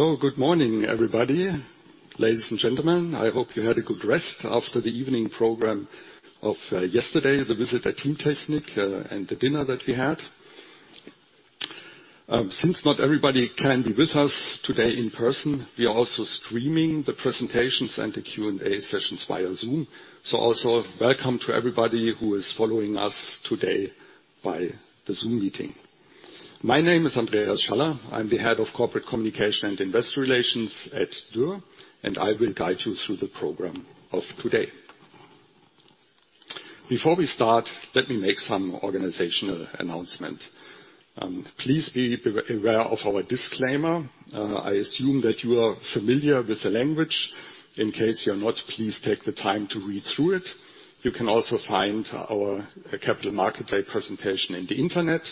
Good morning, everybody. Ladies and gentlemen, I hope you had a good rest after the evening program of yesterday, the visit at Teamtechnik and the dinner that we had. Since not everybody can be with us today in person, we are also streaming the presentations and the Q&A sessions via Zoom. Also welcome to everybody who is following us today by the Zoom meeting. My name is Andreas Schaller. I'm the head of Corporate Communications and Investor Relations at Dürr, and I will guide you through the program of today. Before we start, let me make some organizational announcement. Please be aware of our disclaimer. I assume that you are familiar with the language. In case you're not, please take the time to read through it. You can also find our Capital Market Day presentation on the Internet.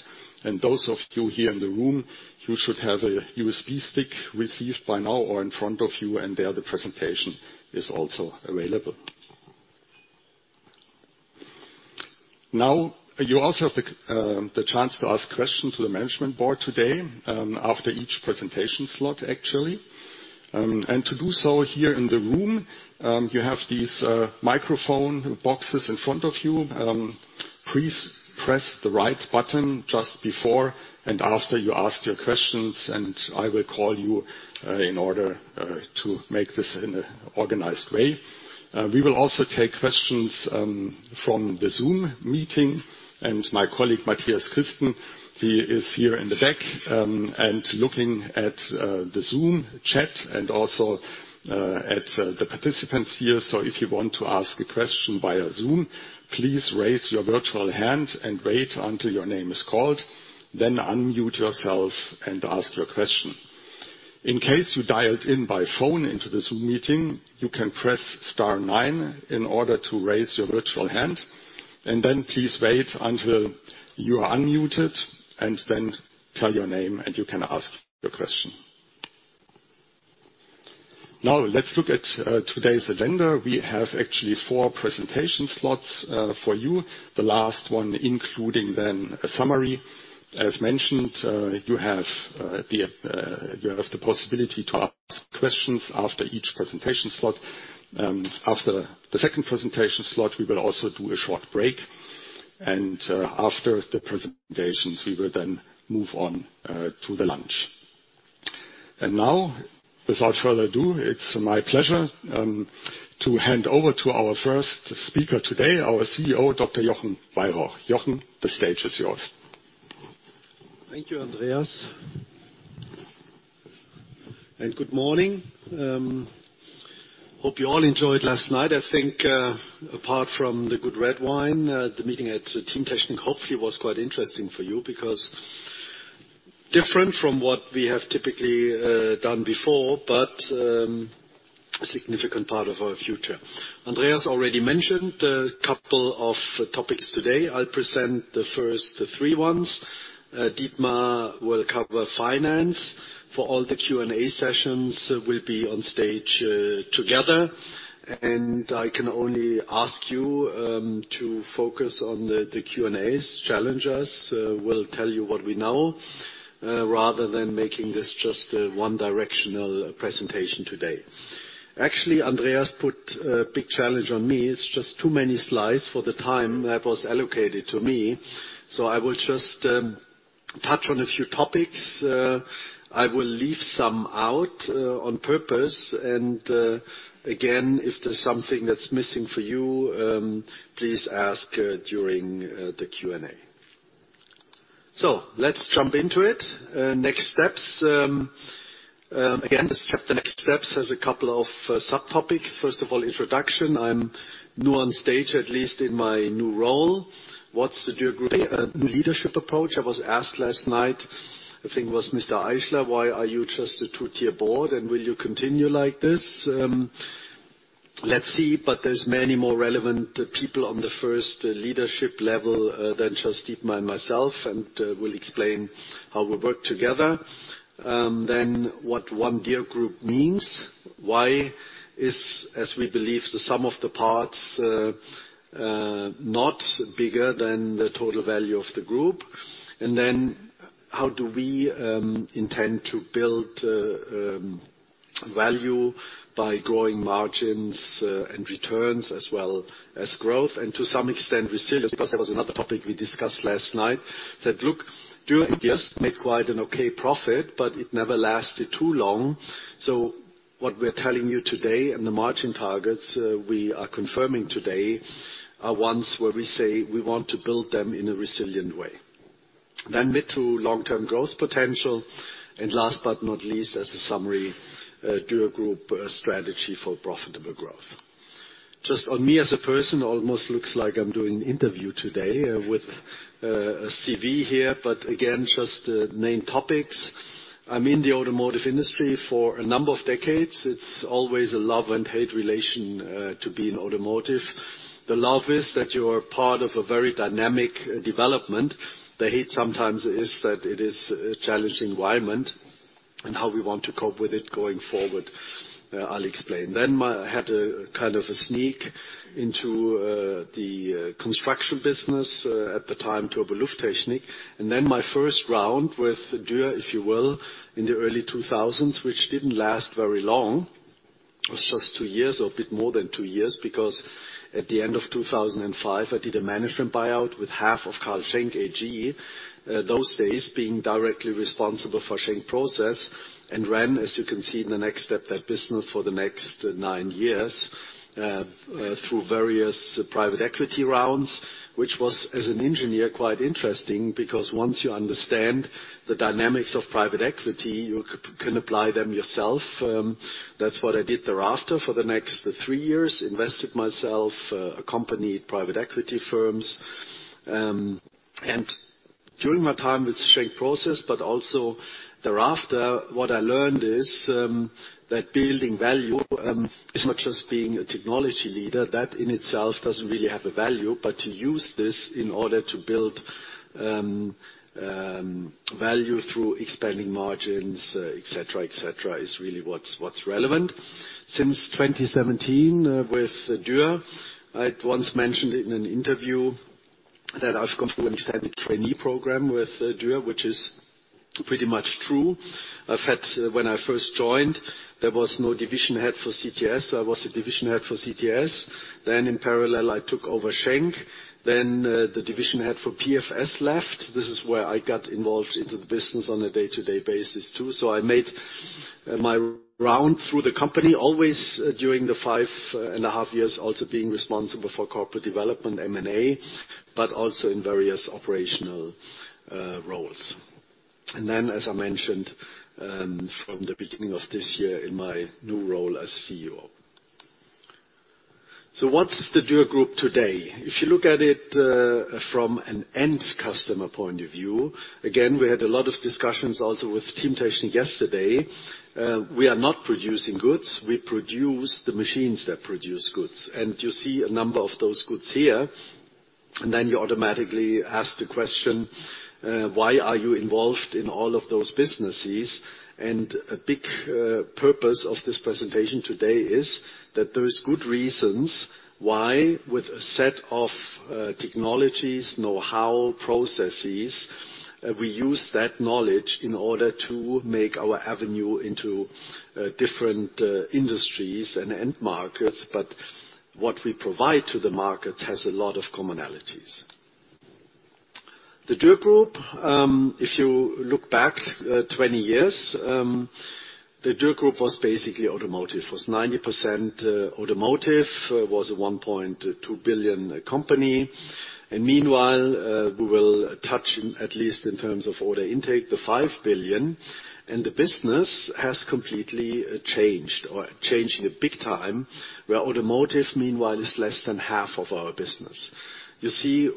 Those of you here in the room, you should have a USB stick received by now or in front of you, and there, the presentation is also available. Now, you also have the chance to ask questions to the management board today, after each presentation slot, actually. To do so here in the room, you have these microphone boxes in front of you. Please press the right button just before and after you ask your questions, and I will call you in order to make this in an organized way. We will also take questions from the Zoom meeting, and my colleague, Mathias Christen, he is here in the back, and looking at the Zoom chat and also at the participants here. If you want to ask a question via Zoom, please raise your virtual hand and wait until your name is called, then unmute yourself and ask your question. In case you dialed in by phone into this meeting, you can press star nine in order to raise your virtual hand. Then please wait until you are unmuted, and then tell your name, and you can ask your question. Now let's look at today's agenda. We have actually four presentation slots for you. The last one including then a summary. As mentioned, you have the possibility to ask questions after each presentation slot. After the second presentation slot, we will also do a short break. After the presentations, we will then move on to the lunch. Now, without further ado, it's my pleasure to hand over to our first speaker today, our CEO, Dr. Jochen Weyrauch. Jochen, the stage is yours. Thank you, Andreas. Good morning. I think, apart from the good red wine, the meeting at Teamtechnik hopefully was quite interesting for you because different from what we have typically done before, but a significant part of our future. Andreas already mentioned a couple of topics today. I'll present the first three ones. Dietmar will cover finance. For all the Q&A sessions, we'll be on stage together. I can only ask you to focus on the Q&A's challenges. We'll tell you what we know rather than making this just a one-directional presentation today. Actually, Andreas put a big challenge on me. It's just too many slides for the time that was allocated to me. I will just touch on a few topics. I will leave some out on purpose. Again, if there's something that's missing for you, please ask during the Q&A. Let's jump into it. Next steps. Again, the next steps has a couple of subtopics. First of all, introduction. I'm new on stage, at least in my new role. What's the Dürr Group leadership approach? I was asked last night, I think it was Mr. Eichel, "Why are you just a two-tier board, and will you continue like this?" Let's see, but there's many more relevant people on the first leadership level than just Dietmar and myself, and we'll explain how we work together. Then what One Dürr Group means. Why is, as we believe, the sum of the parts not bigger than the total value of the group? Then how do we intend to build value by growing margins and returns as well as growth, and to some extent, resilience? Because that was another topic we discussed last night. That look, Dürr just made quite an okay profit, but it never lasted too long. What we're telling you today and the margin targets we are confirming today are ones where we say we want to build them in a resilient way. Mid to long-term growth potential. Last but not least, as a summary, Dürr Group strategy for profitable growth. Just on me as a person, almost looks like I'm doing an interview today with a CV here, but again, just the main topics. I'm in the automotive industry for a number of decades. It's always a love and hate relation to be in automotive. The love is that you are part of a very dynamic development. The hate sometimes is that it is a challenging environment. How we want to cope with it going forward, I'll explain. I had a kind of a sneak into the construction business at the time, Turbo Lufttechnik. My first round with Dürr, if you will, in the early 2000s, which didn't last very long. It was just two years or a bit more than two years, because at the end of 2005, I did a management buyout with half of Carl Schenck AG, those days being directly responsible for Schenck Process. Ran, as you can see in the next step, that business for the next nine years through various private equity rounds, which was, as an engineer, quite interesting because once you understand the dynamics of private equity, you can apply them yourself. That's what I did thereafter for the next three years. Invested myself a company private equity firms. During my time with Schenck Process, but also thereafter, what I learned is that building value as much as being a technology leader, that in itself doesn't really have a value, but to use this in order to build value through expanding margins, et cetera, et cetera, is really what's relevant. Since 2017, with Dürr, I'd once mentioned in an interview that I've gone through an extended trainee program with Dürr, which is pretty much true. When I first joined, there was no division head for CTS. I was the division head for CTS. Then in parallel, I took over Schenck, then the division head for PFS left. This is where I got involved into the business on a day-to-day basis too. I made my round through the company, always during the 5.5 years, also being responsible for corporate development, M&A, but also in various operational roles. Then, as I mentioned, from the beginning of this year in my new role as CEO. What's the Dürr Group today? If you look at it from an end customer point of view, again, we had a lot of discussions also with Teamtechnik yesterday. We are not producing goods. We produce the machines that produce goods. You see a number of those goods here. You automatically ask the question, "Why are you involved in all of those businesses?" A big purpose of this presentation today is that there is good reasons why, with a set of technologies, know-how, processes, we use that knowledge in order to make our avenue into different industries and end markets, but what we provide to the market has a lot of commonalities. The Dürr Group, if you look back 20 years, the Dürr Group was basically automotive. It was 90% automotive, was a 1.2 billion company. Meanwhile, we will touch at least in terms of order intake the 5 billion, and the business has completely changed or changing it big time, where automotive meanwhile is less than half of our business. You see,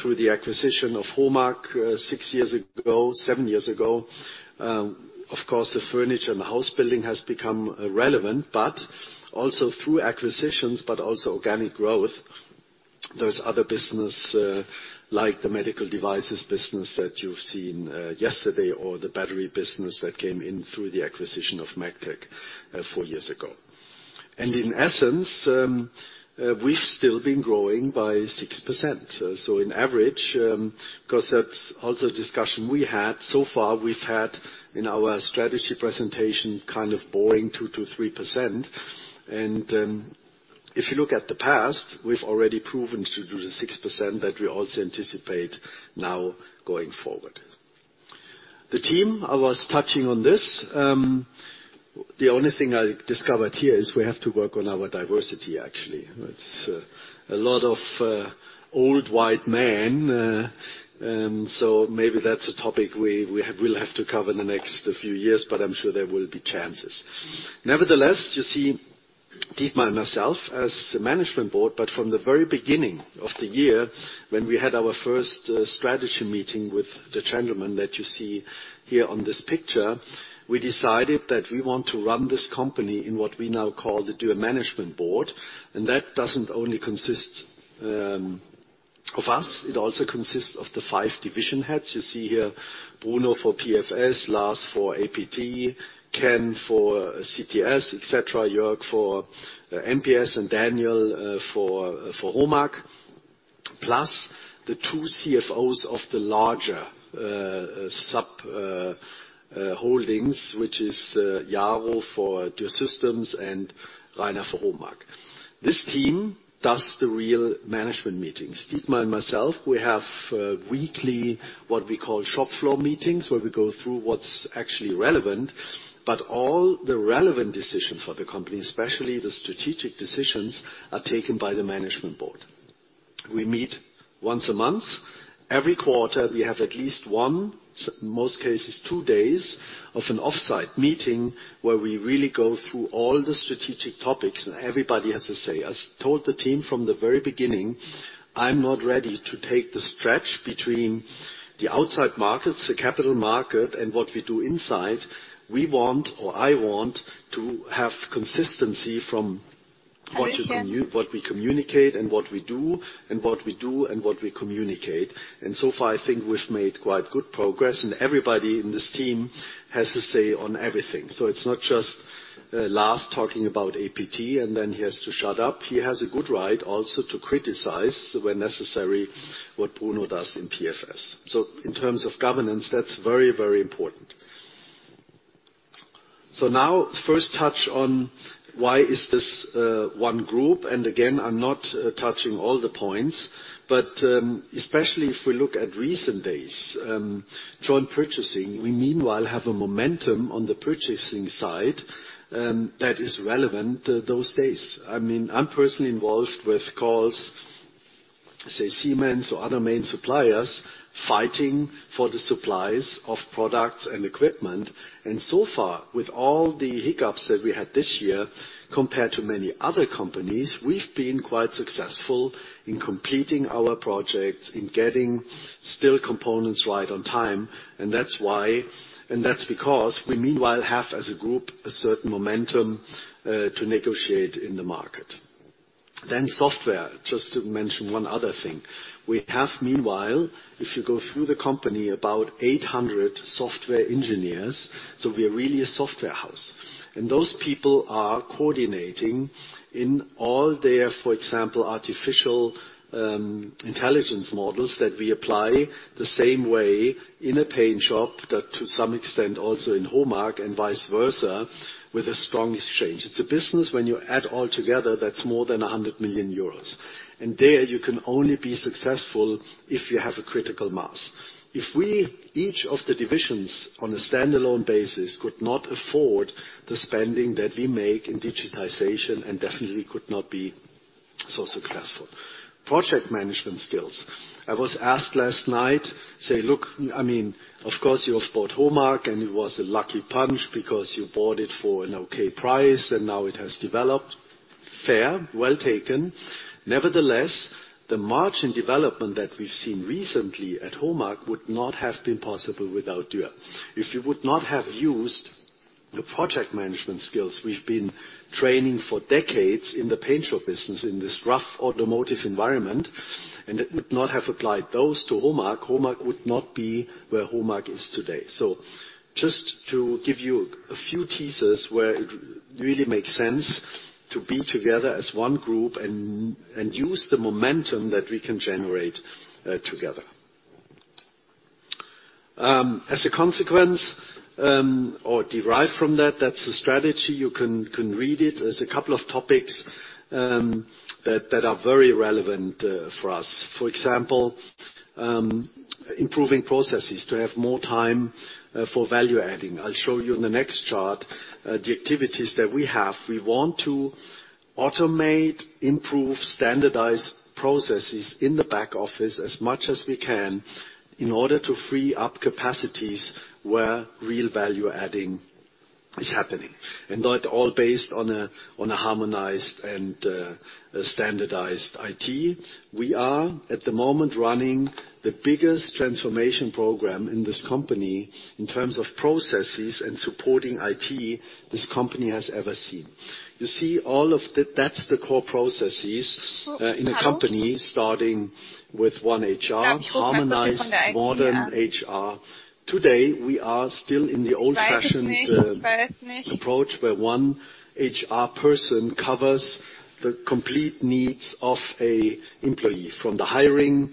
through the acquisition of HOMAG six years ago, seven years ago, of course, the furniture and the house building has become relevant, but also through acquisitions, but also organic growth. There's other business like the medical devices business that you've seen yesterday or the battery business that came in through the acquisition of Megtec four years ago. In essence, we've still been growing by 6%. So on average, 'cause that's also a discussion we had. So far, we've had in our strategy presentation kind of boring 2%-3%. If you look at the past, we've already proven to do the 6% that we also anticipate now going forward. The team, I was touching on this. The only thing I discovered here is we have to work on our diversity, actually. It's a lot of old white men, and so maybe that's a topic we'll have to cover in the next few years, but I'm sure there will be chances. Nevertheless, you see Dietmar and myself as the management board, but from the very beginning of the year, when we had our first strategy meeting with the gentlemen that you see here on this picture, we decided that we want to run this company in what we now call the Dürr Management Board. That doesn't only consist of us. It also consists of the five division heads. You see here Bruno for PFS, Lars for APT, Ken for CTS, et cetera, Jörg for MPS, and Daniel for HOMAG. Plus the two CFOs of the larger sub holdings, which is Jaro for Dürr Systems and Rainer for HOMAG. This team does the real management meetings. Dietmar and myself, we have weekly, what we call shop floor meetings, where we go through what's actually relevant. All the relevant decisions for the company, especially the strategic decisions, are taken by the management board. We meet once a month. Every quarter, we have at least one, most cases two days of an off-site meeting where we really go through all the strategic topics, and everybody has a say. I told the team from the very beginning, I'm not ready to take the stretch between the outside markets, the capital market, and what we do inside. We want, or I want, to have consistency from what we communicate and what we do, and what we do and what we communicate. So far, I think we've made quite good progress, and everybody in this team has a say on everything. It's not just Lars talking about APT, and then he has to shut up. He has a good right also to criticize, when necessary, what Bruno does in PFS. In terms of governance, that's very, very important. Now first touch on why is this one group, and again, I'm not touching all the points, but especially if we look at recent days, joint purchasing. We meanwhile have a momentum on the purchasing side that is relevant these days. I mean, I'm personally involved with calls, say, Siemens or other main suppliers, fighting for the supplies of products and equipment. So far, with all the hiccups that we had this year, compared to many other companies, we've been quite successful in completing our projects, in getting still components right on time, and that's because we meanwhile have, as a group, a certain momentum to negotiate in the market. Software, just to mention one other thing. We have meanwhile, if you go through the company, about 800 software engineers, so we're really a software house. Those people are coordinating in all their, for example, artificial intelligence models that we apply the same way in a paint shop, that to some extent also in HOMAG and vice versa, with a strong exchange. It's a business when you add all together, that's more than 100 million euros. There, you can only be successful if you have a critical mass. If we, each of the divisions on a standalone basis could not afford the spending that we make in digitization and definitely could not be so successful. Project management skills. I was asked last night, say, "Look, I mean, of course you have bought HOMAG, and it was a lucky punch because you bought it for an okay price and now it has developed." Fair, well taken. Nevertheless, the margin development that we've seen recently at HOMAG would not have been possible without Dürr. If you would not have used the project management skills we've been training for decades in the paint shop business, in this rough automotive environment, and not have applied those to HOMAG would not be where HOMAG is today. Just to give you a few teases where it really makes sense to be together as one group and use the momentum that we can generate together. As a consequence, or derived from that's the strategy. You can read it. There's a couple of topics that are very relevant for us. For example, improving processes to have more time for value-adding. I'll show you in the next chart the activities that we have. We want to automate, improve, standardize processes in the back office as much as we can in order to free up capacities where real value-adding is happening. That all based on a harmonized and standardized IT. We are at the moment running the biggest transformation program in this company in terms of processes and supporting IT this company has ever seen. You see that's the core processes in the company starting with One HR, harmonized modern HR. Today, we are still in the old-fashioned approach, where one HR person covers the complete needs of an employee, from the hiring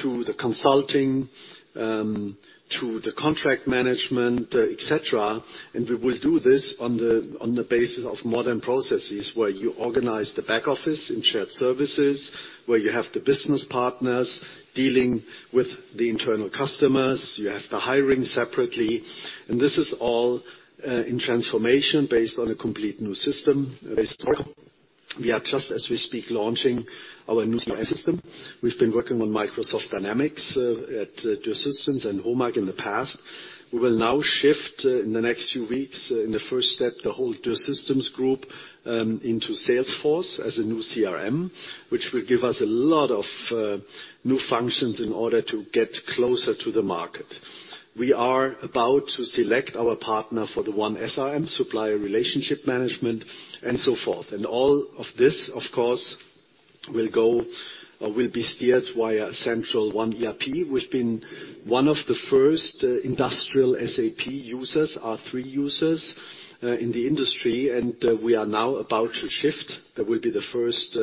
to the consulting to the contract management, et cetera. We will do this on the basis of modern processes, where you organize the back office in shared services, where you have the business partners dealing with the internal customers. You have the hiring separately. This is all in transformation based on a complete new system. We are just, as we speak, launching our new system. We've been working on Microsoft Dynamics at Dürr Systems and HOMAG in the past. We will now shift in the next few weeks, in the first step, the whole Dürr Systems group into Salesforce as a new CRM, which will give us a lot of new functions in order to get closer to the market. We are about to select our partner for the one SRM, supplier relationship management, and so forth. All of this, of course, will go or will be steered via central one ERP. We've been one of the first industrial SAP users, R/3 users, in the industry, and we are now about to shift. That will be the first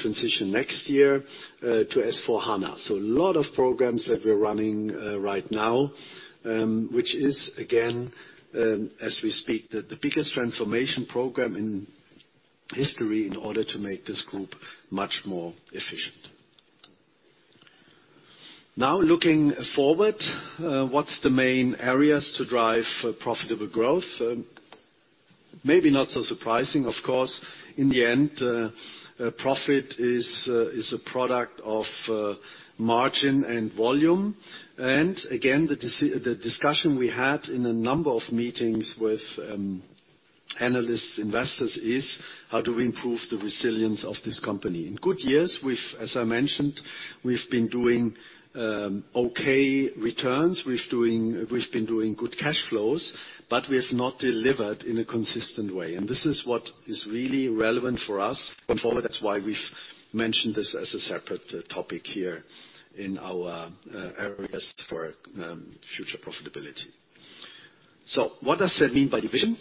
transition next year to S/4HANA. A lot of programs that we're running right now, which is again, as we speak, the biggest transformation program in history in order to make this group much more efficient. Now looking forward, what's the main areas to drive profitable growth? Maybe not so surprising, of course, in the end, profit is a product of margin and volume. Again, the discussion we had in a number of meetings with analysts, investors is how do we improve the resilience of this company? In good years, as I mentioned, we've been doing okay returns. We've been doing good cash flows, but we have not delivered in a consistent way. This is what is really relevant for us going forward. That's why we've mentioned this as a separate topic here in our areas for future profitability. What does that mean by division?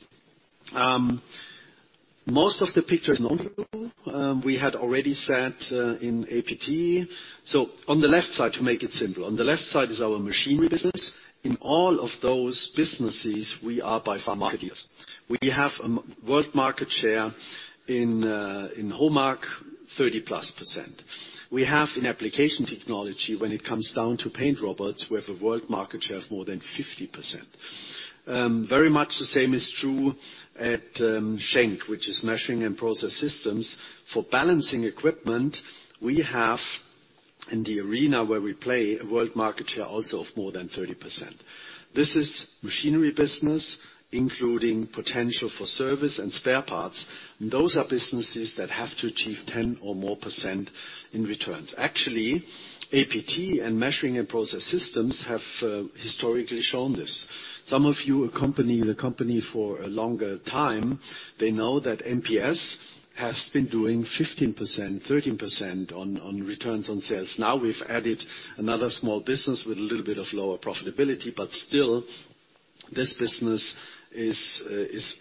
Most of the picture is known to you. We had already said in APT. On the left side, to make it simple, on the left side is our machinery business. In all of those businesses, we are by far market leaders. We have a world market share in HOMAG, 30%+. We have in application technology, when it comes down to paint robots, we have a world market share of more than 50%. Very much the same is true at Schenck, which is measuring and process systems. For balancing equipment, we have, in the arena where we play, a world market share also of more than 30%. This is machinery business, including potential for service and spare parts. Those are businesses that have to achieve 10% or more in returns. Actually, APT and Measuring and Process Systems have historically shown this. Some of you accompany the company for a longer time. They know that MPS has been doing 15%, 13% on returns on sales. Now we've added another small business with a little bit of lower profitability, but still this business is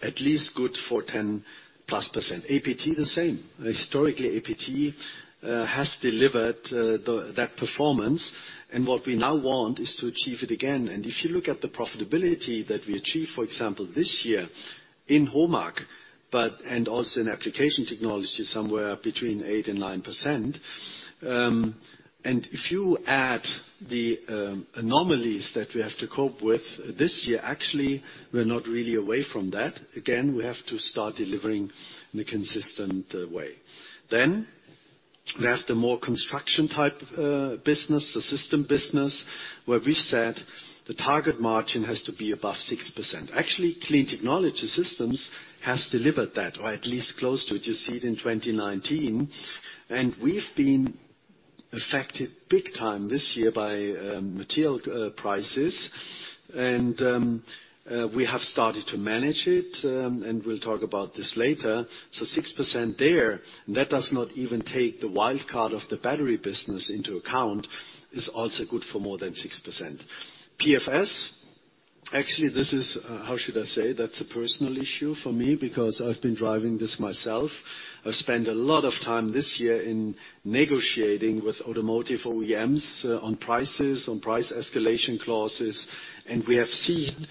at least good for 10%+. APT, the same. Historically, APT has delivered that performance, and what we now want is to achieve it again. If you look at the profitability that we achieved, for example, this year in HOMAG and also in application technology, somewhere between 8%-9%. If you add the anomalies that we have to cope with this year, actually we're not really away from that. Again, we have to start delivering in a consistent way. We have the more construction type business, the system business, where we said the target margin has to be above 6%. Actually, Clean Technology Systems has delivered that, or at least close to it. You see it in 2019. We've been affected big time this year by material prices. We have started to manage it, and we'll talk about this later. 6% there, and that does not even take the wild card of the battery business into account, is also good for more than 6%. PFS, actually, this is, how should I say? That's a personal issue for me because I've been driving this myself. I've spent a lot of time this year in negotiating with automotive OEMs, on prices, on price escalation clauses, and we have seen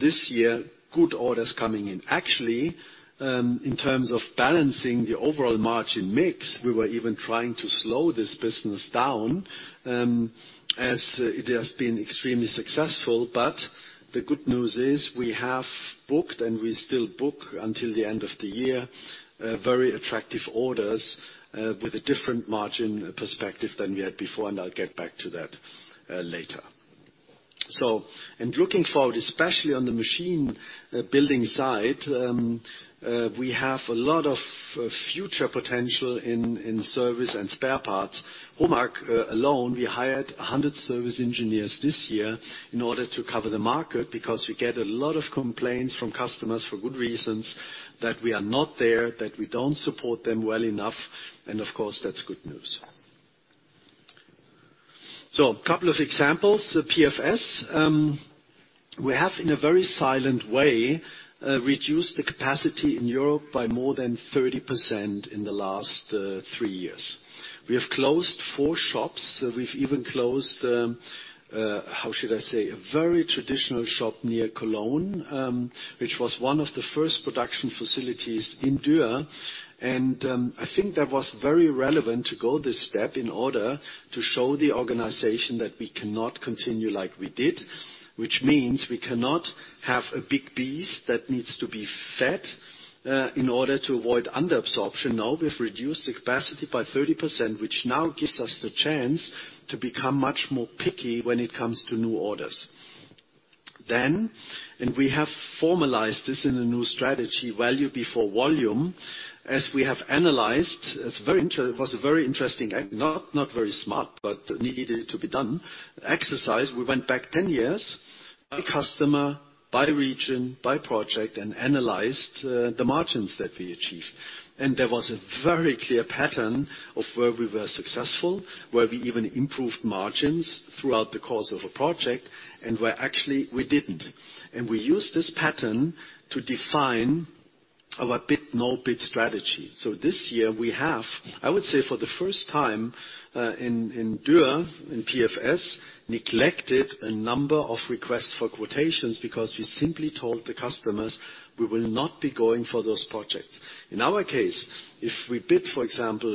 this year good orders coming in. Actually, in terms of balancing the overall margin mix, we were even trying to slow this business down, as it has been extremely successful. The good news is we have booked, and we still book until the end of the year, very attractive orders, with a different margin perspective than we had before, and I'll get back to that, later. Looking forward, especially on the machine building side, we have a lot of future potential in service and spare parts. HOMAG alone, we hired 100 service engineers this year in order to cover the market because we get a lot of complaints from customers for good reasons that we are not there, that we don't support them well enough. Of course, that's good news. A couple of examples. The PFS, we have, in a very silent way, reduced the capacity in Europe by more than 30% in the last three years. We have closed four shops. We've even closed, how should I say, a very traditional shop near Cologne, which was one of the first production facilities in Dürr. I think that was very relevant to go this step in order to show the organization that we cannot continue like we did, which means we cannot have a big beast that needs to be fed, in order to avoid under absorption. Now we've reduced the capacity by 30%, which now gives us the chance to become much more picky when it comes to new orders. We have formalized this in a new strategy, Value before Volume. As we have analyzed, it was a very interesting and not very smart, but needed to be done exercise. We went back 10 years by customer, by region, by project, and analyzed the margins that we achieved. There was a very clear pattern of where we were successful, where we even improved margins throughout the course of a project, and where actually we didn't. We used this pattern to define our bid/no-bid strategy. This year we have, I would say for the first time, in Dürr, in PFS, neglected a number of requests for quotations because we simply told the customers we will not be going for those projects. In our case, if we bid, for example,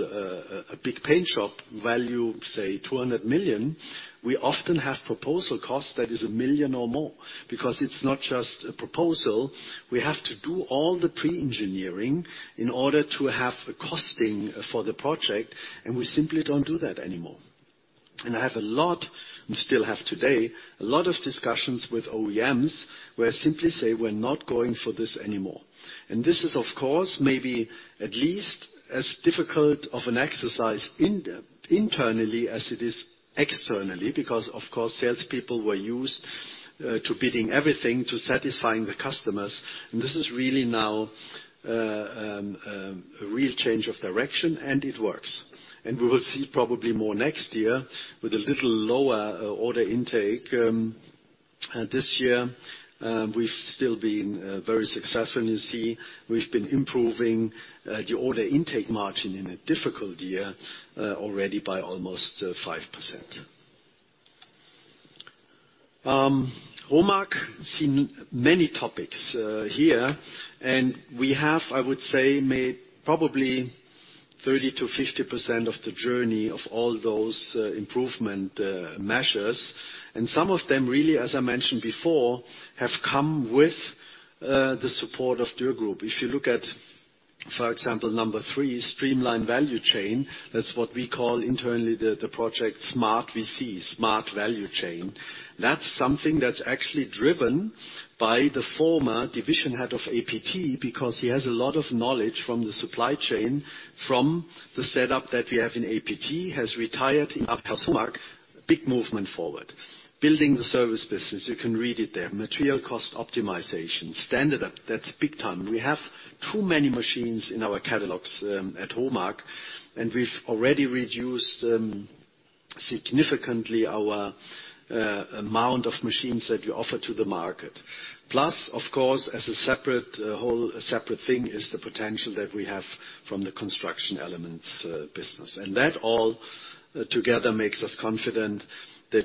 a big paint shop value, say 200 million, we often have proposal cost that is 1 million or more because it's not just a proposal. We have to do all the pre-engineering in order to have a costing for the project, and we simply don't do that anymore. I have a lot, and still have today, a lot of discussions with OEMs where I simply say, "We're not going for this anymore." This is, of course, maybe at least as difficult of an exercise internally as it is externally because, of course, sales people were used to bidding everything to satisfying the customers. This is really now a real change of direction, and it works. We will see probably more next year with a little lower order intake this year. We've still been very successful, and you see we've been improving the order intake margin in a difficult year already by almost 5%. HOMAG, we've seen many topics here, and we have, I would say, made probably 30%-50% of the journey of all those improvement measures. Some of them really, as I mentioned before, have come with the support of Dürr Group. If you look at, for example, number three, streamline value chain. That's what we call internally the project Smart VC, Smart Value Chain. That's something that's actually driven by the former division head of APT because he has a lot of knowledge from the supply chain, from the setup that we have in APT, has retired at HOMAG. Big movement forward. Building the service business, you can read it there. Material cost optimization. Standardization, that's big time. We have too many machines in our catalogs at HOMAG, and we've already reduced significantly our amount of machines that we offer to the market. Plus, of course, as a separate whole separate thing is the potential that we have from the construction elements business. That all together makes us confident that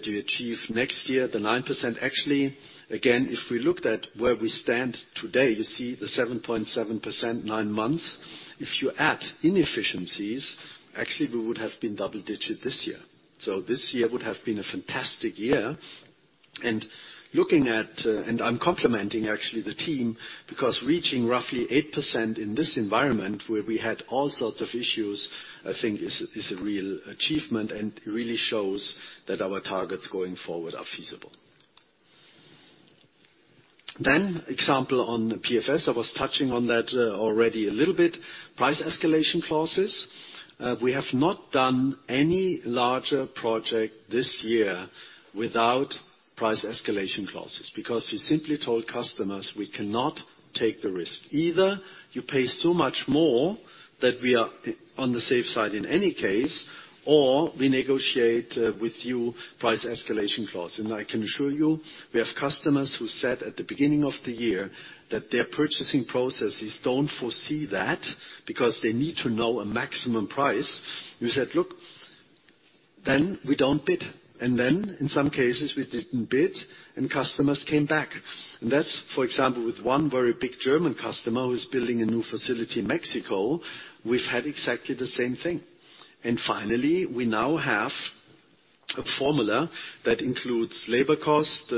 we achieve next year the 9%. Actually, again, if we looked at where we stand today, you see the 7.7% nine months. If you add inefficiencies, actually we would have been double-digit this year. This year would have been a fantastic year. Looking at, and I'm complimenting actually the team because reaching roughly 8% in this environment where we had all sorts of issues, I think is a real achievement and really shows that our targets going forward are feasible. Example on the PFS, I was touching on that, already a little bit. Price escalation clauses. We have not done any larger project this year without price escalation clauses because we simply told customers we cannot take the risk. Either you pay so much more that we are on the safe side in any case, or we negotiate with you price escalation clause. I can assure you, we have customers who said at the beginning of the year that their purchasing processes don't foresee that because they need to know a maximum price. We said, "Look, then we don't bid." Then in some cases, we didn't bid, and customers came back. That's, for example, with one very big German customer who is building a new facility in Mexico, we've had exactly the same thing. Finally, we now have a formula that includes labor cost,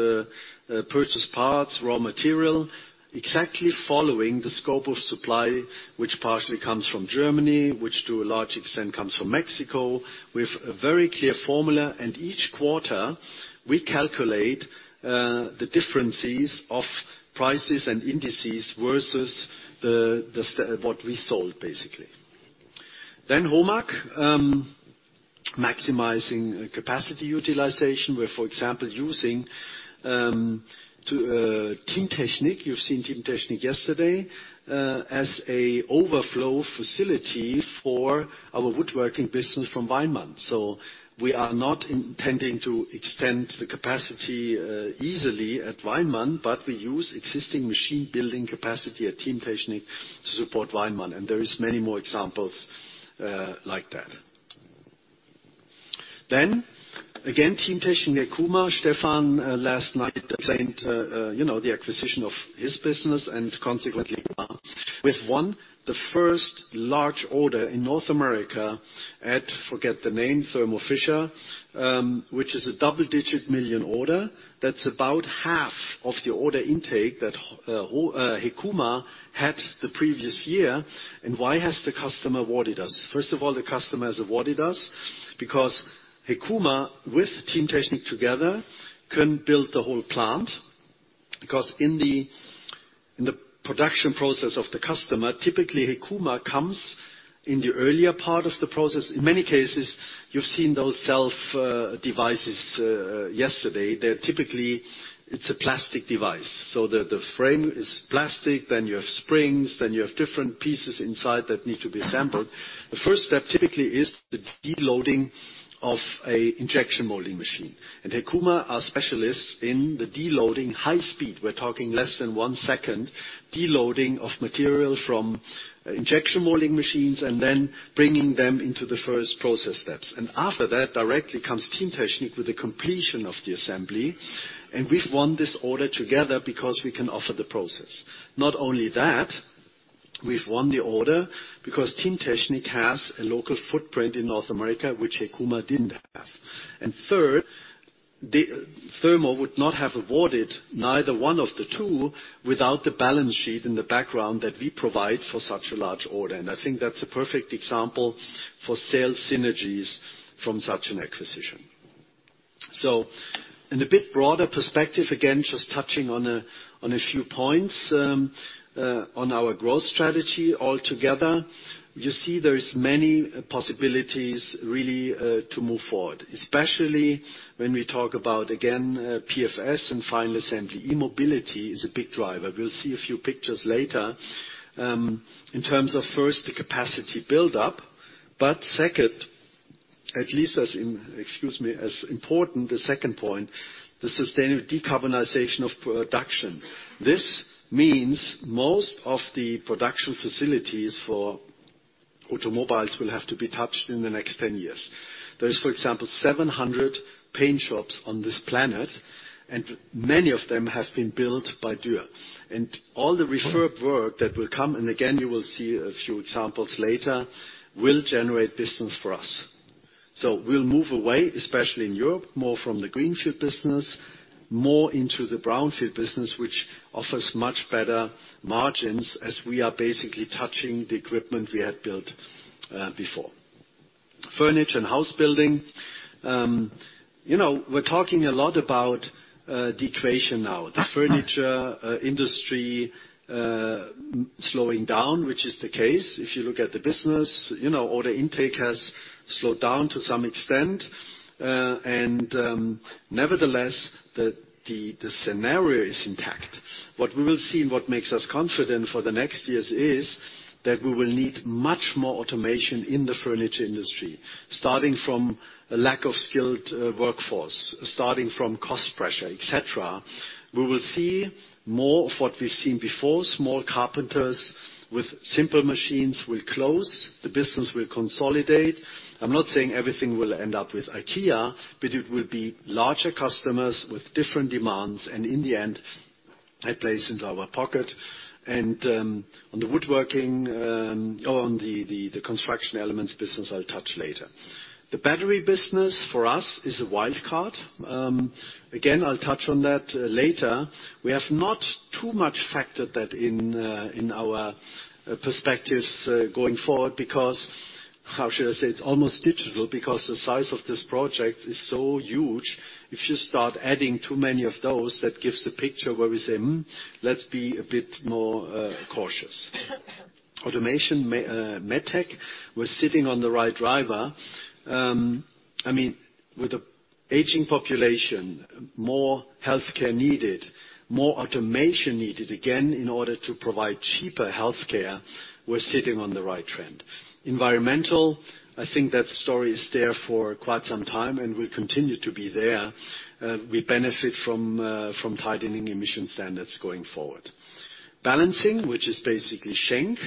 purchase parts, raw material, exactly following the scope of supply, which partially comes from Germany, which to a large extent comes from Mexico, with a very clear formula. Each quarter, we calculate the differences of prices and indices versus what we sold, basically. HOMAG maximizing capacity utilization. We're, for example, using Teamtechnik. You've seen Teamtechnik yesterday as a overflow facility for our woodworking business from Weinmann. We are not intending to extend the capacity easily at Weinmann, but we use existing machine building capacity at Teamtechnik to support Weinmann. There is many more examples like that. Teamtechnik, HEKUMA, Stefan last night explained, you know, the acquisition of his business and consequently with one, the first large order in North America at, forget the name, Thermo Fisher Scientific, which is a double-digit million EUR order. That's about half of the order intake that HEKUMA had the previous year. Why has the customer awarded us? First of all, the customer has awarded us because HEKUMA with Teamtechnik together can build the whole plant. Because in the production process of the customer, typically HEKUMA comes in the earlier part of the process. In many cases, you've seen those self devices yesterday. They're typically, it's a plastic device, so the frame is plastic, then you have springs, then you have different pieces inside that need to be assembled. The first step typically is the deloading of an injection molding machine. HEKUMA are specialists in the high-speed deloading. We're talking less than one second deloading of material from injection molding machines and then bringing them into the first process steps. After that directly comes Teamtechnik with the completion of the assembly. We've won this order together because we can offer the process. Not only that, we've won the order because Teamtechnik has a local footprint in North America, which HEKUMA didn't have. Third, Thermo would not have awarded neither one of the two without the balance sheet in the background that we provide for such a large order. I think that's a perfect example for sales synergies from such an acquisition. In a bit broader perspective, again, just touching on a few points on our growth strategy altogether. You see there is many possibilities really to move forward, especially when we talk about, again, PFS and final assembly. E-mobility is a big driver. We'll see a few pictures later. In terms of first, the capacity buildup, but second, at least as important, the second point, the sustainable decarbonization of production. This means most of the production facilities for automobiles will have to be touched in the next 10 years. There is, for example, 700 paint shops on this planet, and many of them have been built by Dürr. All the refurb work that will come, and again, you will see a few examples later, will generate business for us. We'll move away, especially in Europe, more from the greenfield business, more into the brownfield business, which offers much better margins as we are basically touching the equipment we had built before. Furniture and house building. You know, we're talking a lot about deceleration now. The furniture industry slowing down, which is the case. If you look at the business, you know, order intake has slowed down to some extent. Nevertheless, the scenario is intact. What we will see and what makes us confident for the next years is that we will need much more automation in the furniture industry, starting from a lack of skilled workforce, starting from cost pressure, et cetera. We will see more of what we've seen before. Small carpenters with simple machines will close. The business will consolidate. I'm not saying everything will end up with IKEA, but it will be larger customers with different demands, and in the end, that plays into our pocket. On the woodworking, or on the construction elements business, I'll touch later. The battery business for us is a wild card. Again, I'll touch on that later. We have not too much factored that in our perspectives going forward because, how should I say, it's almost negligible because the size of this project is so huge. If you start adding too many of those, that gives a picture where we say, "Hmm, let's be a bit more cautious." Automation, MedTech, we're sitting on the right driver. I mean, with the aging population, more healthcare needed, more automation needed, again, in order to provide cheaper healthcare, we're sitting on the right trend. Environmental, I think that story is there for quite some time, and will continue to be there. We benefit from from tightening emission standards going forward. Balancing, which is basically Schenck.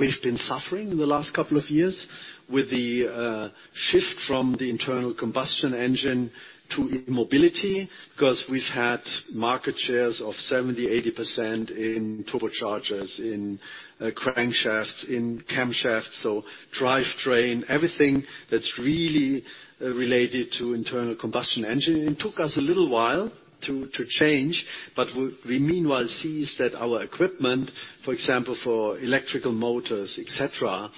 We've been suffering in the last couple of years with the shift from the internal combustion engine to e-mobility because we've had market shares of 70%-80% in turbochargers, in crankshafts, in camshafts. Drivetrain, everything that's really related to internal combustion engine. It took us a little while to change, but we meanwhile see that our equipment, for example, for electrical motors, et cetera,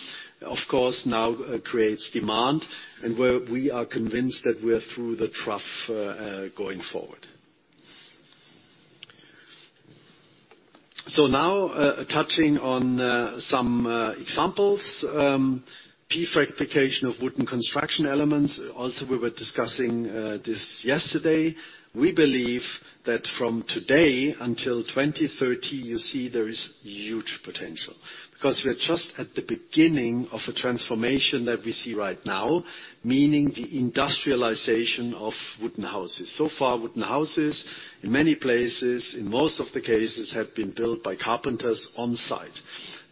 of course, now creates demand and where we are convinced that we're through the trough going forward. Now, touching on some examples. Prefabrication of wooden construction elements. Also, we were discussing this yesterday. We believe that from today until 2030, you see there is huge potential because we're just at the beginning of a transformation that we see right now, meaning the industrialization of wooden houses. So far, wooden houses, in many places, in most of the cases, have been built by carpenters on site.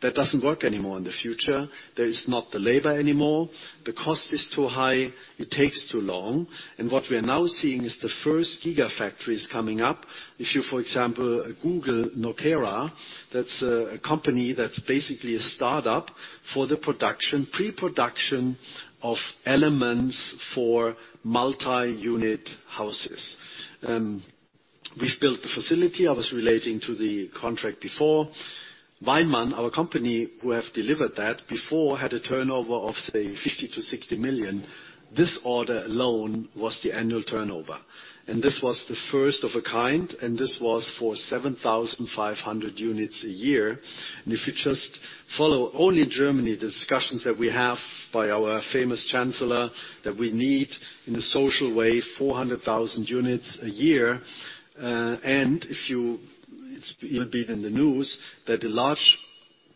That doesn't work anymore in the future. There is not the labor anymore. The cost is too high. It takes too long. What we are now seeing is the first gigafactories coming up. If you, for example, Google Nokera, that's a company that's basically a startup for the production, pre-production of elements for multi-unit houses. We've built the facility. I was relating to the contract before. Weinmann, our company who have delivered that before, had a turnover of, say, 50 million-60 million. This order alone was the annual turnover. This was the first of a kind, and this was for 7,500 units a year. If you just follow only Germany, the discussions that we have by our famous chancellor, that we need in a social way, 400,000 units a year. It's even been in the news that a large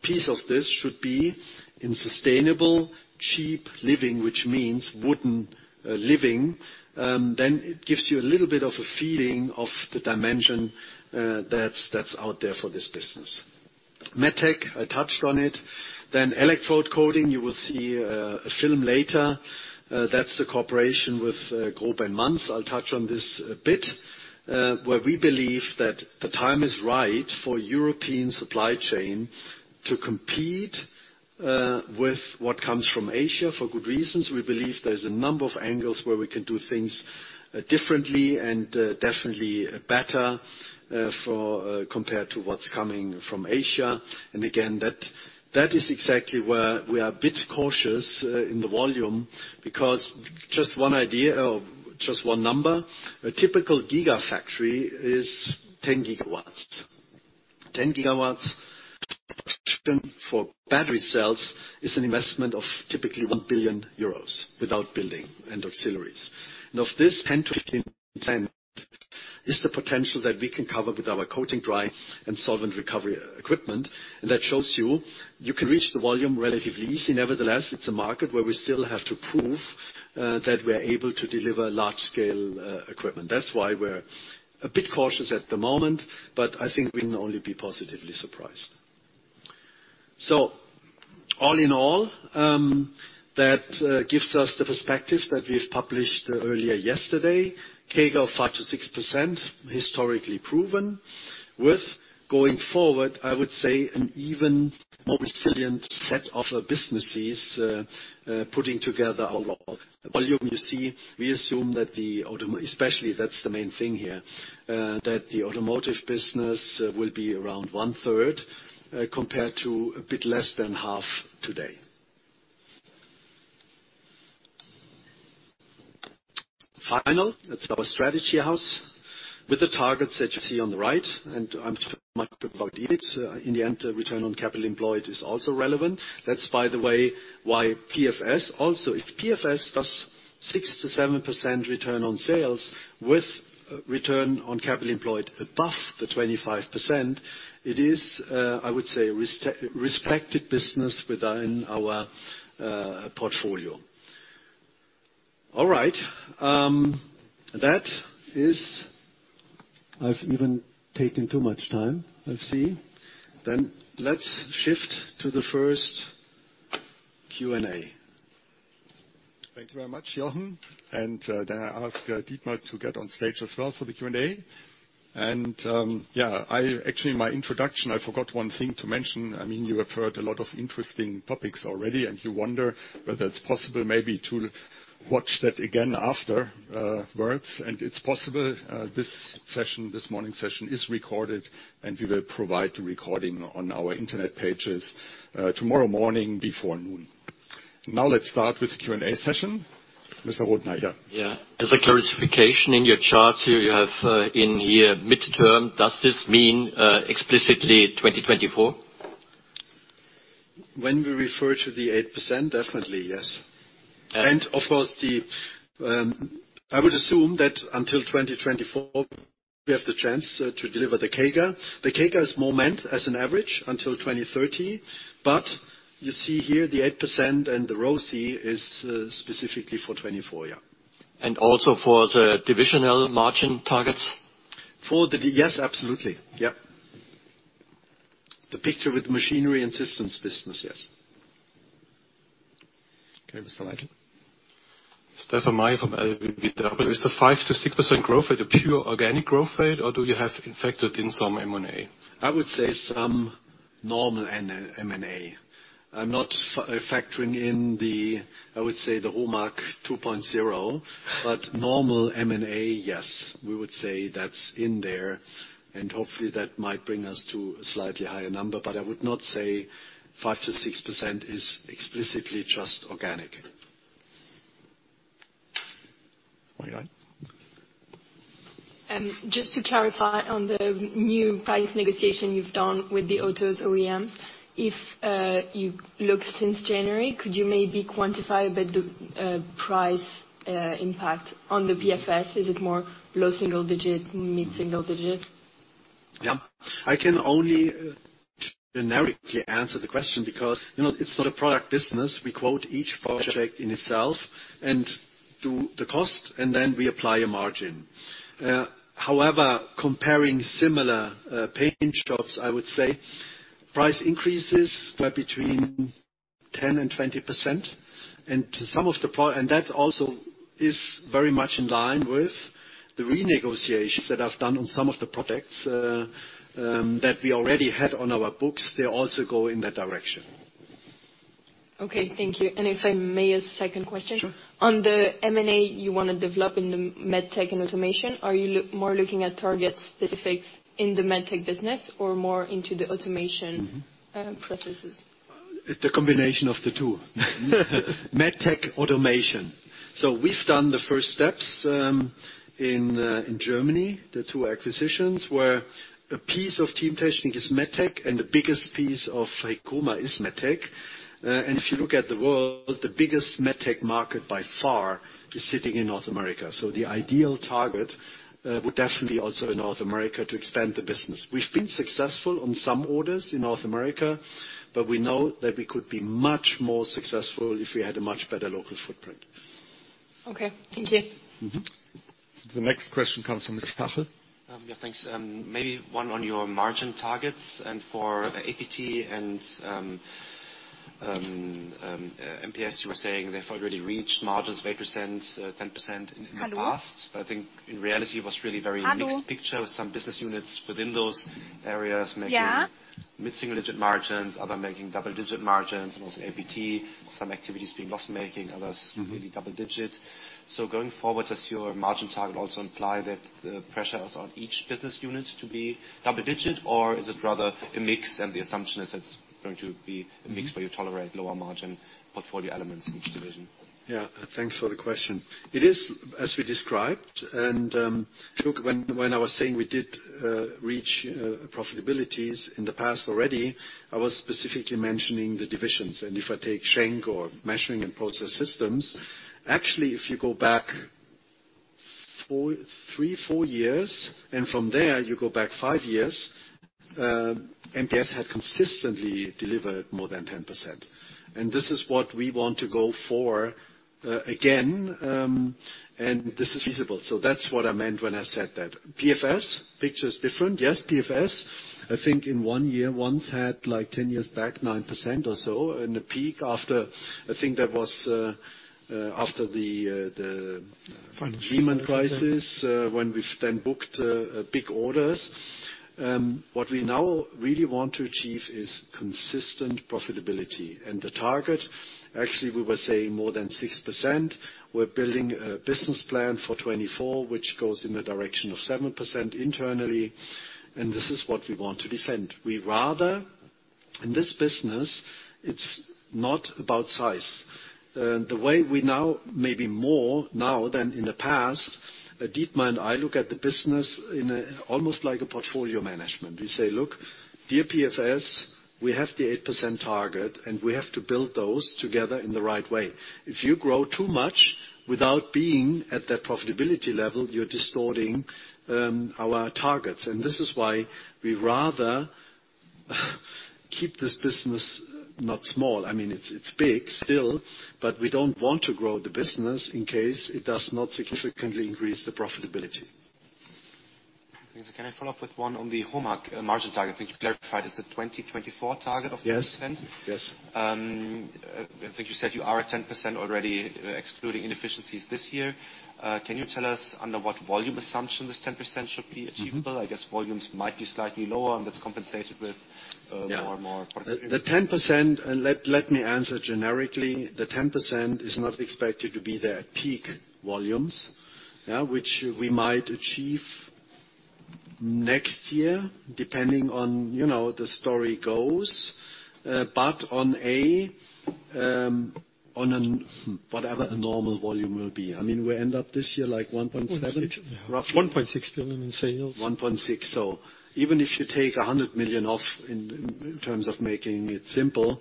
piece of this should be in sustainable, cheap living, which means wooden living. Then it gives you a little bit of a feeling of the dimension that's out there for this business. MedTech, I touched on it. Then electrode coating, you will see a film later. That's the cooperation with GROB and Manz. I'll touch on this a bit. Where we believe that the time is right for European supply chain to compete with what comes from Asia, for good reasons. We believe there's a number of angles where we can do things differently and definitely better compared to what's coming from Asia. That is exactly where we are a bit cautious in the volume, because just one idea or just one number. A typical gigafactory is 10 gigawatts. 10 gigawatts for battery cells is an investment of typically 1 billion euros without building and auxiliaries. Of this, 10%-15% is the potential that we can cover with our dry coating and solvent recovery equipment. That shows you can reach the volume relatively easy. Nevertheless, it's a market where we still have to prove that we're able to deliver large scale equipment. That's why we're a bit cautious at the moment, but I think we can only be positively surprised. All in all, that gives us the perspective that we've published earlier yesterday. CAGR 5%-6%, historically proven, with going forward, I would say an even more resilient set of businesses, putting together our volume. You see, we assume that the auto. Especially, that's the main thing here, that the automotive business will be around one third, compared to a bit less than half today. Finally, that's our strategy house with the targets that you see on the right. In the end, return on capital employed is also relevant. That's by the way, why PFS also. If PFS does 6%-7% return on sales with return on capital employed above 25%, it is, I would say, respected business within our portfolio. All right, that is. I've even taken too much time, I see. Let's shift to the first Q&A. Thank you very much, Jochen. I ask Dietmar to get on stage as well for the Q&A. Actually, my introduction, I forgot one thing to mention. I mean, you have heard a lot of interesting topics already, and you wonder whether it's possible maybe to watch that again afterwards. It's possible, this session, this morning session is recorded, and we will provide the recording on our internet pages, tomorrow morning before noon. Now let's start with the Q&A session. Peter Rothenaicher. Yeah. As a clarification, in your chart here, you have, in here midterm. Does this mean explicitly 2024? When we refer to the 8%? Definitely, yes. And- Of course, I would assume that until 2024, we have the chance to deliver the CAGR. The CAGR is more meant as an average until 2030. You see here the 8% and the ROCE is specifically for 2024. Also for the divisional margin targets? Yes, absolutely. Yep. The picture with machinery and systems business, yes. Okay, Stefan Eitel. Stefan Eitel from LBBW. Is the 5%-6% growth rate a pure organic growth rate or do you have factored in some M&A? I would say some normal M&A. I'm not factoring in the, I would say, the HOMAG 2.0. Normal M&A, yes. We would say that's in there, and hopefully that might bring us to a slightly higher number. I would not say 5%-6% is explicitly just organic. Maria. Just to clarify on the new price negotiation you've done with the autos OEMs. If you look since January, could you maybe quantify a bit, the price impact on the PFS? Is it more low single digit, mid-single digit? Yeah. I can only generically answer the question because, you know, it's not a product business. We quote each project in itself and do the cost, and then we apply a margin. However, comparing similar paint shops, I would say price increases were between 10%-20%. That also is very much in line with the renegotiations that I've done on some of the products that we already had on our books. They also go in that direction. Okay, thank you. If I may, a second question. Sure. On the M&A you wanna develop in the med tech and automation, are you looking more at target specifics in the med tech business or more into the automation? Mm-hmm. processes? It's a combination of the two. MedTech automation. We've done the first steps in Germany. The two acquisitions were a piece of Teamtechnik is MedTech, and the biggest piece of HEKUMA is MedTech. If you look at the world, the biggest MedTech market by far is sitting in North America. The ideal target would definitely also in North America to expand the business. We've been successful on some orders in North America, but we know that we could be much more successful if we had a much better local footprint. Okay. Thank you. The next question comes from Mr. Schachel. Yeah, thanks. Maybe one on your margin targets and for APT. MPS, you were saying they've already reached margins 8%-10% in the past. Hello? I think in reality it was really very. Hello? a mixed picture with some business units within those areas making Yeah? Mid-single-digit margins, others making double-digit margins. Also APT, some activities being loss-making, others really double-digit. Going forward, does your margin target also imply that the pressure is on each business unit to be double-digit? Or is it rather a mix and the assumption is it's going to be a mix? Mm-hmm. Where you tolerate lower margin portfolio elements in each division? Yeah, thanks for the question. It is as we described, and, look, when I was saying we did reach profitabilities in the past already, I was specifically mentioning the divisions. If I take Schenck or Measuring and Process Systems, actually, if you go back three or four years, and from there you go back five years, MPS had consistently delivered more than 10%. This is what we want to go for again. This is feasible. That's what I meant when I said that. PFS, picture is different. Yes, PFS, I think in one year once had, like 10 years back, 9% or so in the peak after. I think that was after the. Financial crisis. demand crisis, when we've then booked big orders. What we now really want to achieve is consistent profitability. The target, actually, we were saying more than 6%. We're building a business plan for 2024, which goes in the direction of 7% internally, and this is what we want to defend. We rather, in this business it's not about size. The way we now may be more now than in the past, Dietmar and I look at the business in a, almost like a portfolio management. We say, "Look, dear PFS, we have the 8% target, and we have to build those together in the right way." If you grow too much without being at that profitability level, you're distorting our targets. This is why we rather keep this business not small. I mean it's big still, but we don't want to grow the business in case it does not significantly increase the profitability. Thanks. Can I follow up with one on the HOMAG margin target? I think you clarified it's a 2024 target of 8%. Yes. Yes. I think you said you are at 10% already, excluding inefficiencies this year. Can you tell us under what volume assumption this 10% should be achievable? Mm-hmm. I guess volumes might be slightly lower, and that's compensated with. Yeah. more and more productivity. The 10%, let me answer generically. The 10% is not expected to be there at peak volumes, yeah, which we might achieve next year, depending on you know, the story goes. But on whatever a normal volume will be. I mean, we end up this year, like 1.7? 1.6. Roughly. 1.6 billion in sales. 1.6%. Even if you take 100 million off in terms of making it simple,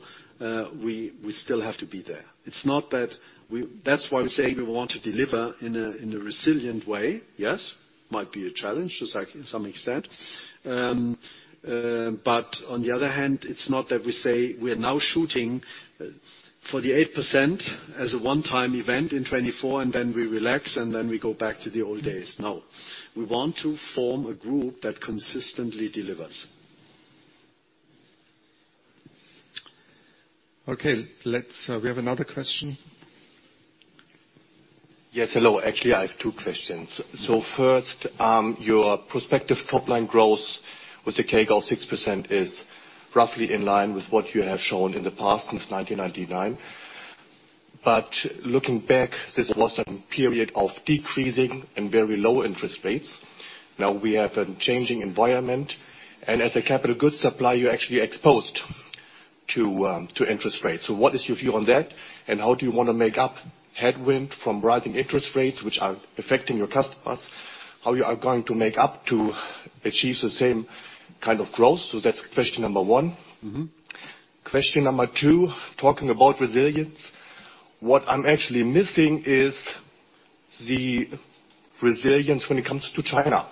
we still have to be there. It's not that we. That's why we say we want to deliver in a resilient way. Yes, might be a challenge to some extent. On the other hand, it's not that we say we're now shooting for the 8% as a one-time event in 2024, and then we relax, and then we go back to the old days. No. We want to form a group that consistently delivers. Okay. Let's. We have another question. Yes. Hello. Actually, I have two questions. Mm-hmm. First, your prospective top line growth with the CAGR goal 6% is roughly in line with what you have shown in the past since 1999. Looking back, this was a period of decreasing and very low interest rates. Now we have a changing environment, and as a capital goods supplier, you're actually exposed to interest rates. What is your view on that? And how do you wanna make up headwind from rising interest rates which are affecting your customers? How are you going to make up to achieve the same kind of growth? That's question number one. Mm-hmm. Question number two, talking about resilience. What I'm actually missing is the resilience when it comes to China,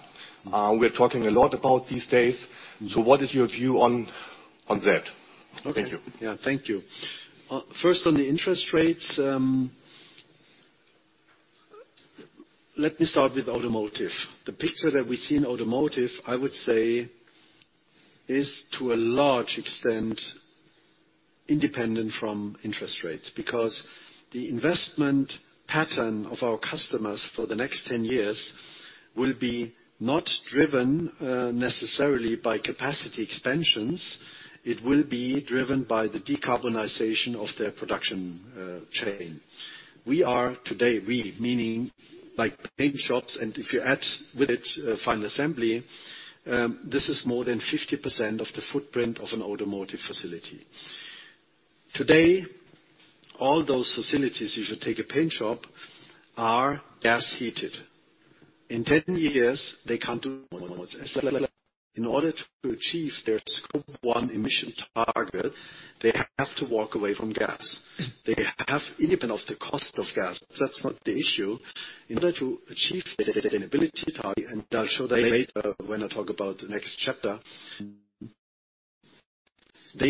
we're talking a lot about these days. What is your view on that? Okay. Thank you. Yeah. Thank you. First on the interest rates, let me start with automotive. The picture that we see in automotive, I would say, is to a large extent independent from interest rates. Because the investment pattern of our customers for the next 10 years will be not driven, necessarily by capacity expansions. It will be driven by the decarbonization of their production chain. We are today, we meaning, like paint shops, and if you add with it, final assembly, this is more than 50% of the footprint of an automotive facility. Today, all those facilities, if you take a paint shop, are gas heated. In 10 years, they have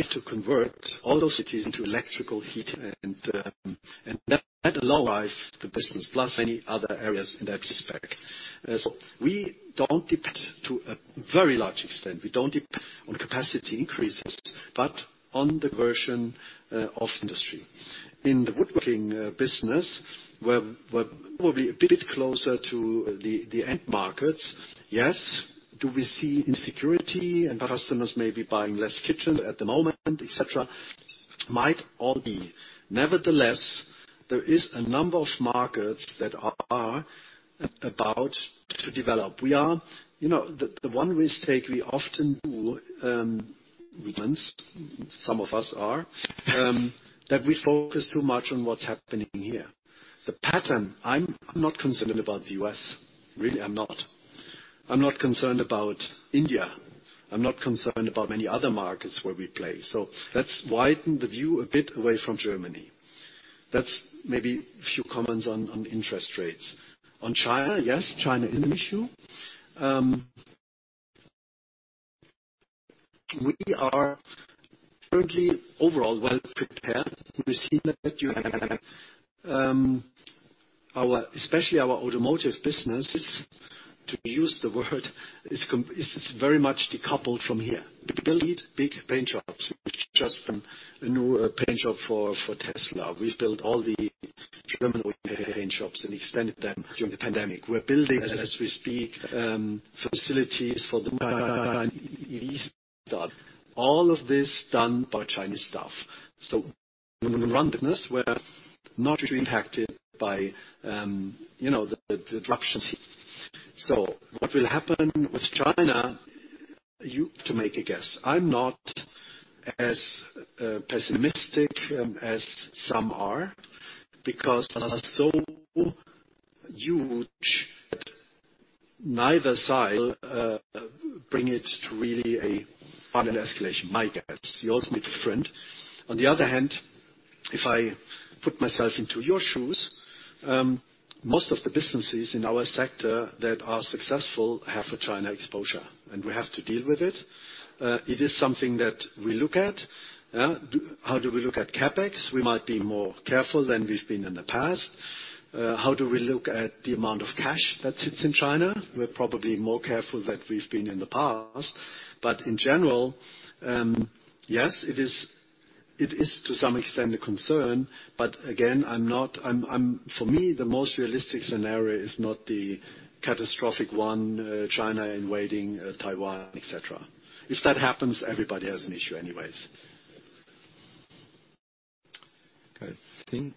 to convert all those facilities into electrical heat and that otherwise the business plus any other areas in that respect. As we don't depend to a very large extent, we don't depend on capacity increases, but on the version of industry. In the woodworking business, where we'll be a bit closer to the end markets. Yes, do we see insecurity and customers may be buying less kitchens at the moment, et cetera, might all be. Nevertheless, there is a number of markets that are about to develop. We are, you know, the one mistake we often do, once some of us are, that we focus too much on what's happening here. I'm not concerned about the U.S., really I'm not. I'm not concerned about India. I'm not concerned about many other markets where we play. Let's widen the view a bit away from Germany. That's maybe a few comments on interest rates. On China, yes, China is an issue. We are currently overall well prepared. You see that, our especially our automotive businesses, to use the word, is very much decoupled from here. We build big paint shops, just a new paint shop for Tesla. We've built all the German paint shops and extended them during the pandemic. We're building as we speak, facilities for the all of this done by Chinese staff. We're not impacted by, you know, the disruptions here. What will happen with China, you have to make a guess. I'm not as pessimistic as some are because they are so huge that neither side bring it to really a final escalation. My guess, yours may be different. On the other hand, if I put myself into your shoes, most of the businesses in our sector that are successful have a China exposure, and we have to deal with it. It is something that we look at. How do we look at CapEx? We might be more careful than we've been in the past. How do we look at the amount of cash that sits in China? We're probably more careful than we've been in the past. In general, yes, it is to some extent a concern, but again, for me, the most realistic scenario is not the catastrophic one, China invading Taiwan, et cetera. If that happens, everybody has an issue anyways. I think.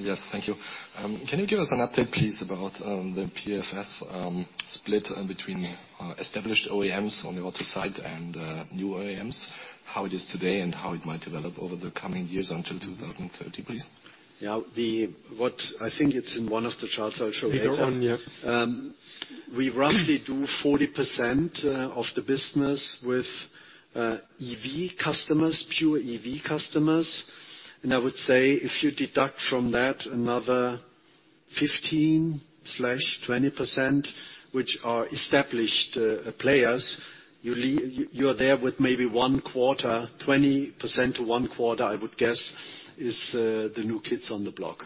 Yes. Thank you. Can you give us an update please about the PFS split in between established OEMs on the water side and new OEMs? How it is today and how it might develop over the coming years until 2030, please? Yeah. What I think it's in one of the charts I'll show later. Later on, yeah. We roughly do 40% of the business with EV customers, pure EV customers. I would say if you deduct from that another 15%-20%, which are established players, you're there with maybe one quarter. 20% to one quarter, I would guess is the new kids on the block.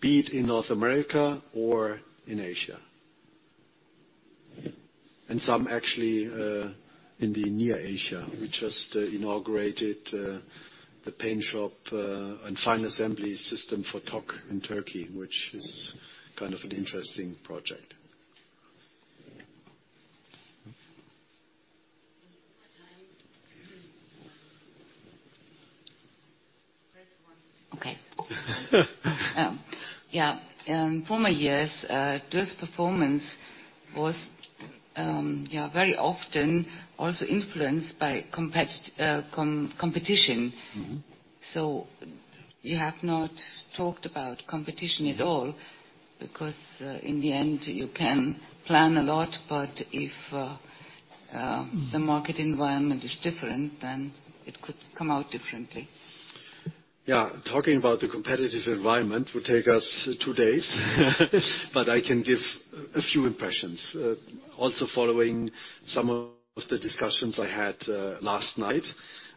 Be it in North America or in Asia. Some actually in the near Asia. We just inaugurated the paint shop and final assembly system for Togg in Turkey, which is kind of an interesting project. More time. Press one. Okay. In former years, this performance was, yeah, very often also influenced by competition. Mm-hmm. You have not talked about competition at all because, in the end, you can plan a lot, but if the market environment is different, then it could come out differently. Yeah. Talking about the competitive environment would take us two days. I can give a few impressions. Also following some of the discussions I had last night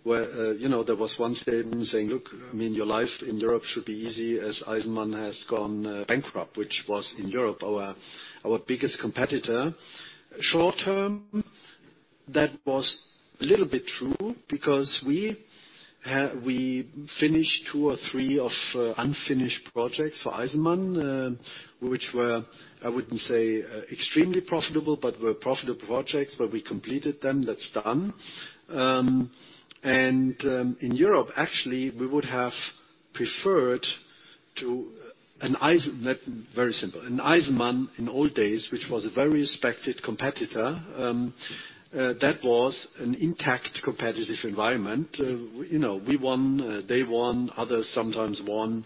where you know there was one saying. Look, I mean, your life in Europe should be easy as Eisenmann has gone bankrupt, which was in Europe our biggest competitor. Short-term, that was a little bit true because we finished two or three of unfinished projects for Eisenmann, which were, I wouldn't say extremely profitable but were profitable projects, but we completed them. That's done. In Europe, actually, we would have preferred an Eisenmann. Very simple. An Eisenmann in old days, which was a very respected competitor, that was an intact competitive environment. You know, we won, they won, others sometimes won.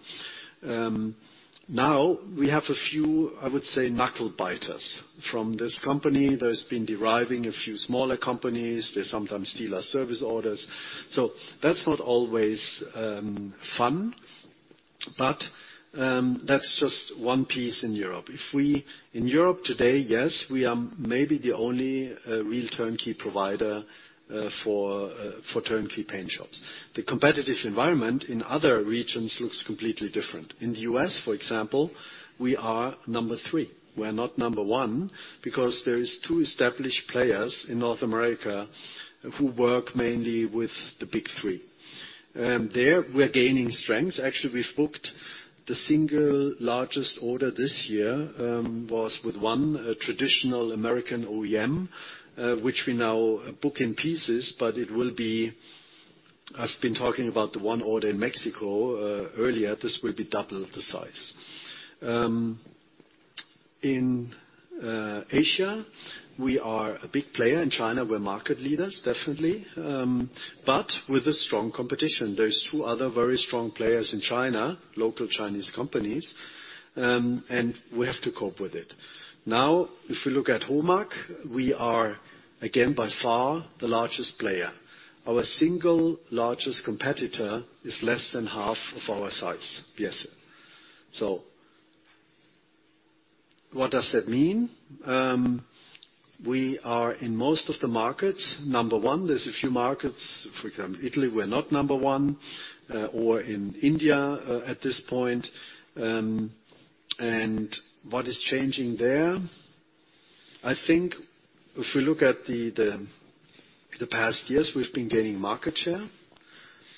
Now we have a few, I would say, nail-biters. From this company, there have been deriving a few smaller companies. They sometimes steal our service orders. That's not always fun. That's just one piece in Europe. In Europe today, yes, we are maybe the only real turnkey provider for turnkey paint shops. The competitive environment in other regions looks completely different. In the U.S., for example, we are number three. We're not number one because there is two established players in North America who work mainly with the Big Three. There we're gaining strength. Actually, we've booked the single largest order this year was with one traditional American OEM, which we now book in pieces, but it will be. I've been talking about the one order in Mexico earlier. This will be double the size. In Asia, we are a big player. In China, we're market leaders, definitely, but with a strong competition. There's two other very strong players in China, local Chinese companies, and we have to cope with it. Now, if we look at HOMAG, we are again, by far, the largest player. Our single largest competitor is less than half of our size. Yes. What does that mean? We are, in most of the markets, number one. There's a few markets, for example, Italy, we're not number one, or in India, at this point. What is changing there? I think if we look at the past years, we've been gaining market share,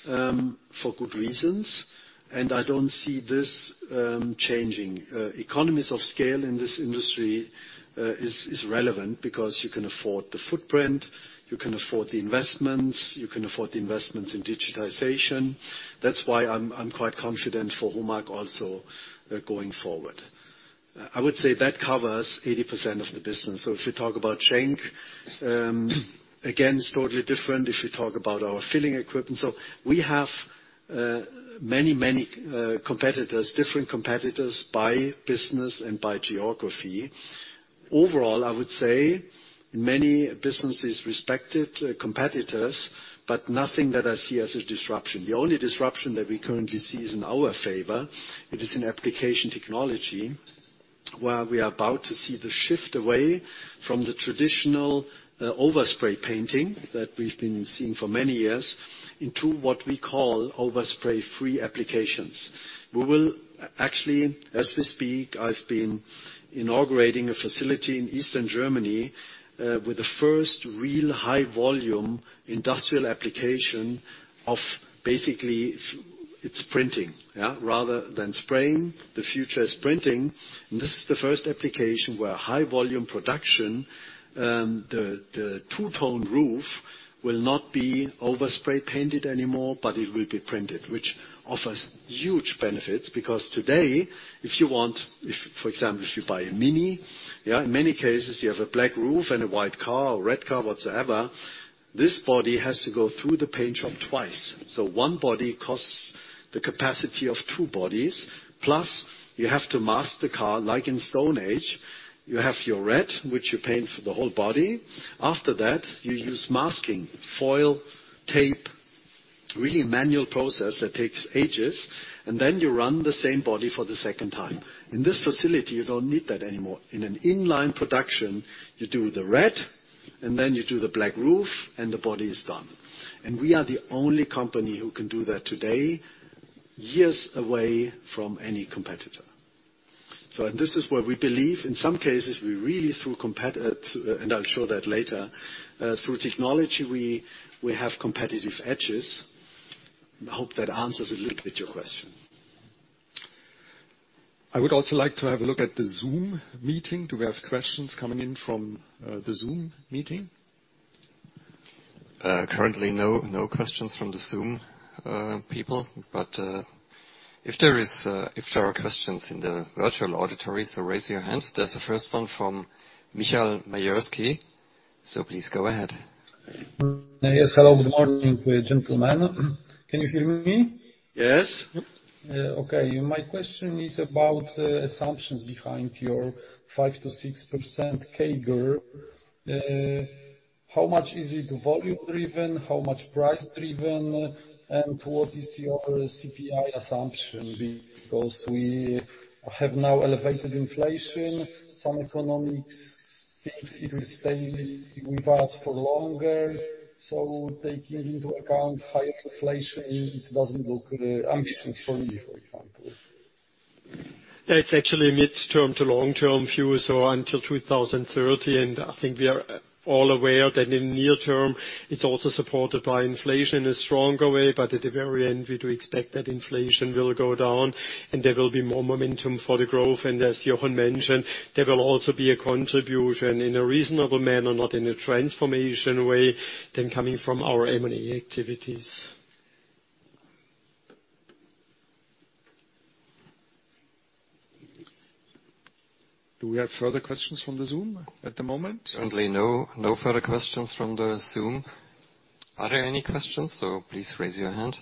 for good reasons. I don't see this changing. Economies of scale in this industry is relevant because you can afford the footprint, you can afford the investments, you can afford the investments in digitization. That's why I'm quite confident for HOMAG also going forward. I would say that covers 80% of the business. If you talk about Schenck, again, it's totally different if you talk about our filling equipment. We have many competitors, different competitors by business and by geography. Overall, I would say in many businesses, respected competitors, but nothing that I see as a disruption. The only disruption that we currently see is in our favor. It is in application technology, where we are about to see the shift away from the traditional overspray painting that we've been seeing for many years into what we call overspray-free applications. Actually, as we speak, I've been inaugurating a facility in Eastern Germany with the first real high volume industrial application of basically it's printing. Rather than spraying, the future is printing. This is the first application where high volume production the two-tone roof will not be overspray painted anymore, but it will be printed, which offers huge benefits. Because today, for example, if you buy a Mini, yeah, in many cases, you have a black roof and a white car or red car, whatsoever. This body has to go through the paint shop twice. One body costs the capacity of two bodies, plus you have to mask the car like in Stone Age. You have your red, which you paint for the whole body. After that, you use masking, foil, tape, really manual process that takes ages, and then you run the same body for the second time. In this facility, you don't need that anymore. In an in-line production, you do the red, and then you do the black roof, and the body is done. We are the only company who can do that today, years away from any competitor. This is where we believe, in some cases, we really through competition, and I'll show that later, through technology, we have competitive edges. I hope that answers a little bit your question. I would also like to have a look at the Zoom meeting. Do we have questions coming in from the Zoom meeting? Currently, no questions from the Zoom people. If there are questions in the virtual audience, raise your hand. There's the first one from Michael Majewski. Please go ahead. Yes. Hello. Good morning, gentlemen. Can you hear me? Yes. Okay. My question is about assumptions behind your 5%-6% CAGR. How much is it volume-driven, how much price-driven, and what is your CPI assumption? Because we have now elevated inflation. Some economists think it will stay with us for longer. Taking into account high inflation, it doesn't look ambitious for me, for example. It's actually midterm to long-term view, so until 2030. I think we are all aware that in near term, it's also supported by inflation in a strong way. At the very end, we do expect that inflation will go down, and there will be more momentum for the growth. As Jochen mentioned, there will also be a contribution in a reasonable manner, not in a transformation way, then coming from our M&A activities. Do we have further questions from the Zoom at the moment? Currently, no further questions from the Zoom. Are there any questions? Please raise your hand.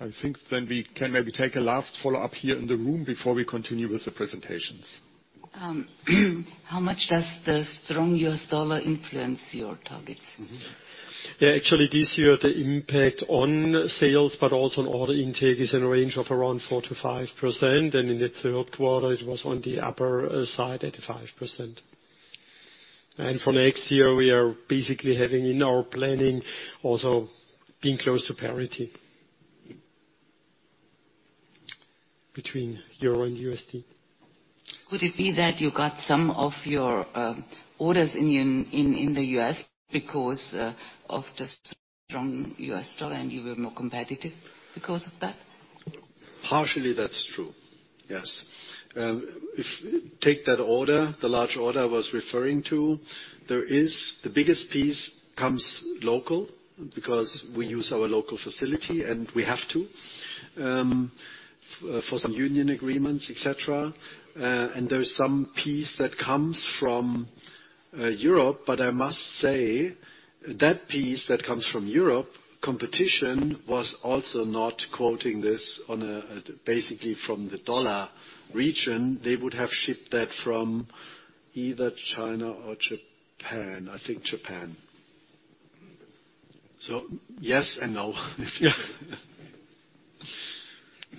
I think then we can maybe take a last follow-up here in the room before we continue with the presentations. How much does the strong U.S. dollar influence your targets? Yeah. Actually, this year, the impact on sales, but also on order intake is in a range of around 4%-5%, and in the third quarter, it was on the upper side at 5%. For next year, we are basically having in our planning also being close to parity between the euro and the US dollar. Could it be that you got some of your orders in the US because of the strong US dollar, and you were more competitive because of that? Partially, that's true. Yes. If we take that order, the large order I was referring to, there is the biggest piece comes locally because we use our local facility, and we have to for some union agreements, et cetera. There's some piece that comes from Europe, but I must say, that piece that comes from Europe, competition was also not quoting this basically from the dollar region. They would have shipped that from either China or Japan, I think Japan. Yes and no.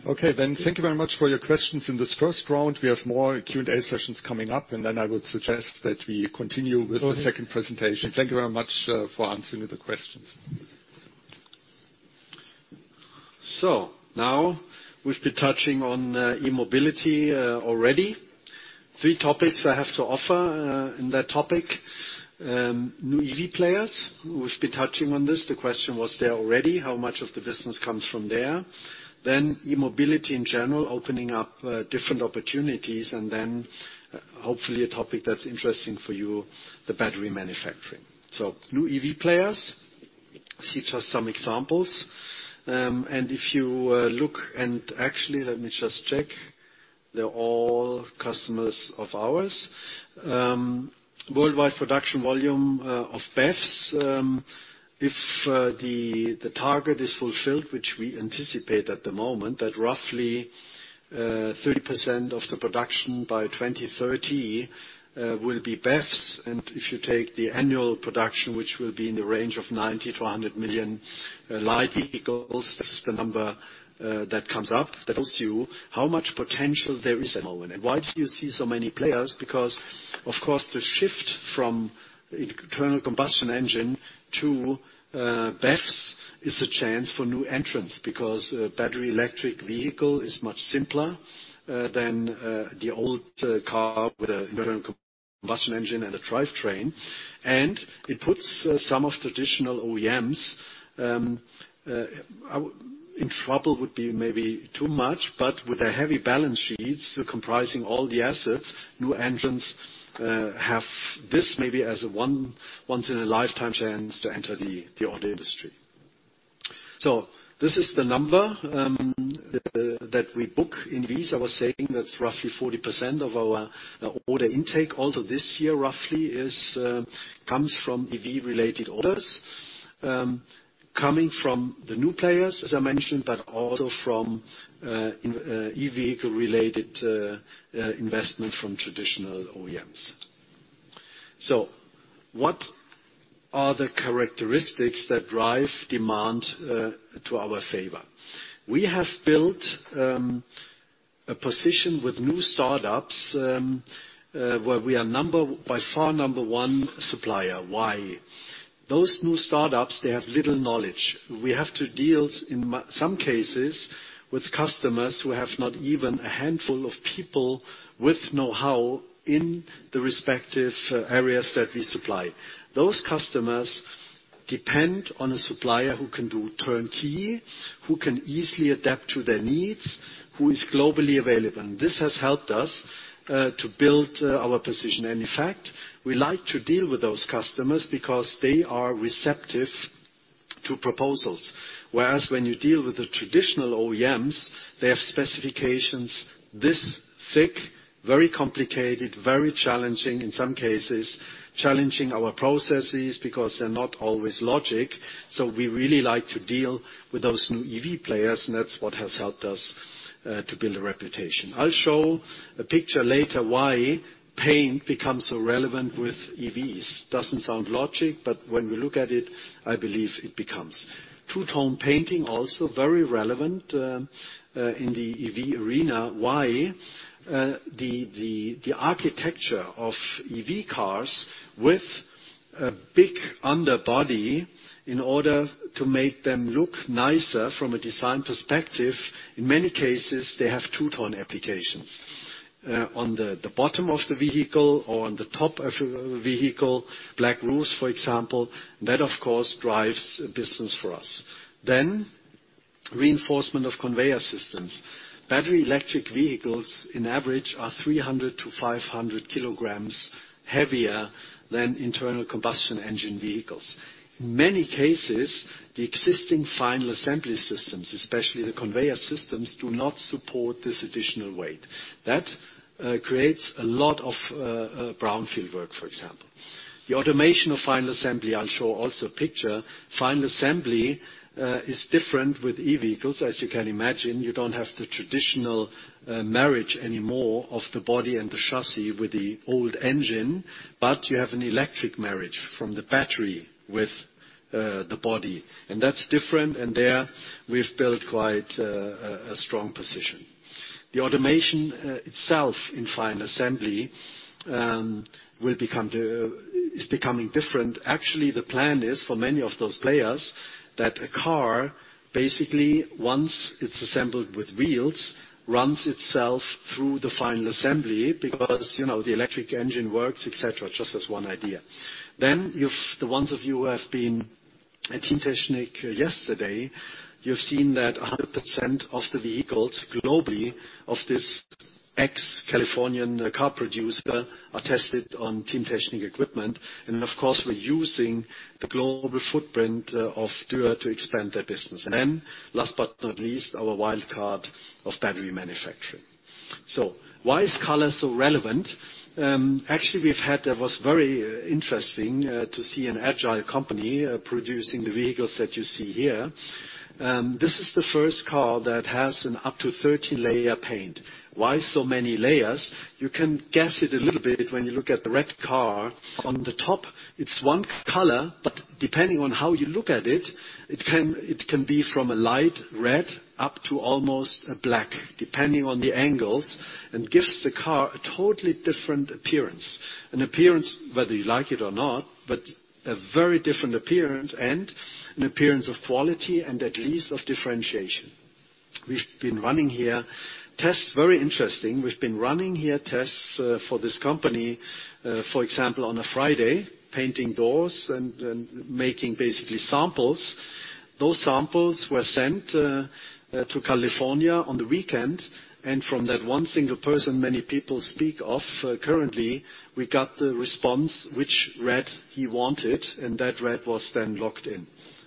Okay. Thank you very much for your questions in this first round. We have more Q&A sessions coming up, and then I would suggest that we continue with the second presentation. Thank you very much for answering the questions. Now we've been touching on e-mobility already. Three topics I have to offer in that topic. New EV players, we've been touching on this. The question was there already, how much of the business comes from there? E-mobility in general, opening up different opportunities, and then hopefully a topic that's interesting for you, the battery manufacturing. New EV players, see just some examples. And if you look and actually let me just check. They're all customers of ours. Worldwide production volume of BEVs, if the target is fulfilled, which we anticipate at the moment, that roughly 30% of the production by 2030 will be BEVs. If you take the annual production, which will be in the range of 90 million-100 million light vehicles, this is the number that comes up. That tells you how much potential there is at the moment. Why do you see so many players? Because of course, the shift from internal combustion engine to BEVs is a chance for new entrants because battery electric vehicle is much simpler than the old car with an internal combustion engine and a drivetrain. It puts some of traditional OEMs in trouble would be maybe too much, but with their heavy balance sheets comprising all the assets, new entrants have this maybe as a once in a lifetime chance to enter the auto industry. This is the number that we book in these. I was saying that's roughly 40% of our order intake. Also this year, roughly comes from EV-related orders, coming from the new players, as I mentioned, but also from EV related investment from traditional OEMs. What are the characteristics that drive demand to our favor? We have built a position with new startups, where we are by far number one supplier. Why? Those new startups, they have little knowledge. We have to deal in some cases with customers who have not even a handful of people with know-how in the respective areas that we supply. Those customers depend on a supplier who can do turnkey, who can easily adapt to their needs, who is globally available, and this has helped us to build our position. In fact, we like to deal with those customers because they are receptive to proposals. Whereas when you deal with the traditional OEMs, they have specifications this thick, very complicated, very challenging in some cases, challenging our processes because they're not always logical. We really like to deal with those new EV players, and that's what has helped us to build a reputation. I'll show a picture later why paint becomes so relevant with EVs. Doesn't sound logical, but when we look at it, I believe it becomes logical. Two-tone painting also very relevant in the EV arena. Why? The architecture of EV cars with a big underbody in order to make them look nicer from a design perspective, in many cases, they have two-tone applications on the bottom of the vehicle or on the top of the vehicle, black roofs, for example. That, of course, drives business for us. Reinforcement of conveyor systems. Battery electric vehicles, on average, are 300-500 kg heavier than internal combustion engine vehicles. In many cases, the existing final assembly systems, especially the conveyor systems, do not support this additional weight. That creates a lot of brownfield work, for example. The automation of final assembly, I'll show also picture. Final assembly is different with e-vehicles. As you can imagine, you don't have the traditional marriage anymore of the body and the chassis with the old engine, but you have an electric marriage from the battery with the body, and that's different. There we've built quite a strong position. The automation itself in final assembly is becoming different. Actually, the plan is for many of those players that a car, basically, once it's assembled with wheels, runs itself through the final assembly because, you know, the electric engine works, et cetera. Just as one idea. Then the ones of you who have been at Teamtechnik yesterday, you've seen that 100% of the vehicles globally of this ex-Californian car producer are tested on Teamtechnik equipment. Of course, we're using the global footprint of Dürr to expand their business. Last but not least, our wild card of battery manufacturing. Why is color so relevant? Actually, that was very interesting to see an agile company producing the vehicles that you see here. This is the first car that has up to 30-layer paint. Why so many layers? You can guess it a little bit when you look at the red car. On the top, it's one color, but depending on how you look at it can be from a light red up to almost a black, depending on the angles, and gives the car a totally different appearance, an appearance whether you like it or not, but a very different appearance and an appearance of quality and at least of differentiation. We've been running here tests, very interesting. We've been running here tests for this company, for example, on a Friday, painting doors and making basically samples. Those samples were sent to California on the weekend, and from that one single person many people speak of, currently we got the response which red he wanted, and that red was then locked in.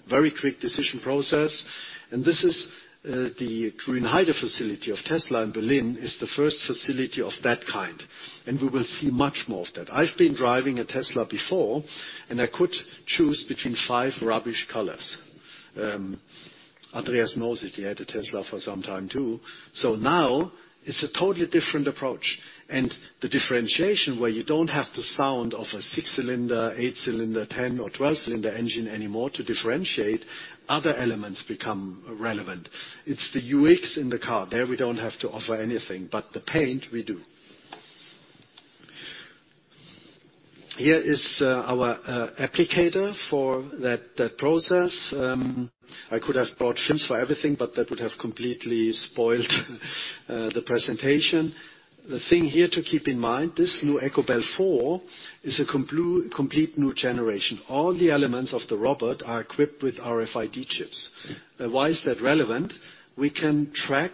Very quick decision process. This is the Grünheide facility of Tesla in Berlin is the first facility of that kind, and we will see much more of that. I've been driving a Tesla before, and I could choose between five rubbish colors. Andreas knows it. He had a Tesla for some time, too. Now it's a totally different approach. The differentiation, where you don't have the sound of a six-cylinder, eight-cylinder, 10 or 12-cylinder engine anymore to differentiate, other elements become relevant. It's the UX in the car. There we don't have to offer anything, but the paint we do. Here is our applicator for that process. I could have brought sims for everything, but that would have completely spoiled the presentation. The thing here to keep in mind, this new EcoBell4 is a complete new generation. All the elements of the robot are equipped with RFID chips. Why is that relevant? We can track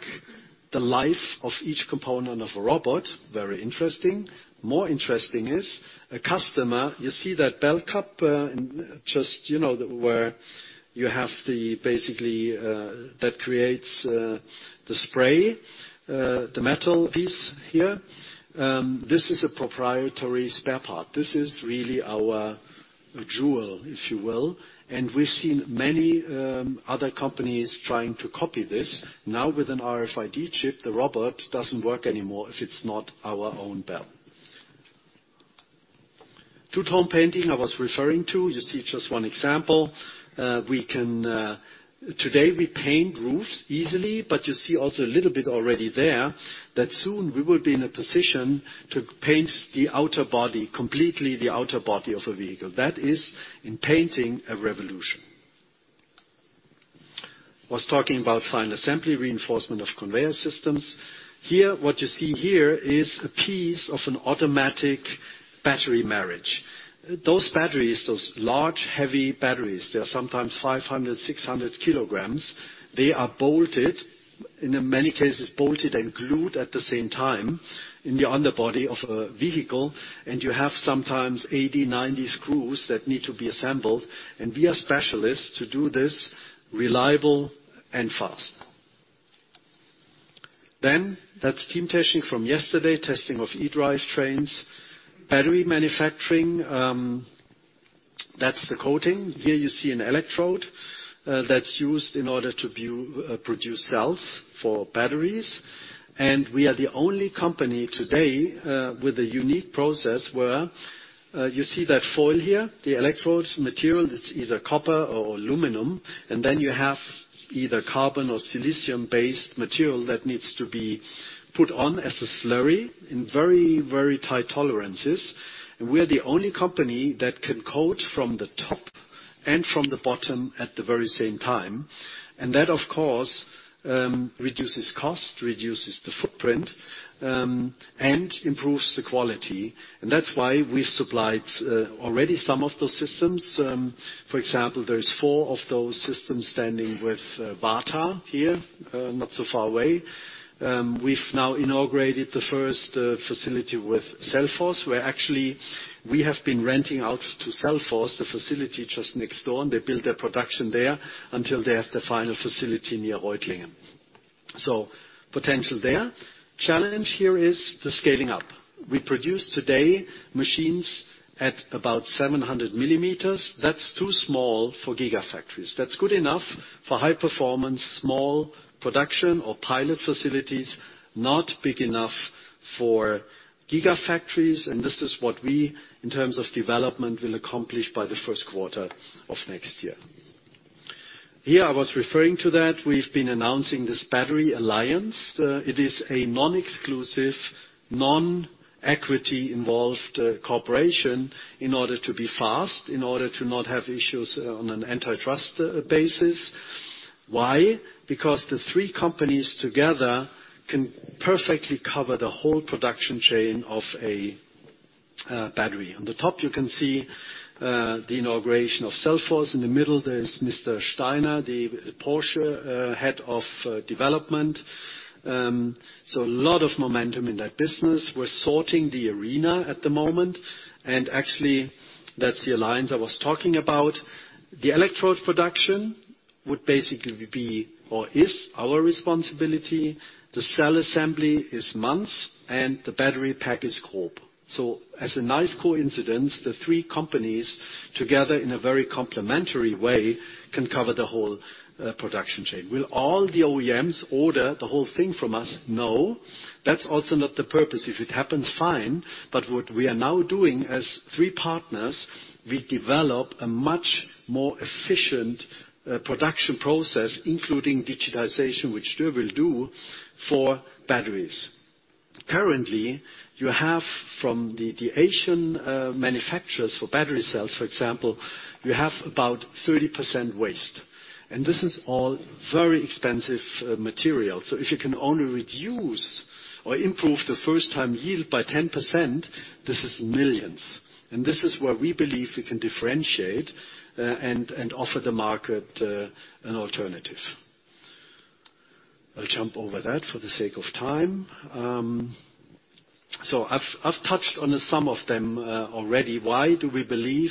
the life of each component of a robot, very interesting. More interesting is a customer. You see that bell cup in just, you know, where you have the basically that creates the spray the metal piece here. This is a proprietary spare part. This is really our jewel, if you will. We've seen many other companies trying to copy this. Now with an RFID chip, the robot doesn't work anymore if it's not our own bell. Two-tone painting I was referring to, you see just one example. We can today paint roofs easily, but you see also a little bit already there that soon we will be in a position to paint the outer body, completely the outer body of a vehicle. That is, in painting, a revolution. I was talking about final assembly, reinforcement of conveyor systems. Here, what you see here is a piece of an automatic battery marriage. Those batteries, those large, heavy batteries, they are sometimes 500, 600 kilograms. They are bolted, in many cases bolted and glued at the same time, in the underbody of a vehicle. You have sometimes 80, 90 screws that need to be assembled. We are specialists to do this reliable and fast. That's Teamtechnik from yesterday, testing of eDrive trains. Battery manufacturing, that's the coating. Here you see an electrode, that's used in order to produce cells for batteries. We are the only company today with a unique process where you see that foil here, the electrode material that's either copper or aluminum, and then you have either carbon or silicon-based material that needs to be put on as a slurry in very, very tight tolerances. We are the only company that can coat from the top and from the bottom at the very same time. That, of course, reduces cost, reduces the footprint, and improves the quality. That's why we've supplied already some of those systems. For example, there is four of those systems standing with VARTA here, not so far away. We've now inaugurated the first facility with Cellforce, where actually we have been renting out to Cellforce the facility just next door, and they build their production there until they have the final facility near Reutlingen. So potential there. Challenge here is the scaling up. We produce today machines at about 700 millimeters. That's too small for gigafactories. That's good enough for high performance, small production or pilot facilities, not big enough for gigafactories. This is what we, in terms of development, will accomplish by the first quarter of next year. Here, I was referring to that. We've been announcing this battery alliance. It is a non-exclusive, non-equity involved cooperation in order to be fast, in order to not have issues on an antitrust basis. Why? Because the three companies together can perfectly cover the whole production chain of a battery. On the top, you can see the inauguration of Cellforce. In the middle, there is Mr. Steiner, the Porsche head of development. A lot of momentum in that business. We're storming the arena at the moment, and actually, that's the alliance I was talking about. The electrode production would basically be or is our responsibility. The cell assembly is Manz and the battery pack is GROB. As a nice coincidence, the three companies together in a very complementary way can cover the whole production chain. Will all the OEMs order the whole thing from us? No. That's also not the purpose. If it happens, fine. What we are now doing as three partners, we develop a much more efficient production process, including digitization, which Dürr will do for batteries. Currently, you have from the Asian manufacturers for battery cells, for example, you have about 30% waste. This is all very expensive material. If you can only reduce or improve the first-time yield by 10%, this is millions. This is where we believe we can differentiate and offer the market an alternative. I'll jump over that for the sake of time. I've touched on some of them already. Why do we believe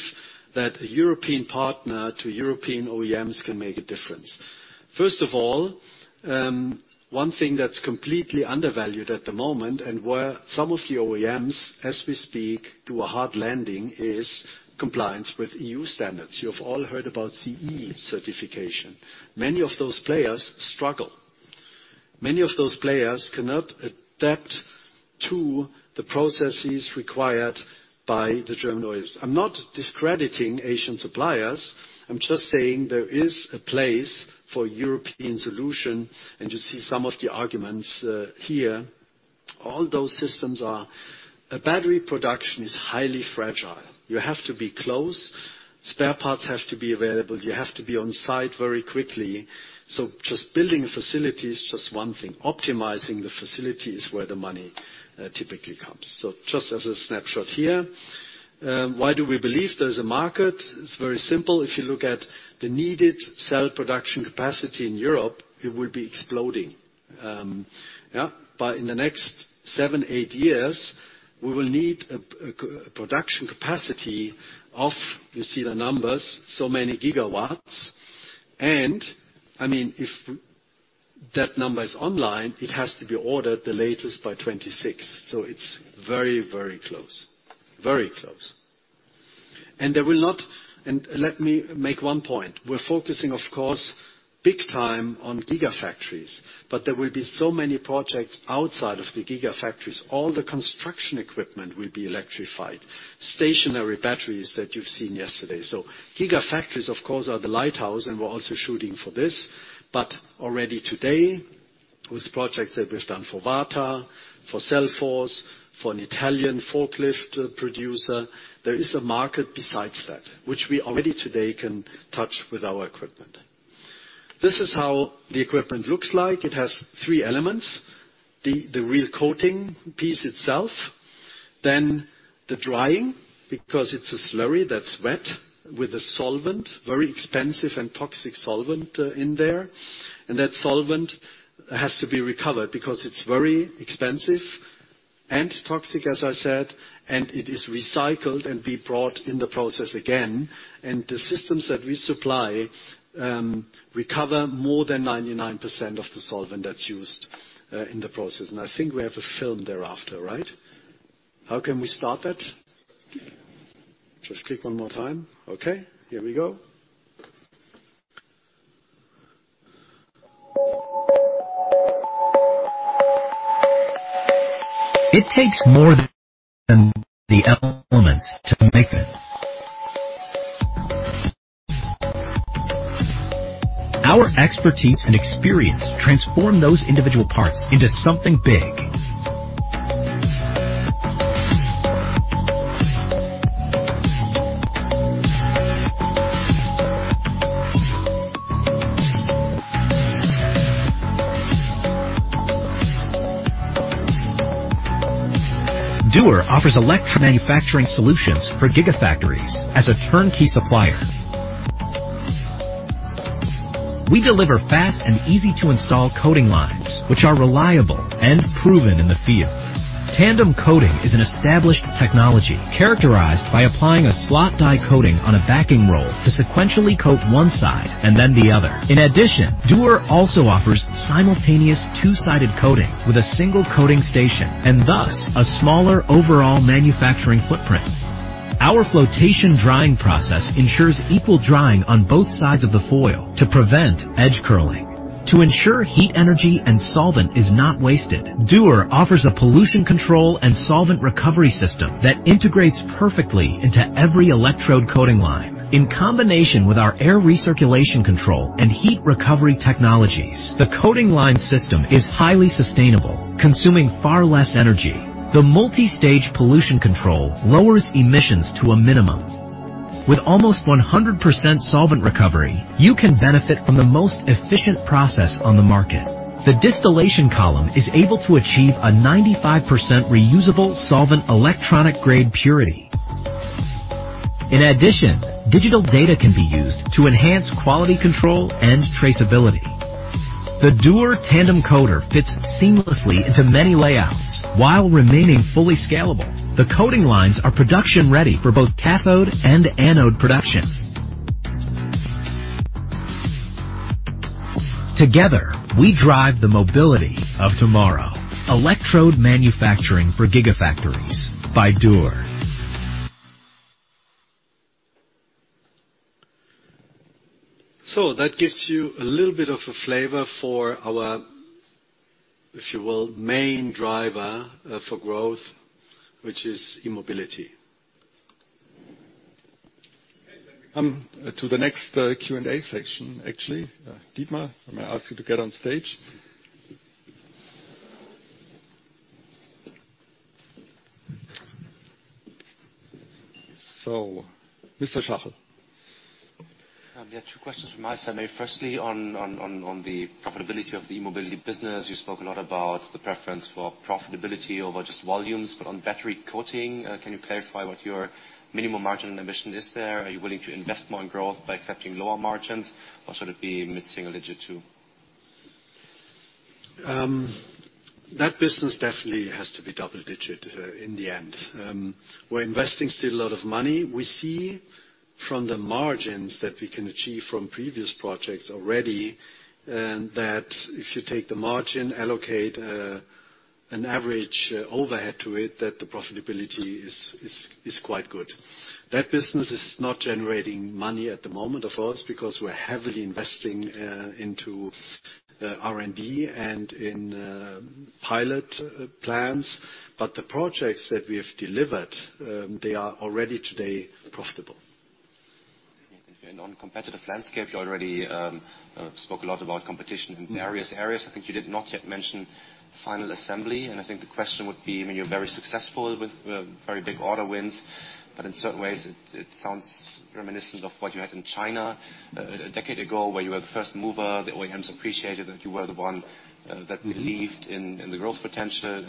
that a European partner to European OEMs can make a difference? First of all, one thing that's completely undervalued at the moment and where some of the OEMs, as we speak, do a hard landing is compliance with EU standards. You've all heard about CE certification. Many of those players struggle. Many of those players cannot adapt to the processes required by the German OEs. I'm not discrediting Asian suppliers. I'm just saying there is a place for European solution, and you see some of the arguments here. All those systems are. A battery production is highly fragile. You have to be close. Spare parts have to be available. You have to be on site very quickly. Just building a facility is just one thing. Optimizing the facility is where the money typically comes. Just as a snapshot here, why do we believe there's a market? It's very simple. If you look at the needed cell production capacity in Europe, it will be exploding. In the next seven, eight years, we will need a production capacity of, you see the numbers, so many gigawatts. I mean, if that number is online, it has to be ordered the latest by 26. It's very, very close. Very close. Let me make one point. We're focusing, of course, big time on gigafactories, but there will be so many projects outside of the gigafactories. All the construction equipment will be electrified. Stationary batteries that you've seen yesterday. Gigafactories, of course, are the lighthouse, and we're also shooting for this. Already today, with projects that we've done for VARTA, for Cellforce, for an Italian forklift producer, there is a market besides that which we already today can touch with our equipment. This is how the equipment looks like. It has three elements. The real coating piece itself, then the drying, because it's a slurry that's wet with a solvent, very expensive and toxic solvent in there. That solvent has to be recovered because it's very expensive and toxic, as I said, and it is recycled and be brought in the process again. The systems that we supply recover more than 99% of the solvent that's used in the process. I think we have a film thereafter, right? How can we start that? Just click. Just click one more time. Okay, here we go. It takes more than the elements to make it. Our expertise and experience transform those individual parts into something big. Dürr offers electric manufacturing solutions for gigafactories as a turnkey supplier. We deliver fast and easy to install coating lines which are reliable and proven in the field. Tandem coating is an established technology characterized by applying a slot die coating on a backing roll to sequentially coat one side and then the other. In addition, Dürr also offers simultaneous two-sided coating with a single coating station, and thus a smaller overall manufacturing footprint. Our flotation drying process ensures equal drying on both sides of the foil to prevent edge curling. To ensure heat energy and solvent is not wasted, Dürr offers a pollution control and solvent recovery system that integrates perfectly into every electrode coating line. In combination with our air recirculation control and heat recovery technologies, the coating line system is highly sustainable, consuming far less energy. The multi-stage pollution control lowers emissions to a minimum. With almost 100% solvent recovery, you can benefit from the most efficient process on the market. The distillation column is able to achieve a 95% reusable solvent electronic grade purity. In addition, digital data can be used to enhance quality control and traceability. The Dürr tandem coater fits seamlessly into many layouts while remaining fully scalable. The coating lines are production ready for both cathode and anode production. Together, we drive the mobility of tomorrow. Electrode manufacturing for gigafactories by Dürr. That gives you a little bit of a flavor for our, if you will, main driver, for growth, which is e-mobility. Okay. We come to the next Q&A section, actually. Dietmar, may I ask you to get on stage? Mr. Schachel. Yeah, two questions from my side. Maybe firstly on the profitability of the e-mobility business. You spoke a lot about the preference for profitability over just volumes. On battery coating, can you clarify what your minimum margin ambition is there? Are you willing to invest more in growth by accepting lower margins or should it be mid-single digit too? That business definitely has to be double-digit in the end. We're investing still a lot of money. We see from the margins that we can achieve from previous projects already that if you take the margin, allocate an average overhead to it, that the profitability is quite good. That business is not generating money at the moment, of course, because we're heavily investing into R&D and in pilot plants. The projects that we have delivered, they are already today profitable. On competitive landscape, you already spoke a lot about competition in various areas. I think you did not yet mention final assembly. I think the question would be, I mean, you're very successful with very big order wins, but in certain ways it sounds reminiscent of what you had in China a decade ago, where you were the first mover. The OEMs appreciated that you were the one that believed in the growth potential.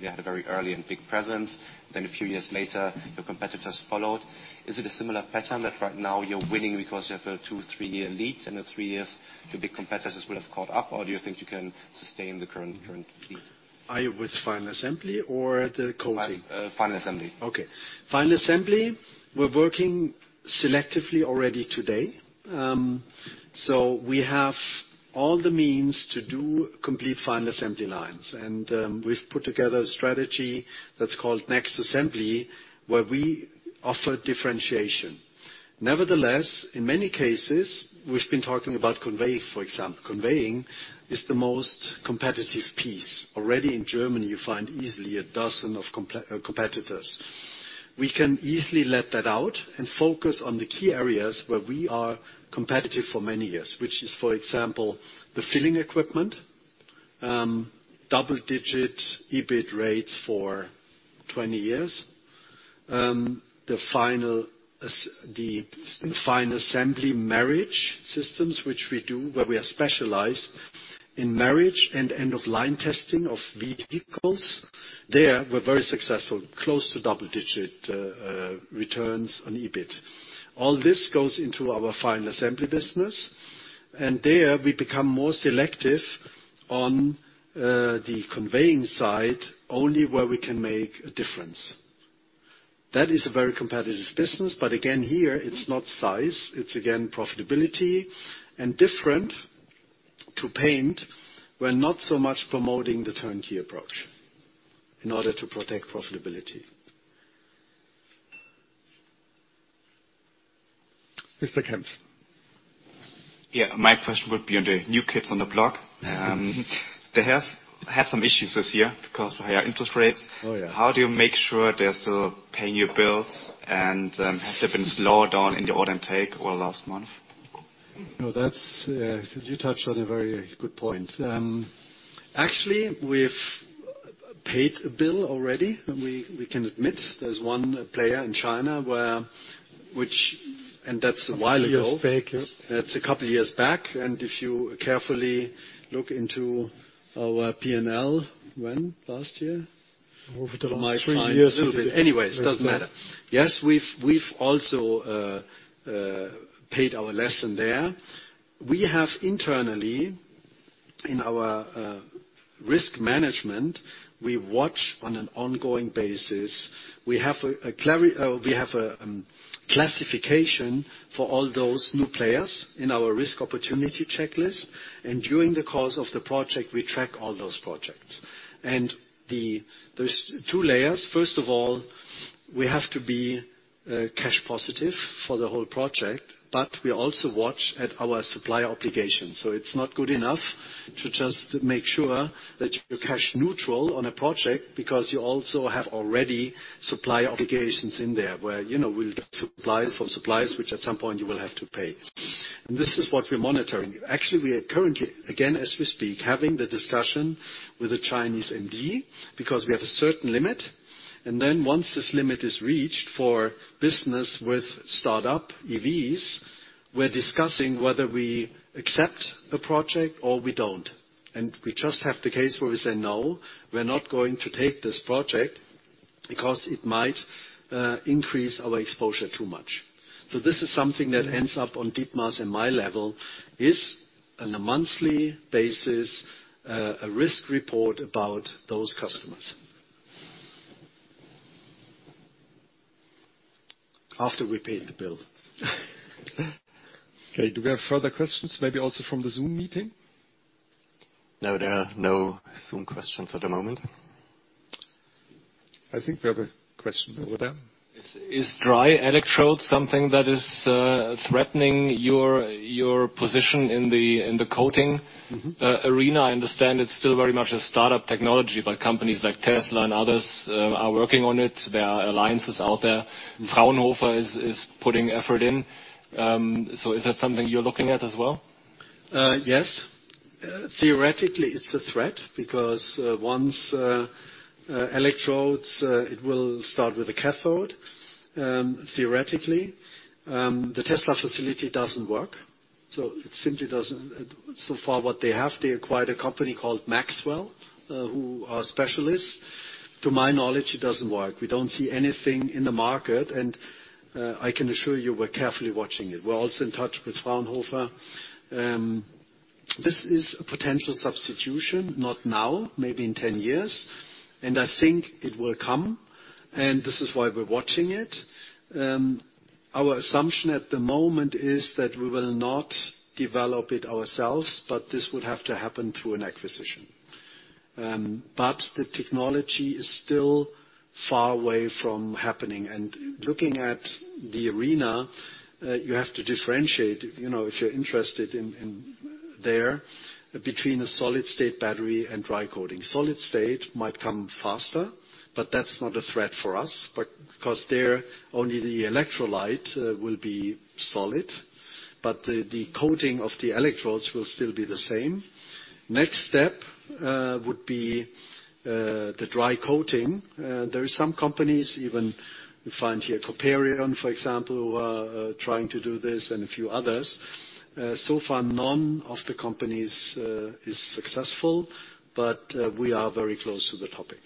We had a very early and big presence. Then a few years later, your competitors followed. Is it a similar pattern that right now you're winning because you have a two to three-year lead, and in three years, your big competitors will have caught up? Or do you think you can sustain the current lead? Are you with final assembly or the coating? Final assembly. Okay. Final assembly, we're working selectively already today. We have all the means to do complete final assembly lines. We've put together a strategy that's called NEXT.assembly, where we offer differentiation. Nevertheless, in many cases, we've been talking about conveying, for example. Conveying is the most competitive piece. Already in Germany, you find easily a dozen competitors. We can easily let that out and focus on the key areas where we are competitive for many years, which is, for example, the filling equipment, double-digit EBIT rates for 20 years. The final assembly marriage systems, which we do, where we are specialized in marriage and end-of-line testing of vehicles. There we're very successful, close to double-digit returns on EBIT. All this goes into our final assembly business, and there we become more selective on the conveying side only where we can make a difference. That is a very competitive business. Again, here it's not size. It's again profitability. Different to paint, we're not so much promoting the turnkey approach in order to protect profitability. Mr. Kempf. Yeah. My question would be on the new kids on the block. They have had some issues this year because of higher interest rates. Oh, yeah. How do you make sure they're still paying your bills? Have they been slowing down in the order intake over the last month? No, that's. You touched on a very good point. Actually, we've paid a bill already. We can admit there's one player in China. That's a while ago. A few years back, yeah. That's a couple of years back. If you carefully look into our P&L. When? Last year? Over the three years. You might find a little bit. Anyways, it doesn't matter. Yes, we've also learned our lesson there. In our risk management, we watch on an ongoing basis. We have classification for all those new players in our risk opportunity checklist. During the course of the project, we track all those projects. There's two layers. First of all, we have to be cash positive for the whole project, but we also watch at our supplier obligations. It's not good enough to just make sure that you're cash neutral on a project because you also have already supplier obligations in there where, you know, we'll get supplies from suppliers, which at some point you will have to pay. This is what we're monitoring. Actually, we are currently, again, as we speak, having the discussion with the Chinese MD because we have a certain limit. Once this limit is reached for business with startup EVs, we're discussing whether we accept a project or we don't. We just have the case where we say, "No, we're not going to take this project because it might increase our exposure too much." This is something that ends up on Dietmar's and my level on a monthly basis, a risk report about those customers. After we paid the bill. Okay. Do we have further questions, maybe also from the Zoom meeting? No, there are no Zoom questions at the moment. I think we have a question over there. Is dry electrode something that is threatening your position in the coating? Mm-hmm. Arena? I understand it's still very much a startup technology, but companies like Tesla and others are working on it. There are alliances out there. Fraunhofer-Gesellschaft is putting effort in. So is that something you're looking at as well? Yes. Theoretically, it's a threat because it will start with a cathode, theoretically. The Tesla facility doesn't work, so it simply doesn't. So far what they have, they acquired a company called Maxwell, who are specialists. To my knowledge, it doesn't work. We don't see anything in the market, and I can assure you we're carefully watching it. We're also in touch with Fraunhofer. This is a potential substitution, not now, maybe in ten years. I think it will come, and this is why we're watching it. Our assumption at the moment is that we will not develop it ourselves, but this would have to happen through an acquisition. The technology is still far away from happening. Looking at the arena, you have to differentiate, you know, if you're interested in there between a solid-state battery and dry coating. Solid-state might come faster, but that's not a threat for us. Because there, only the electrolyte will be solid, but the coating of the electrodes will still be the same. Next step would be the dry coating. There are some companies, even you find here, Coperion, for example, trying to do this and a few others. So far, none of the companies is successful, but we are very close to the topic.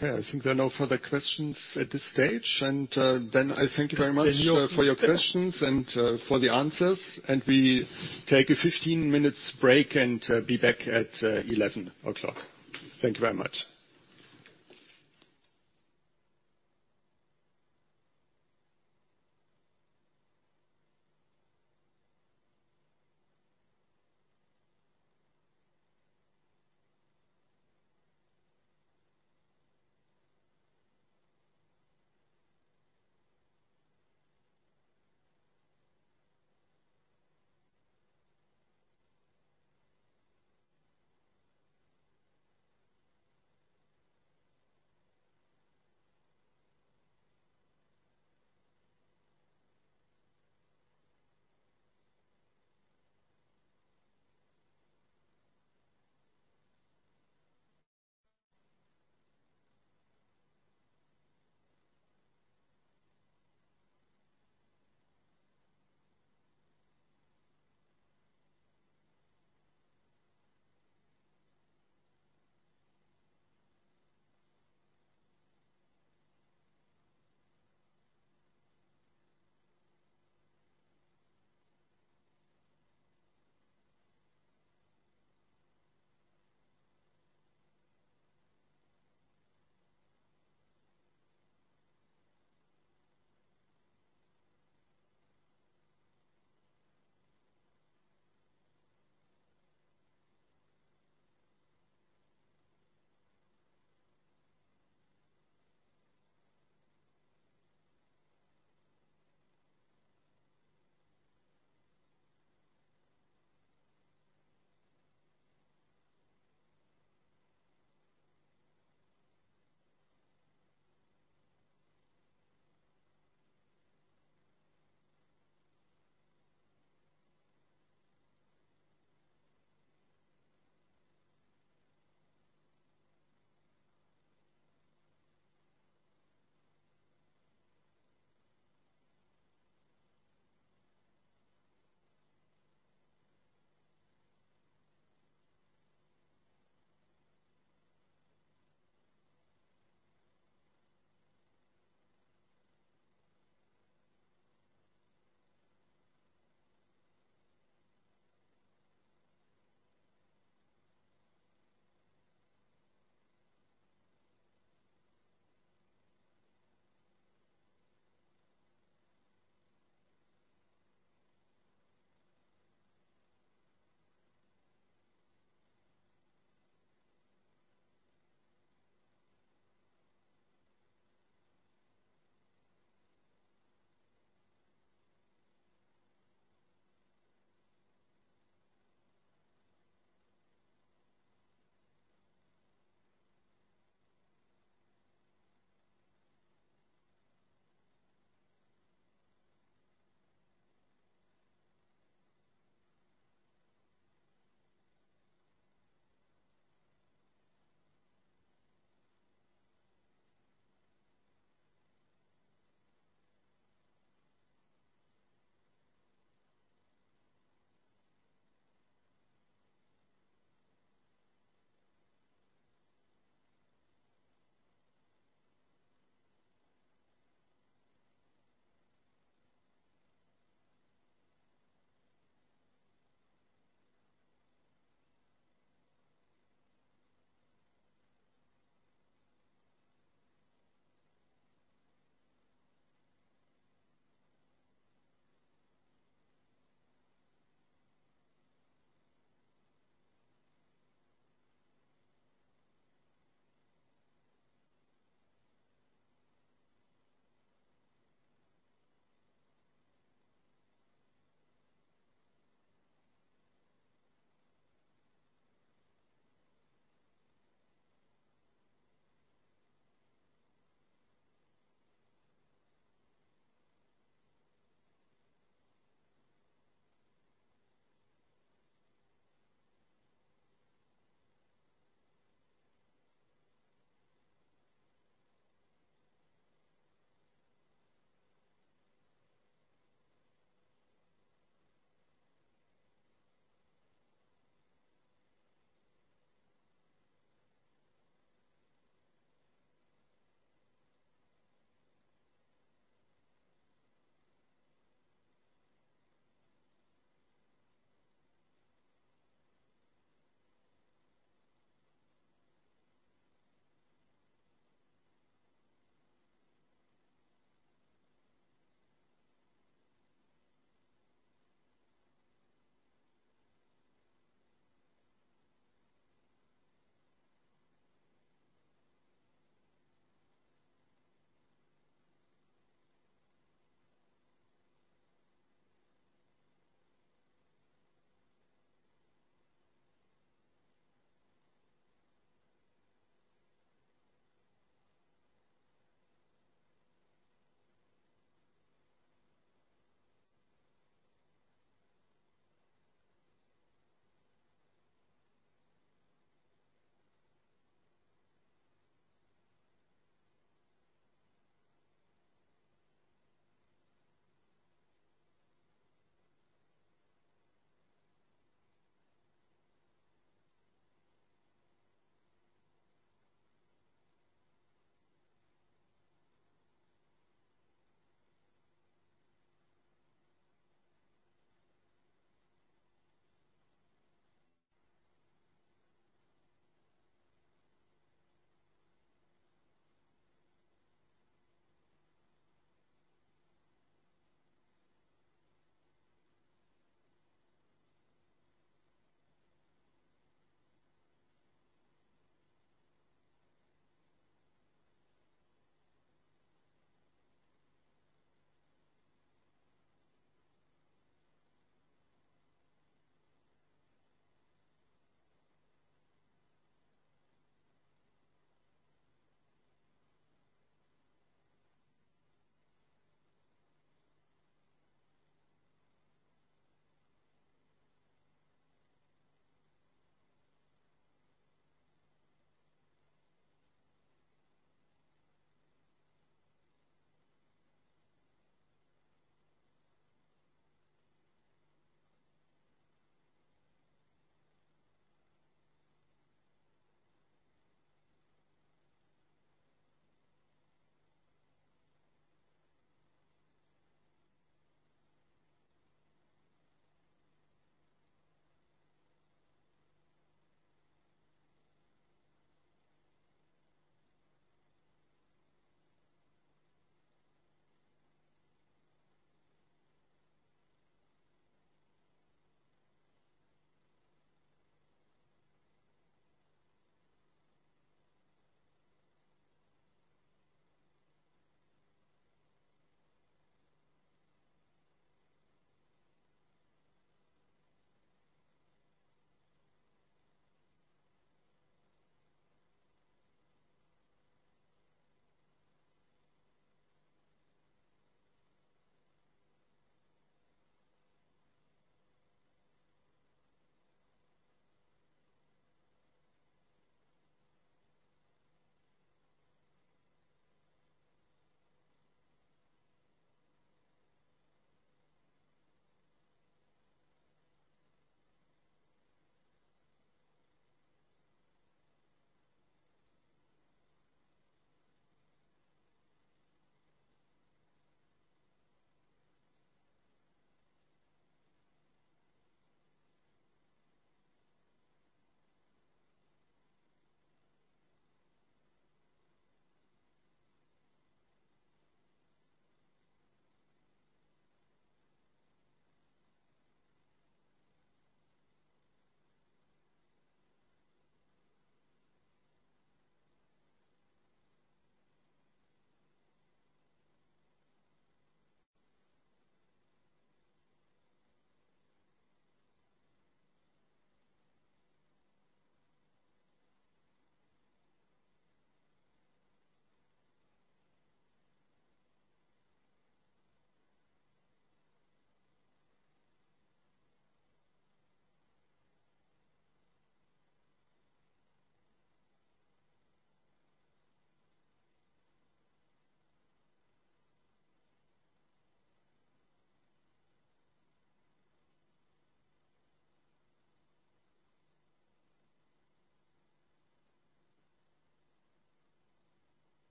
Okay. I think there are no further questions at this stage. I thank you very much for your questions and for the answers. We take a 15-minute break and be back at 11:00. Thank you very much.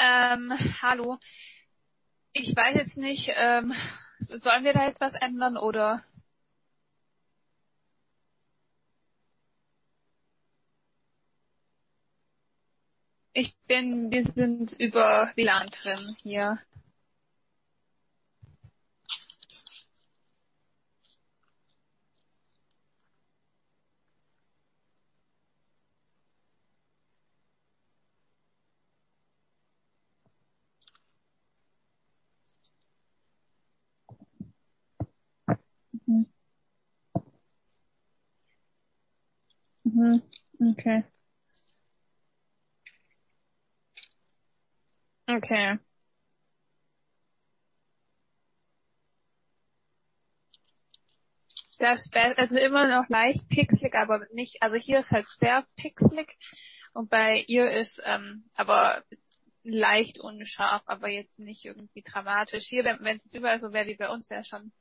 Hallo. Ich weiß jetzt nicht, sollen wir da jetzt was ändern, oder? Wir sind über WLAN drin hier. Okay. Der ist also immer noch leicht pixelig, aber hier ist halt sehr pixelig und bei ihr ist aber leicht unscharf, aber jetzt nicht irgendwie dramatisch. Hier, wenn es überall so wäre wie bei uns, wäre schon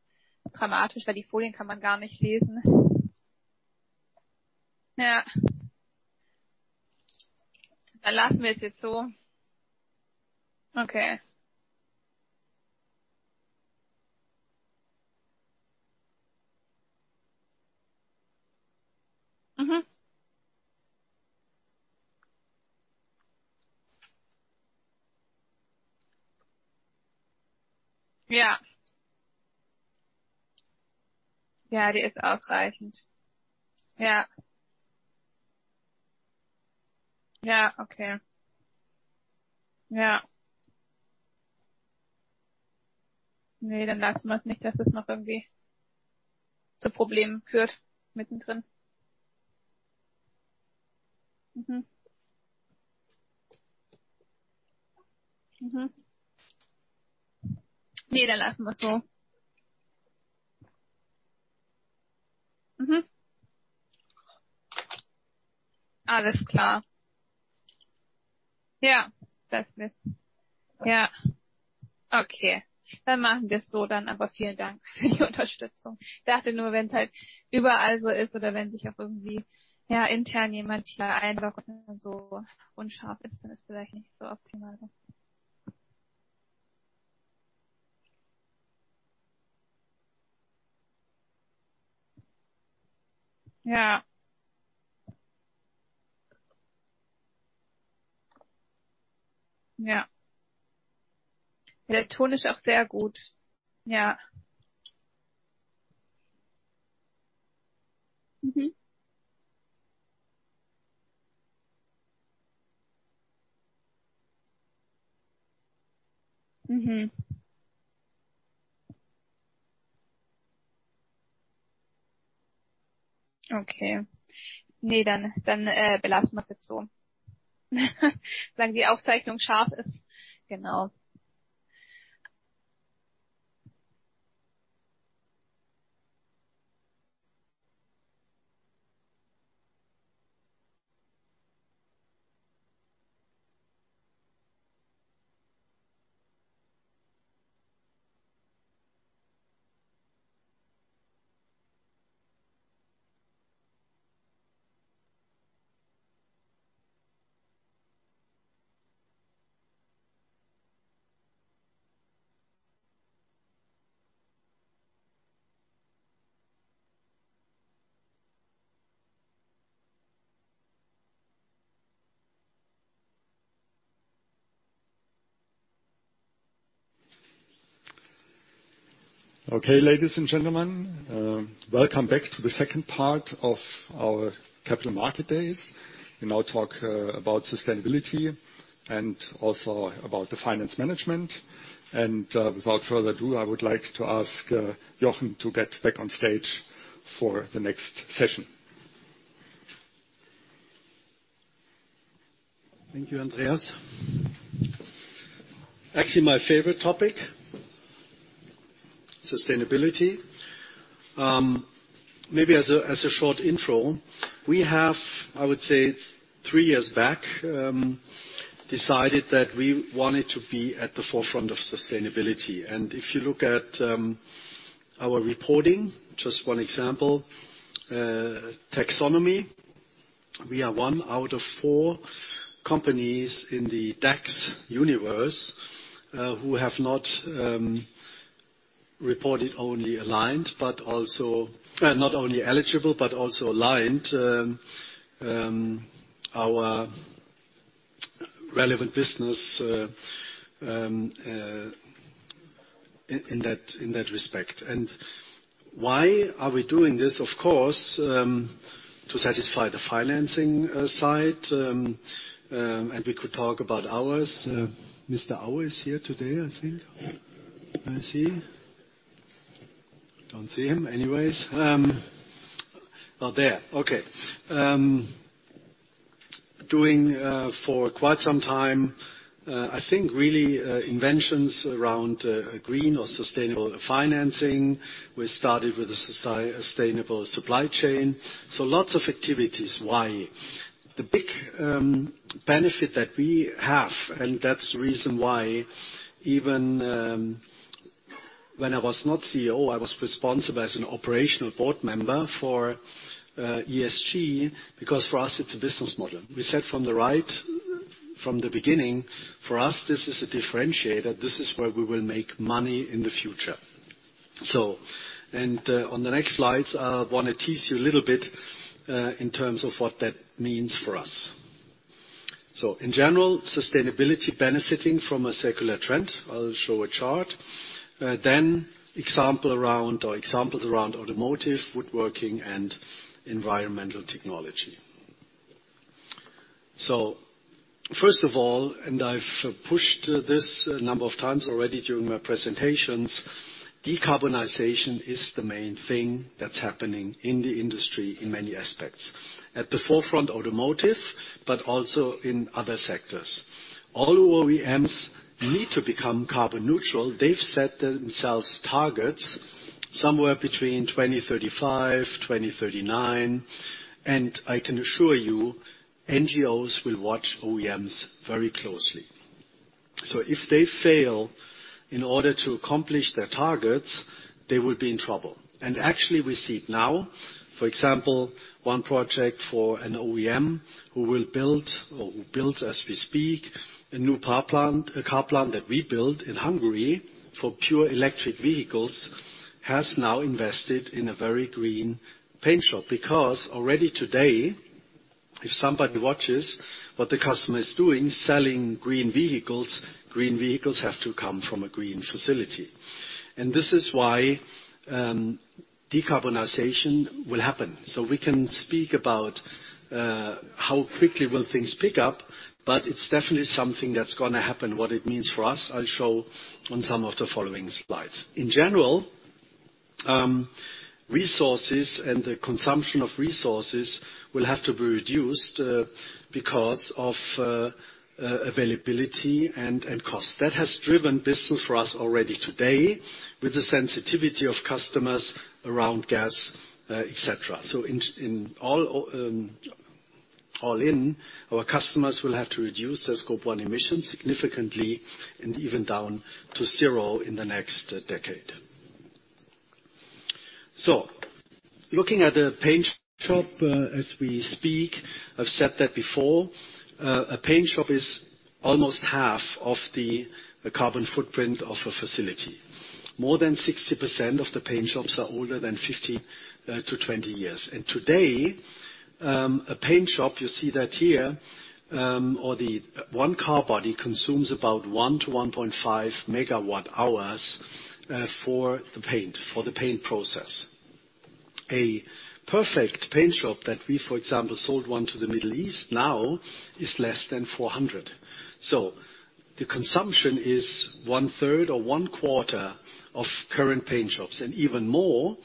dramatisch, weil die Folien kann man gar nicht lesen. Ja. Dann lassen wir es jetzt so. Okay. Ja. Ja, die ist ausreichend. Ja. Ja, okay. Ja. Nee, dann lassen wir es so, dass das nicht noch irgendwie zu Problemen führt mittendrin. Nee, dann lassen wir es so. Alles klar. Ja, das ist. Ja. Okay. We'll do it that way then. Many thanks for the support. I just thought if it's like that everywhere or if somehow, yeah, internally someone here is just so blurry, then it might not be so optimal. Yeah. Yeah. The tone is also very good. Yeah. Mm-hmm. Mm-hmm. Okay. No, then we'll leave it like that. As long as the recording is sharp. Exactly. Okay, ladies and gentlemen, welcome back to the second part of our Capital Market Days. We now talk about sustainability and also about the finance management. Without further ado, I would like to ask Jochen to get back on stage for the next session. Thank you, Andreas. Actually, my favorite topic, sustainability. Maybe as a short intro, we have, I would say, three years back decided that we wanted to be at the forefront of sustainability. If you look at our reporting, just one example, taxonomy. We are one out of four companies in the DAX universe who have not only eligible, but also aligned our relevant business in that respect. Why are we doing this? Of course, to satisfy the financing side. We could talk about ours. Mr. Auer is here today, I think. Can I see? Don't see him. Anyways. Oh, there. Okay. Doing for quite some time, I think really inventions around green or sustainable financing. We started with a sustainable supply chain. Lots of activities. Why? The big benefit that we have, and that's the reason why even when I was not CEO, I was responsible as an operational board member for ESG, because for us it's a business model. We said from the beginning, for us, this is a differentiator. This is where we will make money in the future. On the next slides, I wanna tease you a little bit in terms of what that means for us. In general, sustainability benefiting from a circular trend. I'll show a chart. Examples around automotive, woodworking, and environmental technology. First of all, I've pushed this a number of times already during my presentations, decarbonization is the main thing that's happening in the industry in many aspects. At the forefront automotive, but also in other sectors. All OEMs need to become carbon neutral. They've set themselves targets somewhere between 2035-2039. I can assure you, NGOs will watch OEMs very closely. If they fail in order to accomplish their targets, they will be in trouble. Actually we see it now. For example, one project for an OEM who will build or who builds as we speak, a new car plant, a car plant that we build in Hungary for pure electric vehicles, has now invested in a very green paint shop. Already today, if somebody watches what the customer is doing, selling green vehicles, green vehicles have to come from a green facility. This is why decarbonization will happen. We can speak about how quickly will things pick up, but it's definitely something that's gonna happen. What it means for us, I'll show on some of the following slides. In general, resources and the consumption of resources will have to be reduced because of availability and cost. That has driven business for us already today with the sensitivity of customers around gas, et cetera. In all, our customers will have to reduce their Scope one emissions significantly, and even down to zero in the next decade. Looking at the paint shop, as we speak, I've said that before, a paint shop is almost half of the carbon footprint of a facility. More than 60% of the paint shops are older than 50-20 years. Today, a paint shop, you see that here, or the one car body consumes about 1-1.5 MWh for the paint process. A perfect paint shop that we, for example, sold one to the Middle East now is less than 400. The consumption is one third or one quarter of current paint shops. Even more,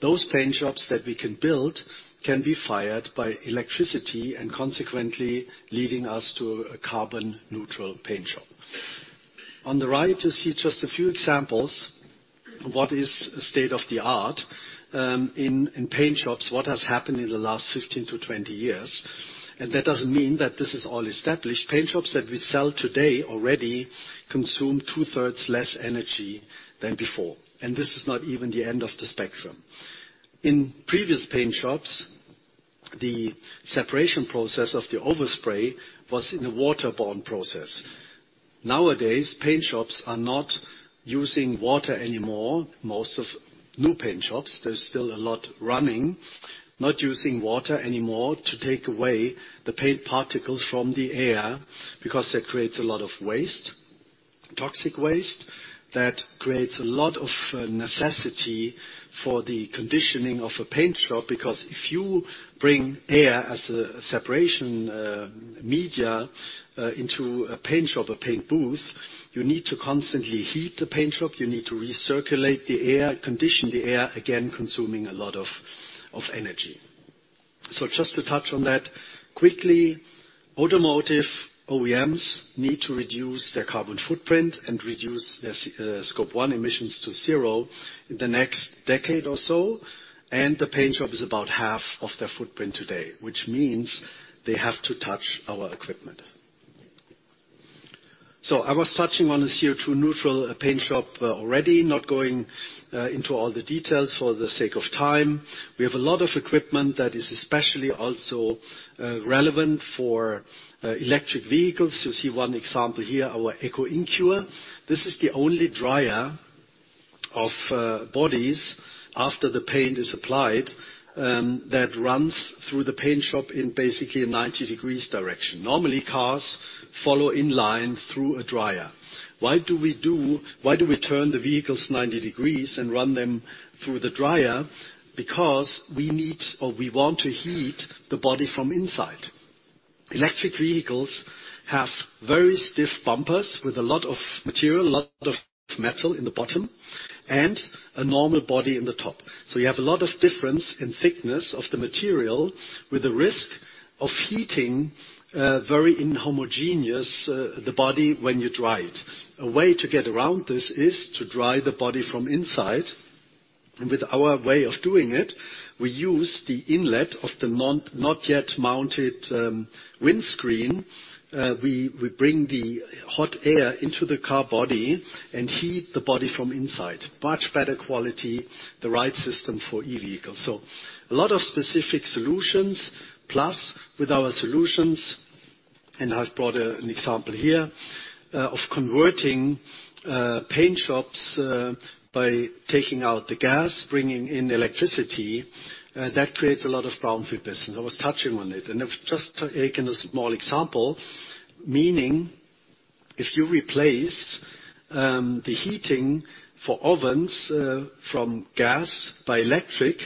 those paint shops that we can build can be fired by electricity and consequently leading us to a carbon neutral paint shop. On the right, you see just a few examples of what is state of the art in paint shops, what has happened in the last 15-20 years, and that doesn't mean that this is all established. Paint shops that we sell today already consume two-thirds less energy than before, and this is not even the end of the spectrum. In previous paint shops, the separation process of the overspray was in a waterborne process. Nowadays, paint shops are not using water anymore. Most of new paint shops, there's still a lot running, not using water anymore to take away the paint particles from the air because that creates a lot of waste, toxic waste that creates a lot of necessity for the conditioning of a paint shop. Because if you bring air as a separation media into a paint shop, a paint booth, you need to constantly heat the paint shop, you need to recirculate the air, condition the air, again, consuming a lot of energy. Just to touch on that quickly, automotive OEMs need to reduce their carbon footprint and reduce their Scope 1 emissions to zero in the next decade or so, and the paint shop is about half of their footprint today, which means they have to touch our equipment. I was touching on the CO2 neutral paint shop already, not going into all the details for the sake of time. We have a lot of equipment that is especially also relevant for electric vehicles. You see one example here, our EcoInCure. This is the only dryer of bodies after the paint is applied that runs through the paint shop in basically a 90 degrees direction. Normally, cars follow in line through a dryer. Why do we turn the vehicles 90 degrees and run them through the dryer? Because we need or we want to heat the body from inside. Electric vehicles have very stiff bumpers with a lot of material, a lot of metal in the bottom, and a normal body in the top. So you have a lot of difference in thickness of the material with the risk of heating very inhomogeneous the body when you dry it. A way to get around this is to dry the body from inside. With our way of doing it, we use the inlet of the not yet mounted windscreen. We bring the hot air into the car body and heat the body from inside. Much better quality, the right system for e-vehicles. A lot of specific solutions, plus with our solutions, and I've brought an example here, of converting paint shops, by taking out the gas, bringing in electricity, that creates a lot of brownfield business. I was touching on it. Just taking a small example, meaning if you replace the heating for ovens, from gas to electric,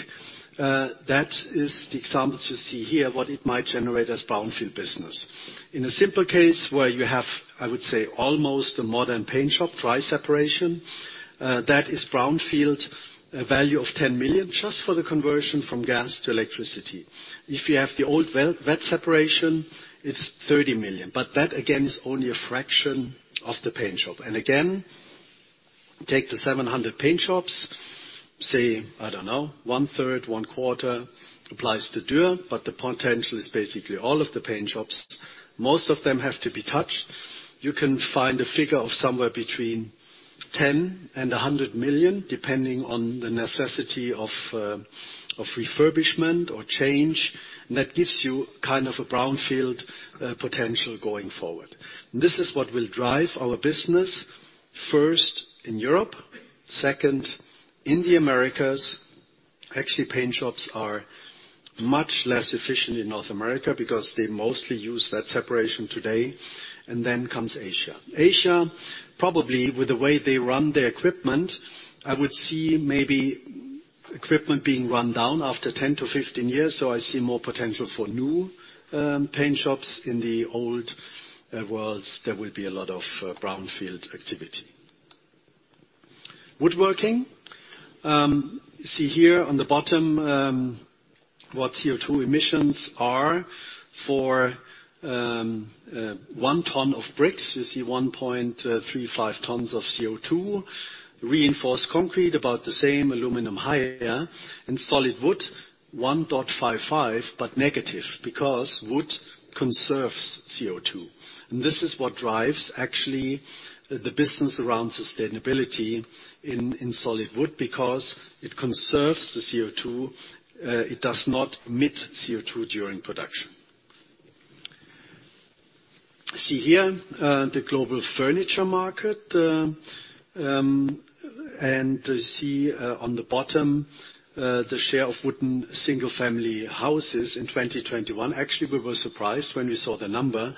these are the examples you see here, what it might generate as brownfield business. In a simple case where you have, I would say, almost a modern paint shop, dry separation, that is brownfield value of 10 million just for the conversion from gas to electricity. If you have the old wet separation, it's 30 million. That, again, is only a fraction of the paint shop. Again, take the 700 paint shops, say, I don't know, one third, one quarter applies to Dürr, but the potential is basically all of the paint shops. Most of them have to be touched. You can find a figure of somewhere between 10 million and 100 million, depending on the necessity of refurbishment or change. That gives you kind of a brownfield potential going forward. This is what will drive our business first in Europe, second in the Americas. Actually, paint shops are much less efficient in North America because they mostly use that separation today. Then comes Asia. Asia, probably with the way they run their equipment, I would see maybe equipment being run down after 10-15 years. I see more potential for new paint shops. In the old worlds, there will be a lot of brownfield activity. Woodworking. See here on the bottom, what CO2 emissions are for one ton of bricks, you see 1.35 tons of CO2. Reinforced concrete, about the same. Aluminum, higher. Solid wood-1.55, but negative because wood conserves CO2. This is what drives actually the business around sustainability in solid wood because it conserves the CO2, it does not emit CO2 during production. See here, the global furniture market, and you see, on the bottom, the share of wooden single-family houses in 2021. Actually, we were surprised when we saw the number.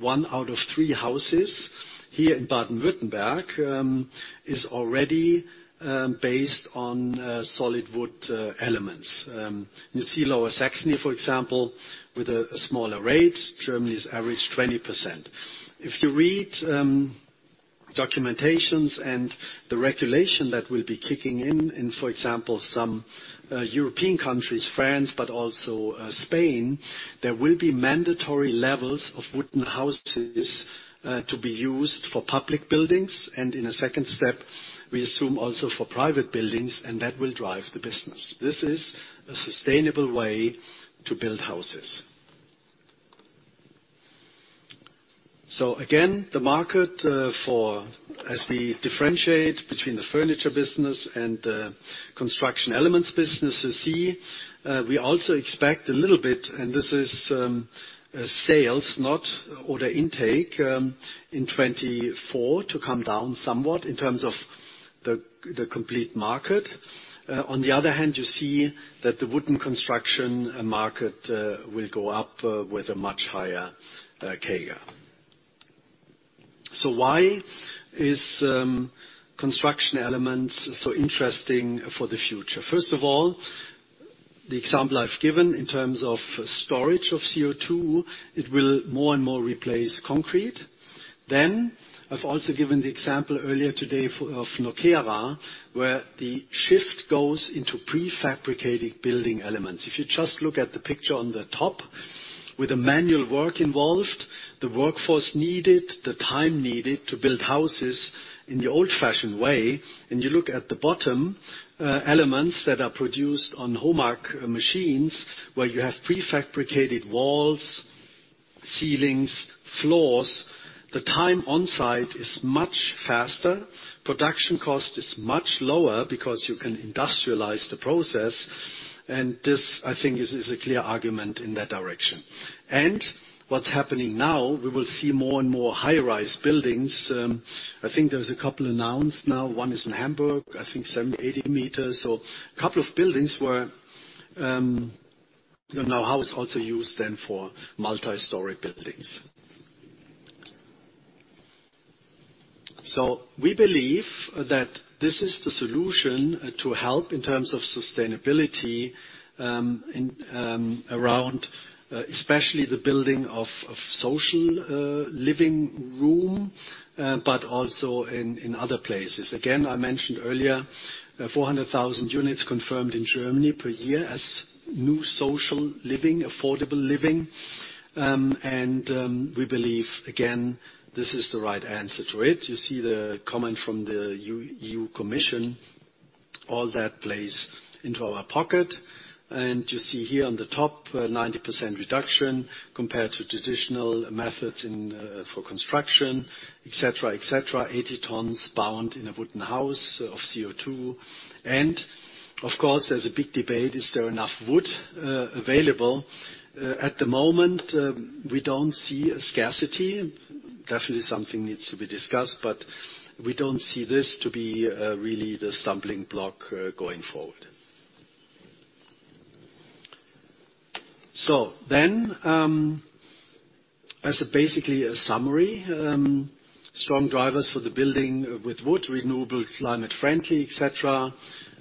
one-third of houses here in Baden-Württemberg is already based on solid wood elements. You see Lower Saxony, for example, with a smaller rate. Germany's average 20%. If you read documentation and the regulations that will be kicking in, for example, some European countries, France, but also Spain, there will be mandatory levels of wooden houses to be used for public buildings. In a second step, we assume also for private buildings, and that will drive the business. This is a sustainable way to build houses. Again, the market, for as we differentiate between the furniture business and the construction elements business, you see, we also expect a little bit, and this is sales, not order intake, in 2024 to come down somewhat in terms of the complete market. On the other hand, you see that the wooden construction market will go up with a much higher CAGR. Why is construction elements so interesting for the future? First of all, the example I've given in terms of storage of CO2, it will more and more replace concrete. I've also given the example earlier today of Nokera, where the shift goes into prefabricated building elements. If you just look at the picture on the top with the manual work involved, the workforce needed, the time needed to build houses in the old-fashioned way, and you look at the bottom, elements that are produced on HOMAG machines, where you have prefabricated walls, ceilings, floors. The time on site is much faster. Production cost is much lower because you can industrialize the process. This, I think, is a clear argument in that direction. What's happening now, we will see more and more high-rise buildings. I think there was a couple announced now. One is in Hamburg, I think 70-80 meters. A couple of buildings were houses also used then for multi-story buildings. We believe that this is the solution to help in terms of sustainability in around especially the building of social living room but also in other places. Again, I mentioned earlier, 400,000 units confirmed in Germany per year as new social living, affordable living. We believe, again, this is the right answer to it. You see the comment from the European Commission, all that plays into our pocket. You see here on the top, 90% reduction compared to traditional methods in, for construction, et cetera, et cetera. 80 tons bound in a wooden house of CO2. Of course, there's a big debate, is there enough wood available? At the moment, we don't see a scarcity. Definitely something needs to be discussed, but we don't see this to be really the stumbling block going forward. As basically a summary, strong drivers for the building with wood, renewable, climate-friendly, et cetera.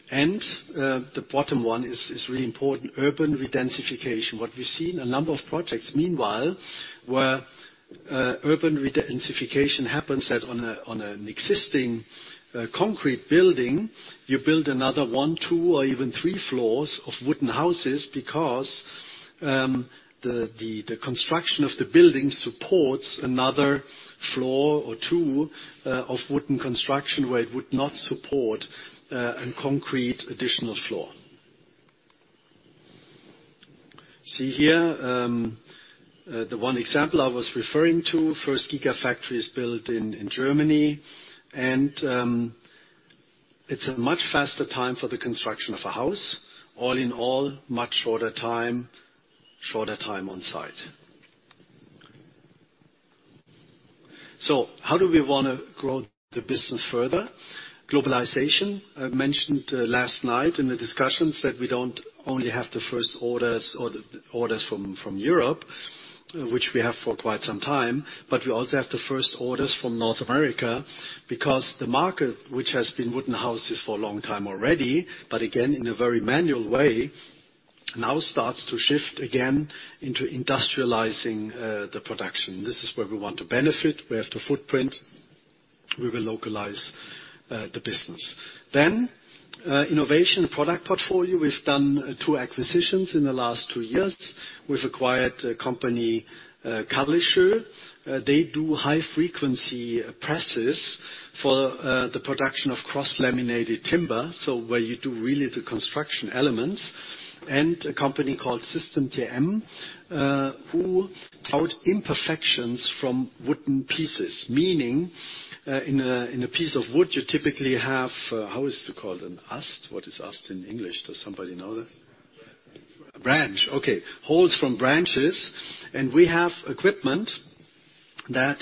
The bottom one is really important, urban redensification. What we've seen a number of projects meanwhile, where urban redensification happens on an existing concrete building. You build another one, two, or even three floors of wooden houses because the construction of the building supports another floor or two of wooden construction where it would not support a concrete additional floor. See here, the one example I was referring to, first gigafactory is built in Germany. It's a much faster time for the construction of a house. All in all, much shorter time on site. How do we wanna grow the business further? Globalization. I mentioned last night in the discussions that we don't only have the first orders or the orders from Europe, which we have for quite some time, but we also have the first orders from North America because the market, which has been wooden houses for a long time already, but again, in a very manual way, now starts to shift again into industrializing the production. This is where we want to benefit. We have the footprint. We will localize the business. Then innovation product portfolio. We've done two acquisitions in the last two years. We've acquired a company, Kallesoe. They do high-frequency presses for the production of cross-laminated timber, so where you do really the construction elements. A company called System TM, who route out imperfections from wooden pieces. Meaning, in a piece of wood, you typically have, how is this called? An AST. What is AST in English? Does somebody know that? Branch. A branch. Okay. Holes from branches. We have equipment that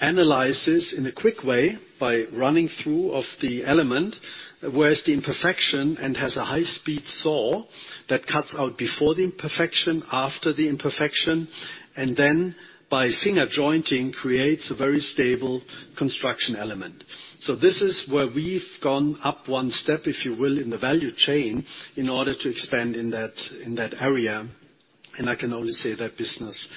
analyzes in a quick way by running through of the element, where is the imperfection, and has a high speed saw that cuts out before the imperfection, after the imperfection, and then by finger jointing, creates a very stable construction element. This is where we've gone up one step, if you will, in the value chain in order to expand in that area. I can only say that business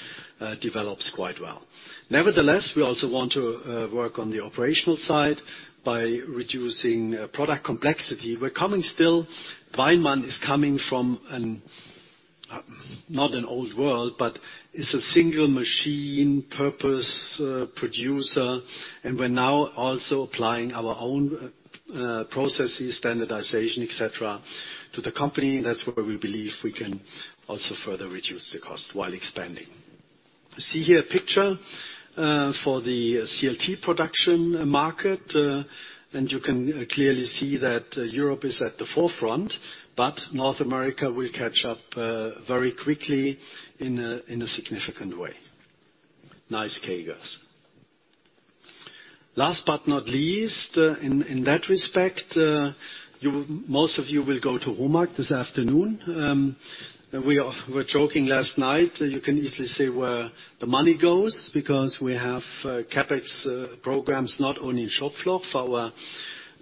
develops quite well. Nevertheless, we also want to work on the operational side by reducing product complexity. WEINMANN is coming from a not old world, but it's a single machine purpose producer, and we're now also applying our own processes, standardization, et cetera, to the company. That's where we believe we can also further reduce the cost while expanding. You see here a picture for the CLT production market, and you can clearly see that Europe is at the forefront, but North America will catch up very quickly in a significant way. Nice CAGRs. Last but not least, in that respect, most of you will go to HOMAG this afternoon. We were joking last night, you can easily say where the money goes because we have CapEx programs not only in Schopfloch for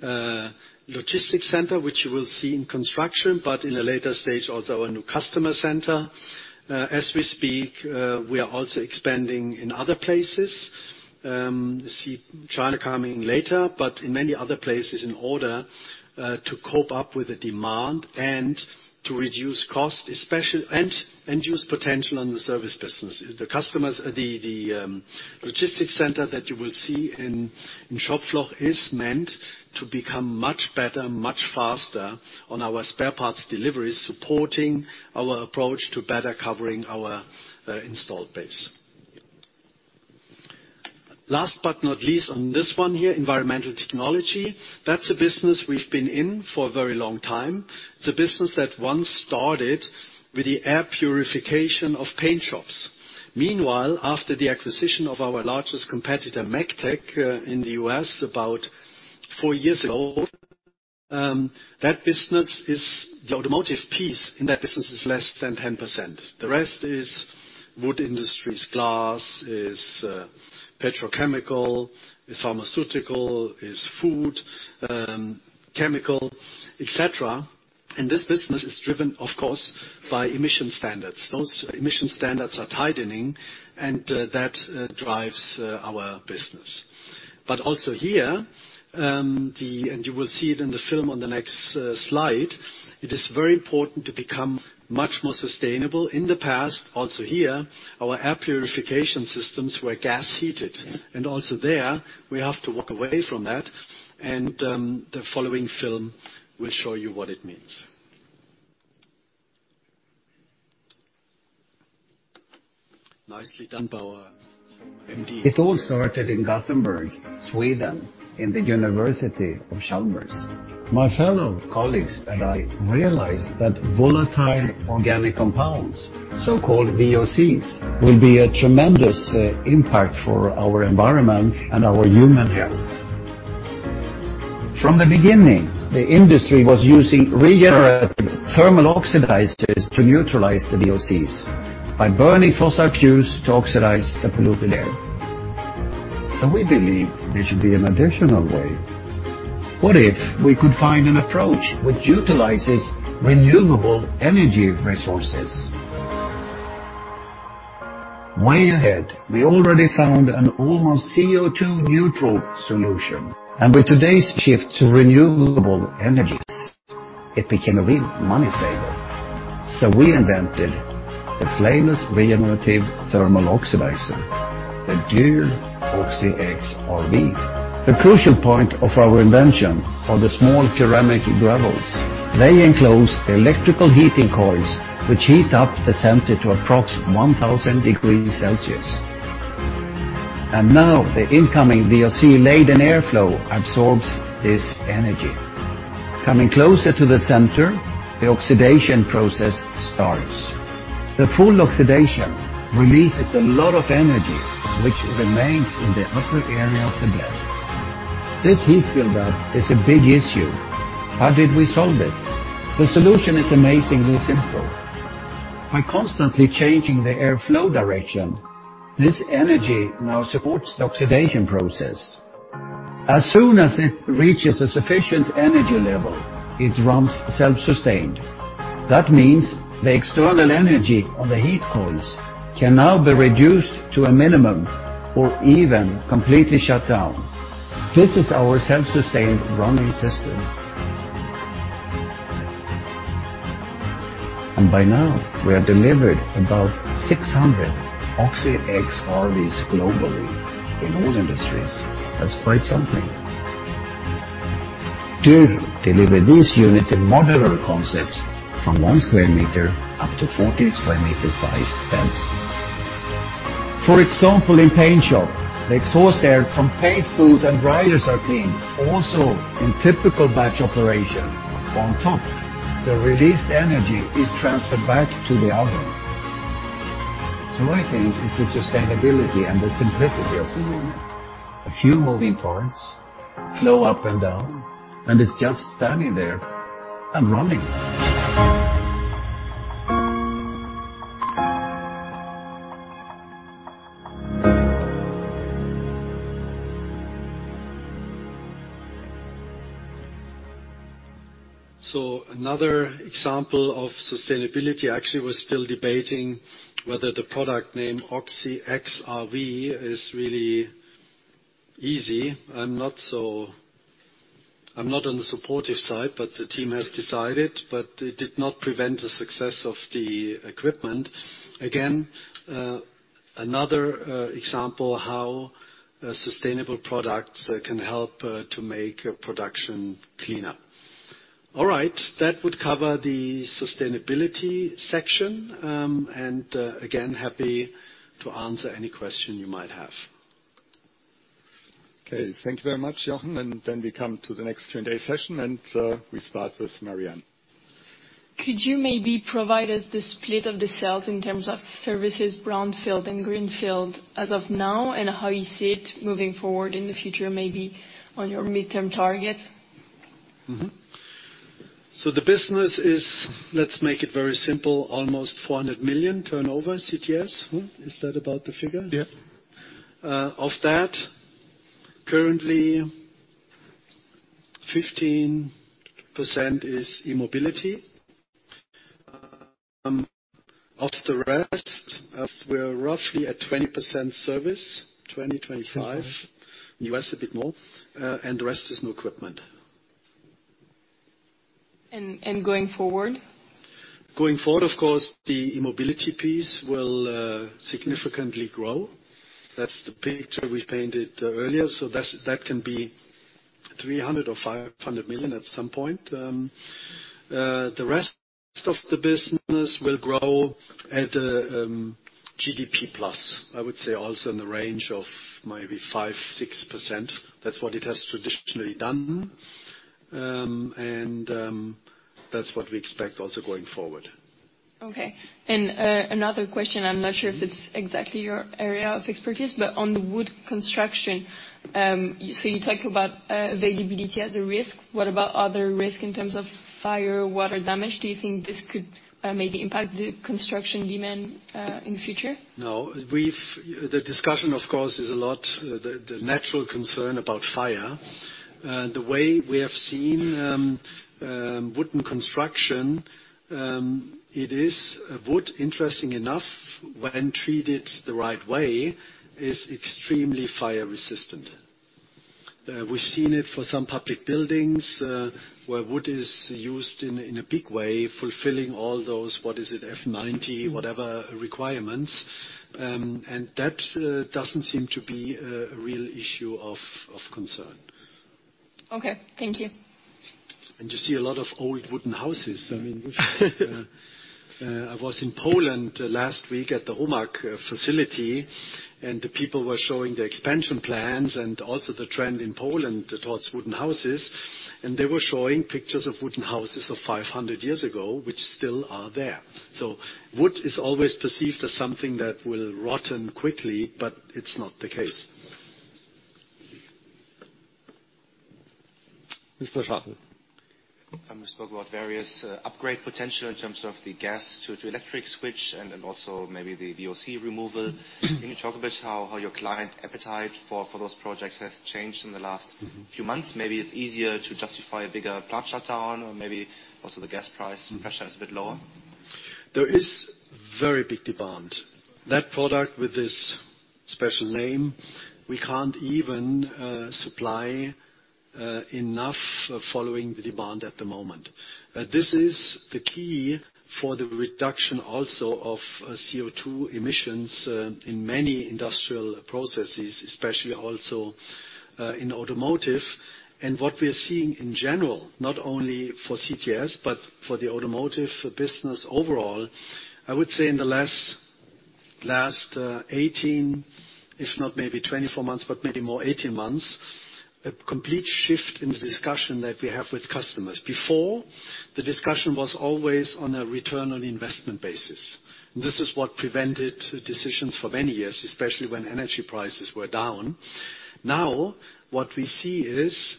our logistics center, which you will see in construction, but in a later stage, also our new customer center. As we speak, we are also expanding in other places. See China coming later, but in many other places in order to keep up with the demand and to reduce cost, especially and use potential on the service business. The logistics center that you will see in Schopfloch is meant to become much better, much faster on our spare parts delivery, supporting our approach to better covering our installed base. Last but not least on this one here, environmental technology. That's a business we've been in for a very long time. It's a business that once started with the air purification of paint shops. Meanwhile, after the acquisition of our largest competitor, Megtec, in the U.S. about four years ago, that business is the automotive piece in that business is less than 10%. The rest is wood industries, glass, petrochemical, pharmaceutical, food, chemical, et cetera. This business is driven, of course, by emission standards. Those emission standards are tightening and that drives our business. Also here, you will see it in the film on the next slide, it is very important to become much more sustainable. In the past, also here, our air purification systems were gas-heated. The following film will show you what it means. Nicely done by our MD. It all started in Gothenburg, Sweden, at Chalmers University of Technology. My fellow colleagues and I realized that volatile organic compounds, so-called VOCs, will be a tremendous impact for our environment and our human health. From the beginning, the industry was using regenerative thermal oxidizers to neutralize the VOCs by burning fossil fuels to oxidize the polluted air. We believe there should be an additional way. What if we could find an approach which utilizes renewable energy resources? Way ahead, we already found an almost CO2 neutral solution, and with today's shift to renewable energies, it became a real money saver. We invented the flameless regenerative thermal oxidizer, the Oxi.X RV. The crucial point of our invention are the small ceramic gravels. They enclose electrical heating coils which heat up the center to approx 1,000 degrees Celsius. Now, the incoming VOC-laden airflow absorbs this energy. Coming closer to the center, the oxidation process starts. The full oxidation releases a lot of energy, which remains in the upper area of the bed. This heat buildup is a big issue. How did we solve it? The solution is amazingly simple. By constantly changing the airflow direction, this energy now supports the oxidation process. As soon as it reaches a sufficient energy level, it runs self-sustained. That means the external energy on the heat coils can now be reduced to a minimum or even completely shut down. This is our self-sustained running system. By now, we have delivered about 600 Oxi.X RVs globally in all industries. That's quite something. To deliver these units in modular concepts from 1 square meter up to 40 square meter sized vents. For example, in paint shop, the exhaust air from paint booths and dryers are cleaned, also in typical batch operation. On top, the released energy is transferred back to the oven. I think it's the sustainability and the simplicity of the unit. A few moving parts flow up and down, and it's just standing there and running. Another example of sustainability, actually, we're still debating whether the product name Oxi.X RV is really easy. I'm not on the supportive side, but the team has decided, but it did not prevent the success of the equipment. Again, another example how sustainable products can help to make a production cleaner. All right, that would cover the sustainability section. Again, happy to answer any question you might have. Okay, thank you very much, Jochen. Then we come to the next Q&A session, and we start with Marianne. Could you maybe provide us the split of the sales in terms of services, brownfield and greenfield as of now, and how you see it moving forward in the future, maybe on your midterm target? The business is, let's make it very simple, almost 400 million turnover CTS. Is that about the figure? Yeah. Of that, currently 15% is e-mobility. Of the rest, as we're roughly at 20% service, 20%-25% US a bit more, and the rest is new equipment. Going forward? Going forward, of course, the e-mobility piece will significantly grow. That's the picture we painted earlier. That can be 300 million or 500 million at some point. The rest of the business will grow at GDP plus. I would say also in the range of maybe 5%-6%. That's what it has traditionally done. That's what we expect also going forward. Okay. Another question, I'm not sure if it's exactly your area of expertise, but on the wood construction, so you talk about availability as a risk. What about other risk in terms of fire, water damage? Do you think this could maybe impact the construction demand in the future? No. The discussion, of course, is all about the natural concern about fire. The way we have seen wooden construction, it is wood, interesting enough, when treated the right way, is extremely fire resistant. We've seen it for some public buildings, where wood is used in a big way, fulfilling all those, what is it, F90, whatever requirements. That doesn't seem to be a real issue of concern. Okay. Thank you. You see a lot of old wooden houses. I mean, I was in Poland last week at the HOMAG facility, and the people were showing the expansion plans and also the trend in Poland towards wooden houses. They were showing pictures of wooden houses of 500 years ago, which still are there. Wood is always perceived as something that will rot quickly, but it's not the case. Mr. Schachel. You spoke about various upgrade potential in terms of the gas to electric switch and also maybe the VOC removal. Can you talk a bit how your client appetite for those projects has changed in the last- Mm-hmm. A few months? Maybe it's easier to justify a bigger plant shutdown or maybe also the gas price pressure is a bit lower. There is very big demand. That product with this special name, we can't even supply enough following the demand at the moment. This is the key for the reduction also of CO₂ emissions in many industrial processes, especially also in automotive. What we're seeing in general, not only for CTS, but for the automotive business overall, I would say in the last 18, if not maybe 24 months, but maybe more 18 months, a complete shift in the discussion that we have with customers. Before, the discussion was always on a return on investment basis. This is what prevented decisions for many years, especially when energy prices were down. Now, what we see is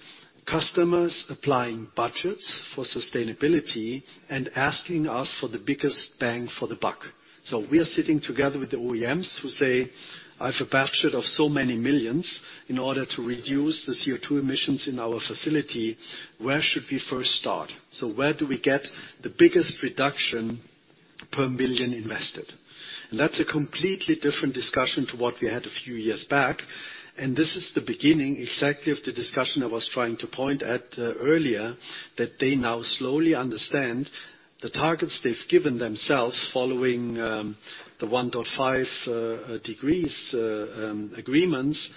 customers applying budgets for sustainability and asking us for the biggest bang for the buck. We are sitting together with the OEMs who say, "I have a budget of so many millions in order to reduce the CO₂ emissions in our facility. Where should we first start? Where do we get the biggest reduction per million invested." That's a completely different discussion to what we had a few years back. This is the beginning, exactly of the discussion I was trying to point at, earlier, that they now slowly understand the targets they've given themselves following the 1.5 degrees agreements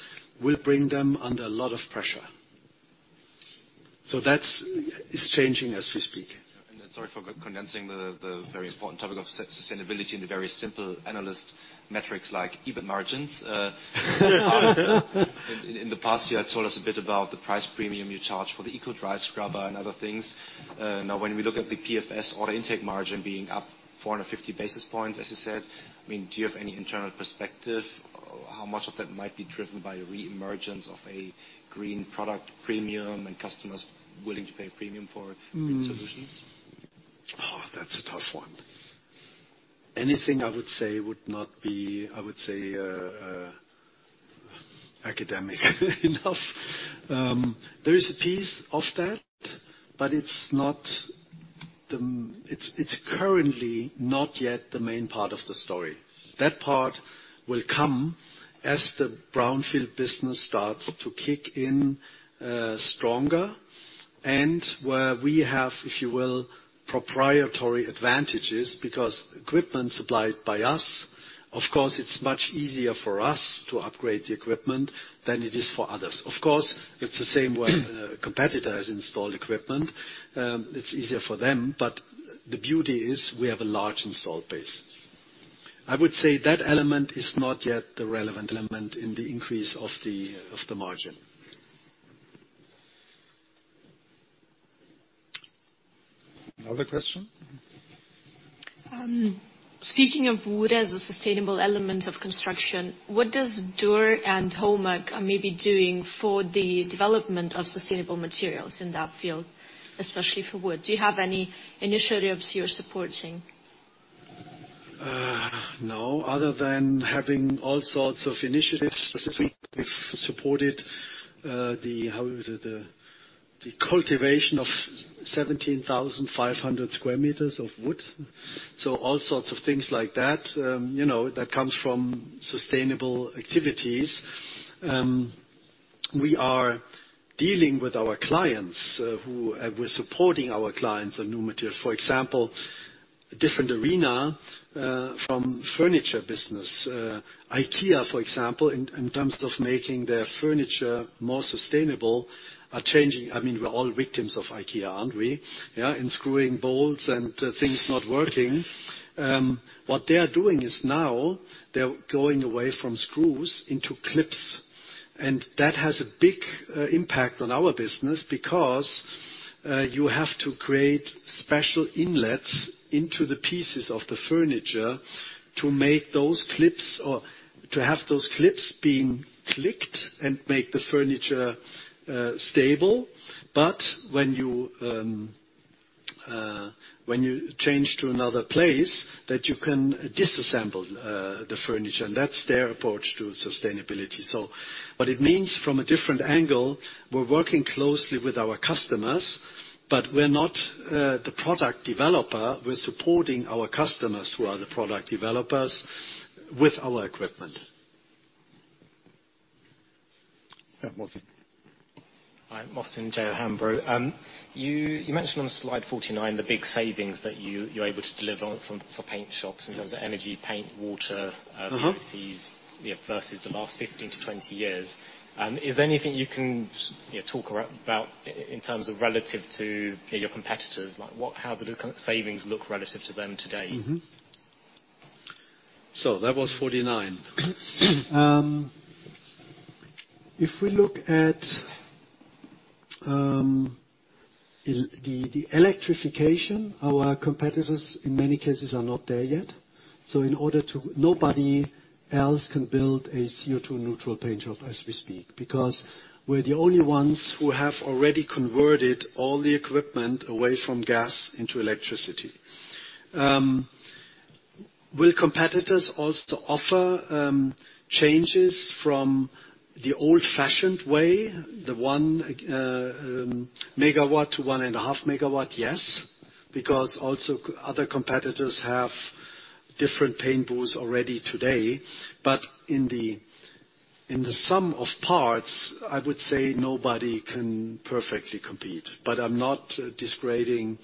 will bring them under a lot of pressure. That's changing as we speak. Sorry for co-condensing the very important topic of sustainability into very simple analyst metrics like EBIT margins. In the past year, told us a bit about the price premium you charge for the EcoDryScrubber and other things. Now when we look at the PFS order intake margin being up 450 basis points, as you said, I mean, do you have any internal perspective how much of that might be driven by the re-emergence of a green product premium and customers willing to pay a premium for green solutions? Oh, that's a tough one. Anything I would say would not be, I would say, academic enough. There is a piece of that, but it's not the—it's currently not yet the main part of the story. That part will come as the brownfield business starts to kick in, stronger. Where we have, if you will, proprietary advantages because equipment supplied by us, of course, it's much easier for us to upgrade the equipment than it is for others. Of course, it's the same way a competitor has installed equipment, it's easier for them, but the beauty is we have a large installed base. I would say that element is not yet the relevant element in the increase of the margin. Another question? Speaking of wood as a sustainable element of construction, what does Dürr and HOMAG maybe doing for the development of sustainable materials in that field, especially for wood? Do you have any initiatives you're supporting? No, other than having all sorts of initiatives this week, we've supported the cultivation of 17,500 square meters of wood. All sorts of things like that, you know, that comes from sustainable activities. We are dealing with our clients, we're supporting our clients with a new material. For example, a different area from furniture business. IKEA, for example, in terms of making their furniture more sustainable, I mean, we're all victims of IKEA, aren't we? Yeah. In screwing bolts and things not working. What they are doing is now they're going away from screws into clips, and that has a big impact on our business because you have to create special inlets into the pieces of the furniture to make those clips or to have those clips being clicked and make the furniture stable. When you change to another way that you can disassemble the furniture, and that's their approach to sustainability. What it means from a different angle, we're working closely with our customers, but we're not the product developer. We're supporting our customers who are the product developers with our equipment. Yeah, Mohsin. Hi, Mohsin Jahanbakhsh. You mentioned on slide 49 the big savings that you're able to deliver for paint shops in terms of energy, paint, water. Mm-hmm... uses versus the last 15-20 years. Is there anything you can, you know, talk about in terms of relative to, you know, your competitors? Like, what, how the labor savings look relative to them today? That was 49. If we look at the electrification, our competitors in many cases are not there yet. Nobody else can build a CO₂ neutral paint job as we speak, because we're the only ones who have already converted all the equipment away from gas into electricity. Will competitors also offer changes from the old-fashioned way, the 1 megawatt to 1.5 megawatt? Yes, because also other competitors have different paint booths already today. In the sum of parts, I would say nobody can perfectly compete. I'm not discrediting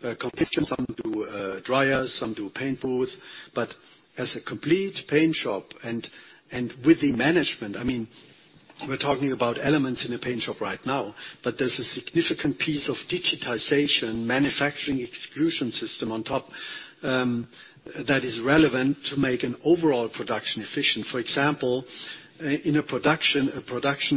competitors. Some do dryers, some do paint booths. As a complete paint shop and with the management, I mean, we're talking about elements in a paint shop right now, but there's a significant piece of digitization manufacturing execution system on top, that is relevant to make an overall production efficient. For example, in a production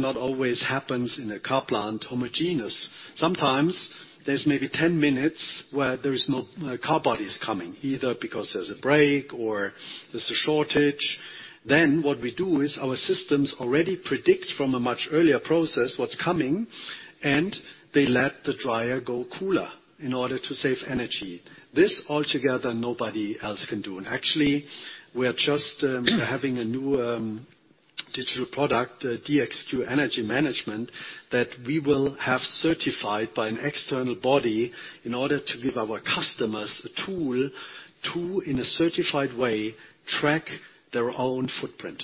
not always happens in a car plant homogeneous. Sometimes there's maybe 10 minutes where there is no car bodies coming, either because there's a break or there's a shortage. Then what we do is our systems already predict from a much earlier process what's coming, and they let the dryer go cooler in order to save energy. This altogether nobody else can do. Actually, we're just having a new digital product, DXQenergy.management, that we will have certified by an external body in order to give our customers the tool to, in a certified way, track their own footprint.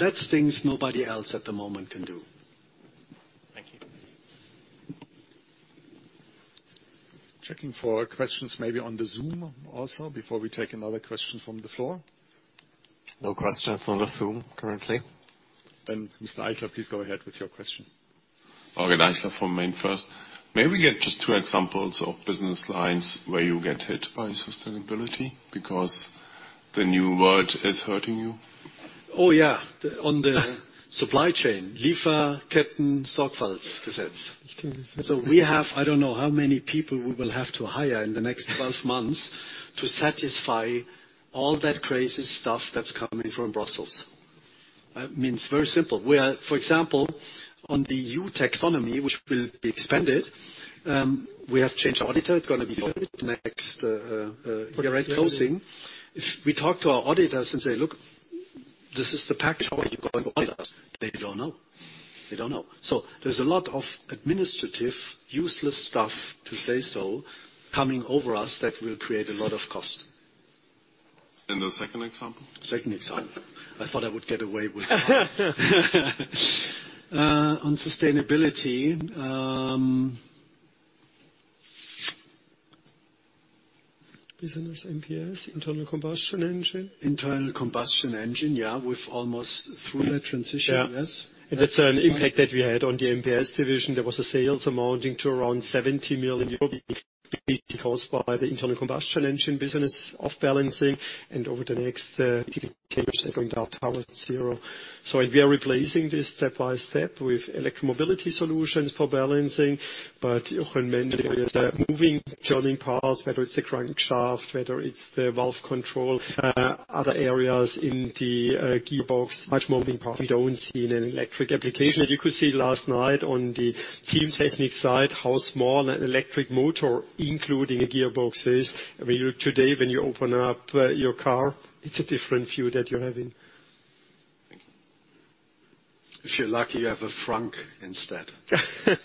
That's things nobody else at the moment can do. Thank you. Checking for questions maybe on the Zoom also before we take another question from the floor. No questions on the Zoom currently. Mr. Eitel, please go ahead with your question. Stefan Eitel from MainFirst. May we get just two examples of business lines where you get hit by sustainability because the new world is hurting you? Oh, yeah. On the supply chain. "Lieferkettensorgfaltspflichtengesetz". We have I don't know how many people we will have to hire in the next 12 months to satisfy all that crazy stuff that's coming from Brussels. Means very simple. We are, for example, on the EU taxonomy, which will be expanded. We have changed auditor. It's gonna be audit next year-end closing. If we talk to our auditors and say, "Look, this is the package. How are you going to audit us?" They don't know. There's a lot of administrative, useless stuff, to say so, coming over us that will create a lot of cost. The second example? Second example. I thought I would get away with one. On sustainability. Business MPS, internal combustion engine. Internal combustion engine, yeah. We're almost through that transition, yes. Yeah. That's an impact that we had on the MPS division. There was a sales amounting to around 70 million euros because by the internal combustion engine business of balancing and over the next years is going down towards zero. We are replacing this step by step with electric mobility solutions for balancing. Jochen mentioned earlier, there are moving turning parts, whether it's the crankshaft, whether it's the valve control, other areas in the gearbox, much moving parts we don't see in an electric application. You could see last night on the Teamtechnik side how small an electric motor including a gearbox is. I mean, today when you open up your car, it's a different view that you're having. Thank you. If you're lucky, you have a frunk instead. Yeah.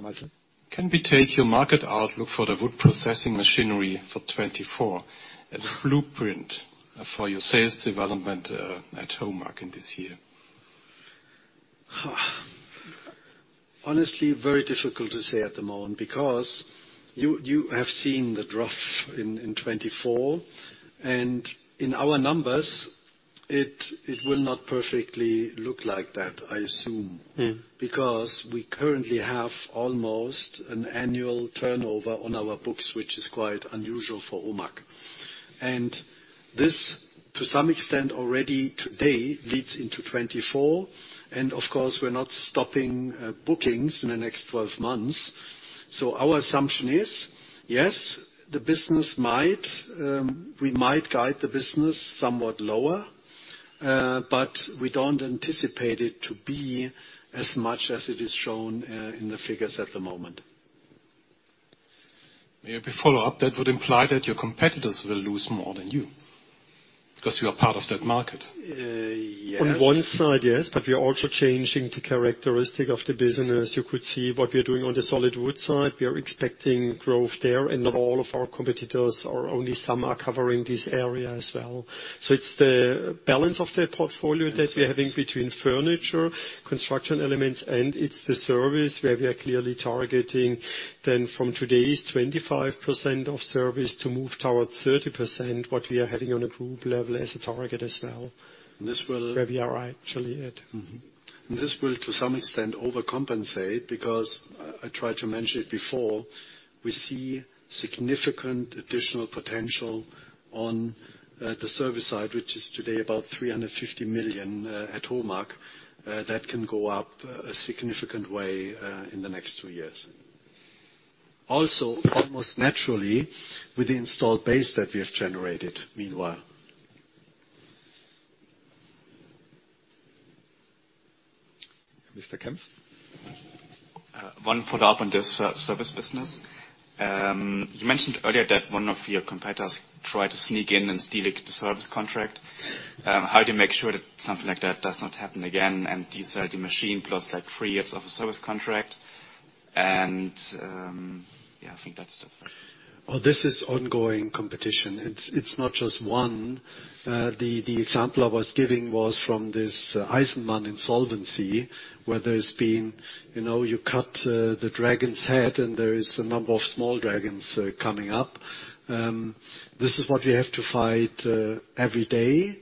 Mr. Eitel. Can we take your market outlook for the wood processing machinery for 2024 as a blueprint for your sales development, at HOMAG in this year? Honestly, very difficult to say at the moment because you have seen the drop in 2024. In our numbers, it will not perfectly look like that, I assume. Mm. Because we currently have almost an annual turnover on our books, which is quite unusual for HOMAG. This, to some extent already today, leads into 2024. Of course, we're not stopping bookings in the next 12 months. Our assumption is, yes, the business might, we might guide the business somewhat lower, but we don't anticipate it to be as much as it is shown in the figures at the moment. May I follow up? That would imply that your competitors will lose more than you because you are part of that market. Yes. On one side, yes. We are also changing the characteristic of the business. You could see what we are doing on the solid wood side. We are expecting growth there. Not all of our competitors or only some are covering this area as well. It's the balance of the portfolio that we are having between furniture, construction elements, and it's the service where we are clearly targeting then from today's 25% of service to move toward 30%, what we are having on a group level as a target as well. And this will- Where we are actually at. This will, to some extent, overcompensate because I tried to mention it before, we see significant additional potential on the service side, which is today about 350 million at HOMAG that can go up a significant way in the next two years. Also, almost naturally, with the installed base that we have generated meanwhile. Mr. Kempf? One follow-up on this service business. You mentioned earlier that one of your competitors tried to sneak in and steal a service contract. How do you make sure that something like that does not happen again and you sell the machine plus, like, three years of a service contract? Yeah, I think that's just it. Well, this is ongoing competition. It's not just one. The example I was giving was from this Eisenmann insolvency, where there's been, you know, you cut the dragon's head, and there is a number of small dragons coming up. This is what we have to fight every day.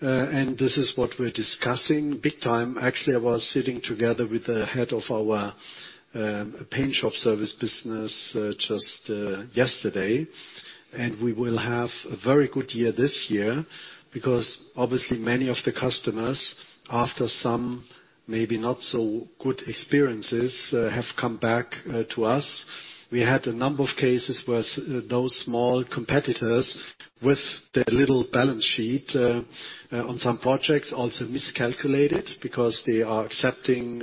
This is what we're discussing big time. Actually, I was sitting together with the head of our paint shop service business just yesterday. We will have a very good year this year because obviously many of the customers, after some maybe not so good experiences, have come back to us. We had a number of cases where those small competitors with their little balance sheet on some projects also miscalculated because they are accepting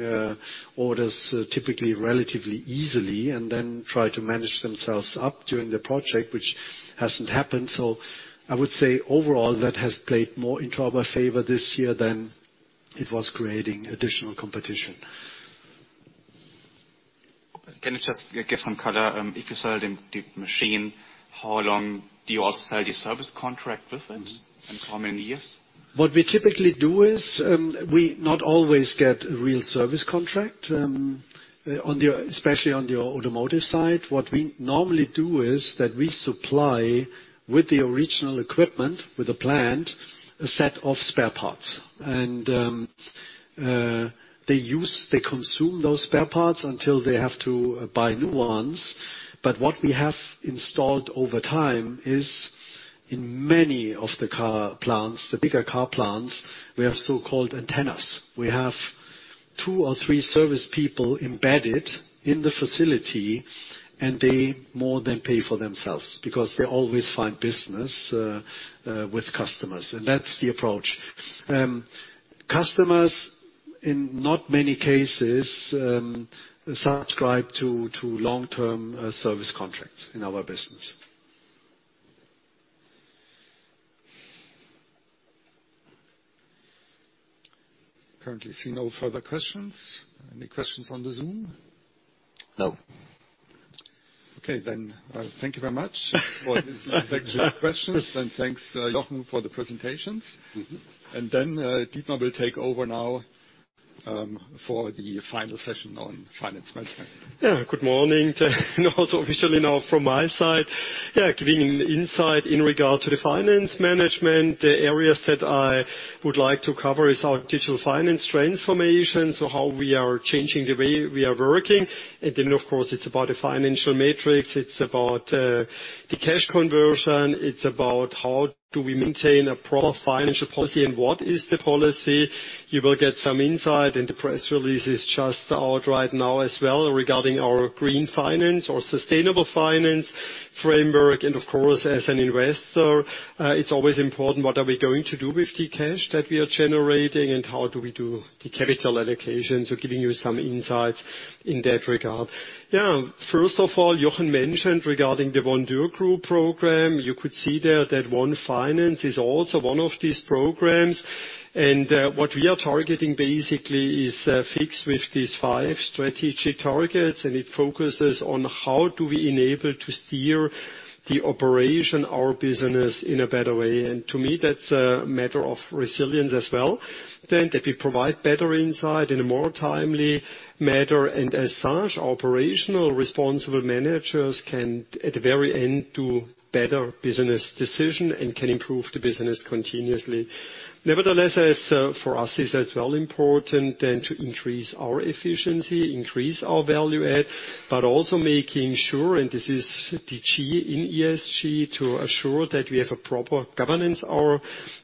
orders typically relatively easily and then try to manage themselves up during the project, which hasn't happened. I would say overall, that has played more into our favor this year than it was creating additional competition. Can you just give some color, if you sell the machine, how long do you also sell the service contract with it? How many years? What we typically do is, we not always get a real service contract, especially on the automotive side. What we normally do is that we supply with the original equipment, with a plant, a set of spare parts. They use, they consume those spare parts until they have to buy new ones. What we have installed over time is in many of the car plants, the bigger car plants, we have so-called antennas. We have two or three service people embedded in the facility, and they more than pay for themselves because they always find business with customers, and that's the approach. Customers, in not many cases, subscribe to long-term service contracts in our business. Currently, I see no further questions. Any questions on the Zoom? No. Thank you very much for these questions, and thanks, Jochen, for the presentations. Mm-hmm. Dietmar will take over now, for the final session on finance management. Yeah. Good morning. Also officially now from my side. Yeah, giving an insight in regard to the finance management. The areas that I would like to cover is our digital finance transformation, so how we are changing the way we are working. Then, of course, it's about the financial metrics, it's about the cash conversion, it's about how do we maintain a proper financial policy and what is the policy. You will get some insight, and the press release is just out right now as well regarding our green finance or sustainable finance framework. Of course, as an investor, it's always important what are we going to do with the cash that we are generating, and how do we do the capital allocations, so giving you some insights in that regard. Yeah. First of all, Jochen mentioned regarding the One Dürr Group program, you could see there that One Finance is also one of these programs. What we are targeting basically is fixed with these five strategic targets, and it focuses on how do we enable to steer the operation, our business, in a better way. To me, that's a matter of resilience as well. That we provide better insight in a more timely manner. As such, operational responsible managers can, at the very end, do better business decision and can improve the business continuously. Nevertheless, for us, it's as well important to increase our efficiency, increase our value add, but also making sure, and this is the G in ESG, to assure that we have a proper governance over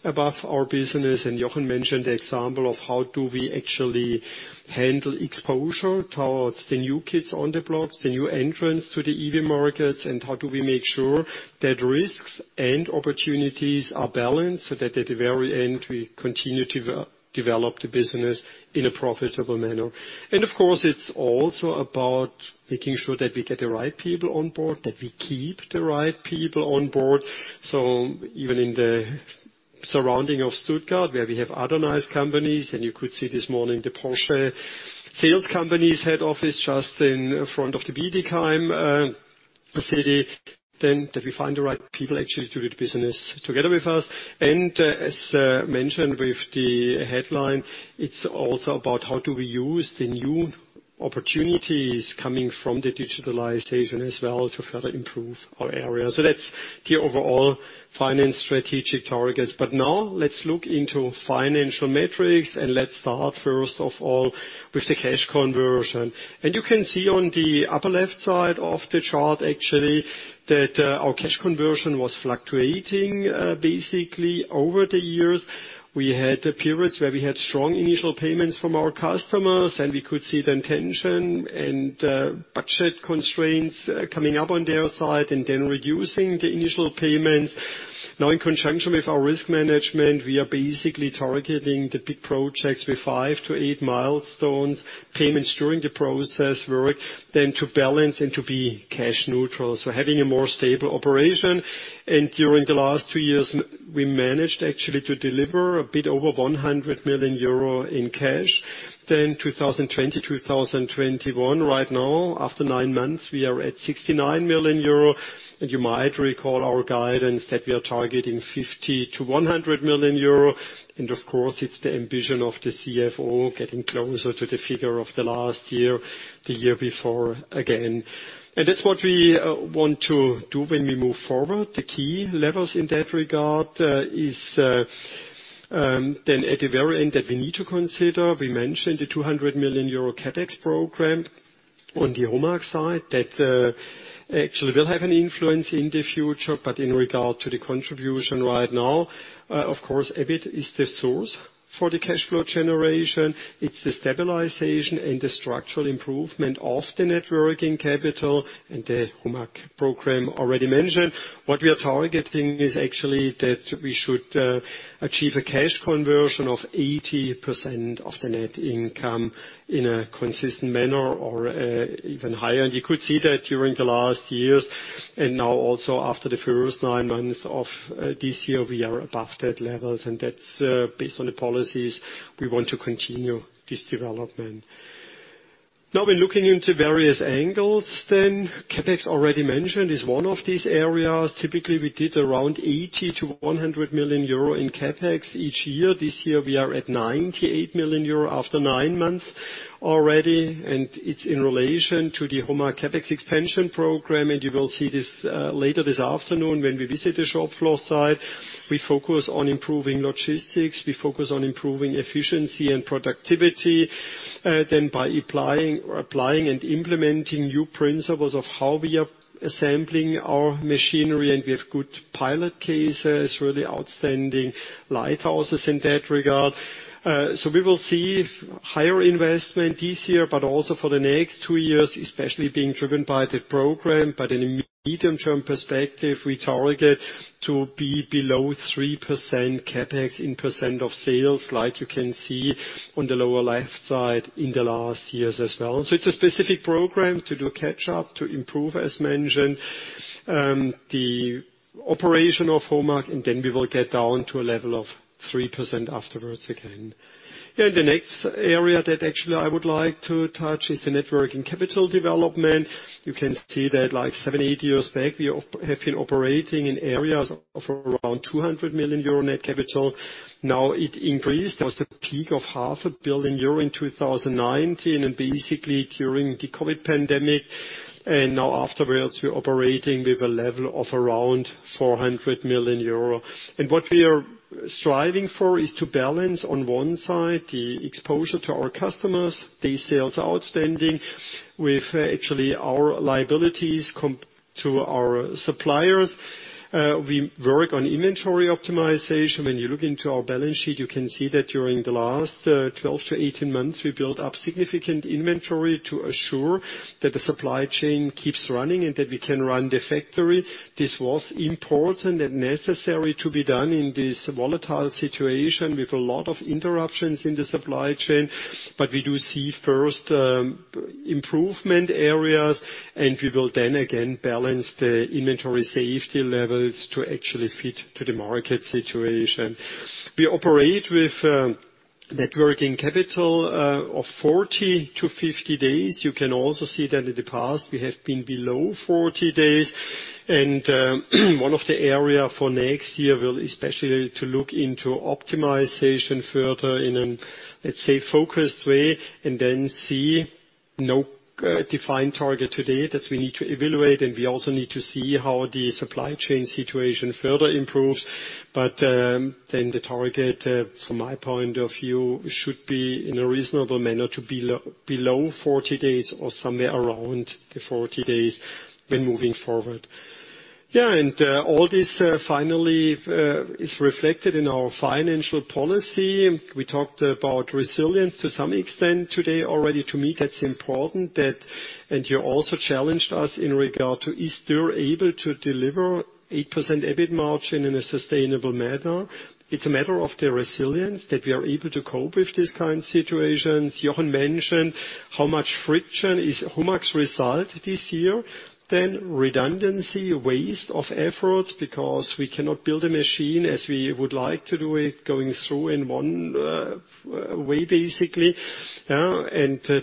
our business. Jochen mentioned the example of how do we actually handle exposure towards the new kids on the block, the new entrants to the EV markets, and how do we make sure that risks and opportunities are balanced so that at the very end, we continue to develop the business in a profitable manner. Of course, it's also about making sure that we get the right people on board, that we keep the right people on board. Even in the surroundings of Stuttgart, where we have other nice companies, and you could see this morning the Porsche sales company's head office just in front of the Bietigheim city, then that we find the right people actually to do the business together with us. As mentioned with the headline, it's also about how do we use the new opportunities coming from the digitization as well to further improve our area. That's the overall financial strategic targets. Now let's look into financial metrics, and let's start, first of all, with the cash conversion. You can see on the upper left side of the chart actually that our cash conversion was fluctuating basically over the years. We had periods where we had strong initial payments from our customers, and we could see the tension and budget constraints coming up on their side and then reducing the initial payments. Now, in conjunction with our risk management, we are basically targeting the big projects with five to eight milestone payments during the process work then to balance and to be cash neutral, so having a more stable operation. During the last two years, we managed actually to deliver a bit over 100 million euro in cash. 2020, 2021, right now, after nine months, we are at 69 million euro. You might recall our guidance that we are targeting 50 million-100 million euro. Of course, it's the ambition of the CFO getting closer to the figure of the last year, the year before again. That's what we want to do when we move forward. The key levels in that regard is then at the very end that we need to consider. We mentioned the 200 million euro CapEx program on the HOMAG side that actually will have an influence in the future. In regard to the contribution right now, of course, EBIT is the source for the cash flow generation. It's the stabilization and the structural improvement of the net working capital and the HOMAG program already mentioned. What we are targeting is actually that we should achieve a cash conversion of 80% of the net income in a consistent manner or even higher. You could see that during the last years. Now also after the first nine months of this year, we are above that levels. That's based on the policies. We want to continue this development. Now we're looking into various angles then. CapEx already mentioned is one of these areas. Typically, we did around 80 million-100 million euro in CapEx each year. This year, we are at 98 million euro after nine months already, and it's in relation to the HOMAG CapEx expansion program. You will see this later this afternoon when we visit the shop floor site. We focus on improving logistics. We focus on improving efficiency and productivity by applying and implementing new principles of how we are assembling our machinery, and we have good pilot cases, really outstanding lighthouses in that regard. We will see higher investment this year, but also for the next two years, especially being driven by the program. In a medium-term perspective, we target to be below 3% CapEx in % of sales, like you can see on the lower left side in the last years as well. It's a specific program to do catch-up, to improve, as mentioned, the operation of HOMAG, and then we will get down to a level of 3% afterwards again. Yeah, the next area that actually I would like to touch is the net working capital development. You can see that likeseven to eight years back, we have been operating in areas of around 200 million euro net capital. Now it increased. There was a peak of EUR half a billion in 2019, and basically during the COVID pandemic. Now afterwards, we're operating with a level of around 400 million euro. What we are striving for is to balance, on one side, the exposure to our customers, the sales outstanding, with actually our liabilities to our suppliers. We work on inventory optimization. When you look into our balance sheet, you can see that during the last 12-18 months, we built up significant inventory to assure that the supply chain keeps running and that we can run the factory. This was important and necessary to be done in this volatile situation with a lot of interruptions in the supply chain. We do see first improvement areas, and we will then again balance the inventory safety levels to actually fit to the market situation. We operate with net working capital of 40-50 days. You can also see that in the past, we have been below 40 days. One of the areas for next year will especially to look into optimization further in a, let's say, focused way and then we see no defined target to date as we need to evaluate, and we also need to see how the supply chain situation further improves. Then the target, from my point of view, should be in a reasonable manner to be below 40 days or somewhere around the 40 days when moving forward. Yeah. All this finally is reflected in our financial policy. We talked about resilience to some extent today already. To me, that's important. You also challenged us in regard to is Dürr able to deliver 8% EBIT margin in a sustainable manner. It's a matter of the resilience that we are able to cope with these kind of situations. Jochen mentioned how much friction is HOMAG's result this year, then redundancy, waste of efforts because we cannot build a machine as we would like to do it going through in one way, basically. Yeah.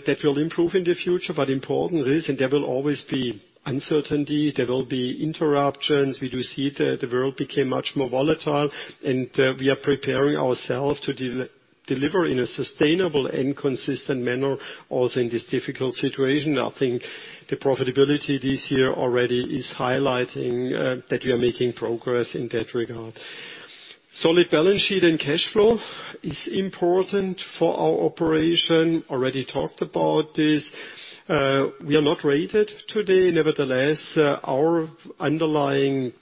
That will improve in the future. Important is, and there will always be uncertainty, there will be interruptions. We do see the world became much more volatile, and we are preparing ourselves to deliver in a sustainable and consistent manner also in this difficult situation. I think the profitability this year already is highlighting that we are making progress in that regard. Solid balance sheet and cash flow is important for our operation. Already talked about this. We are not rated today. Nevertheless, our underlying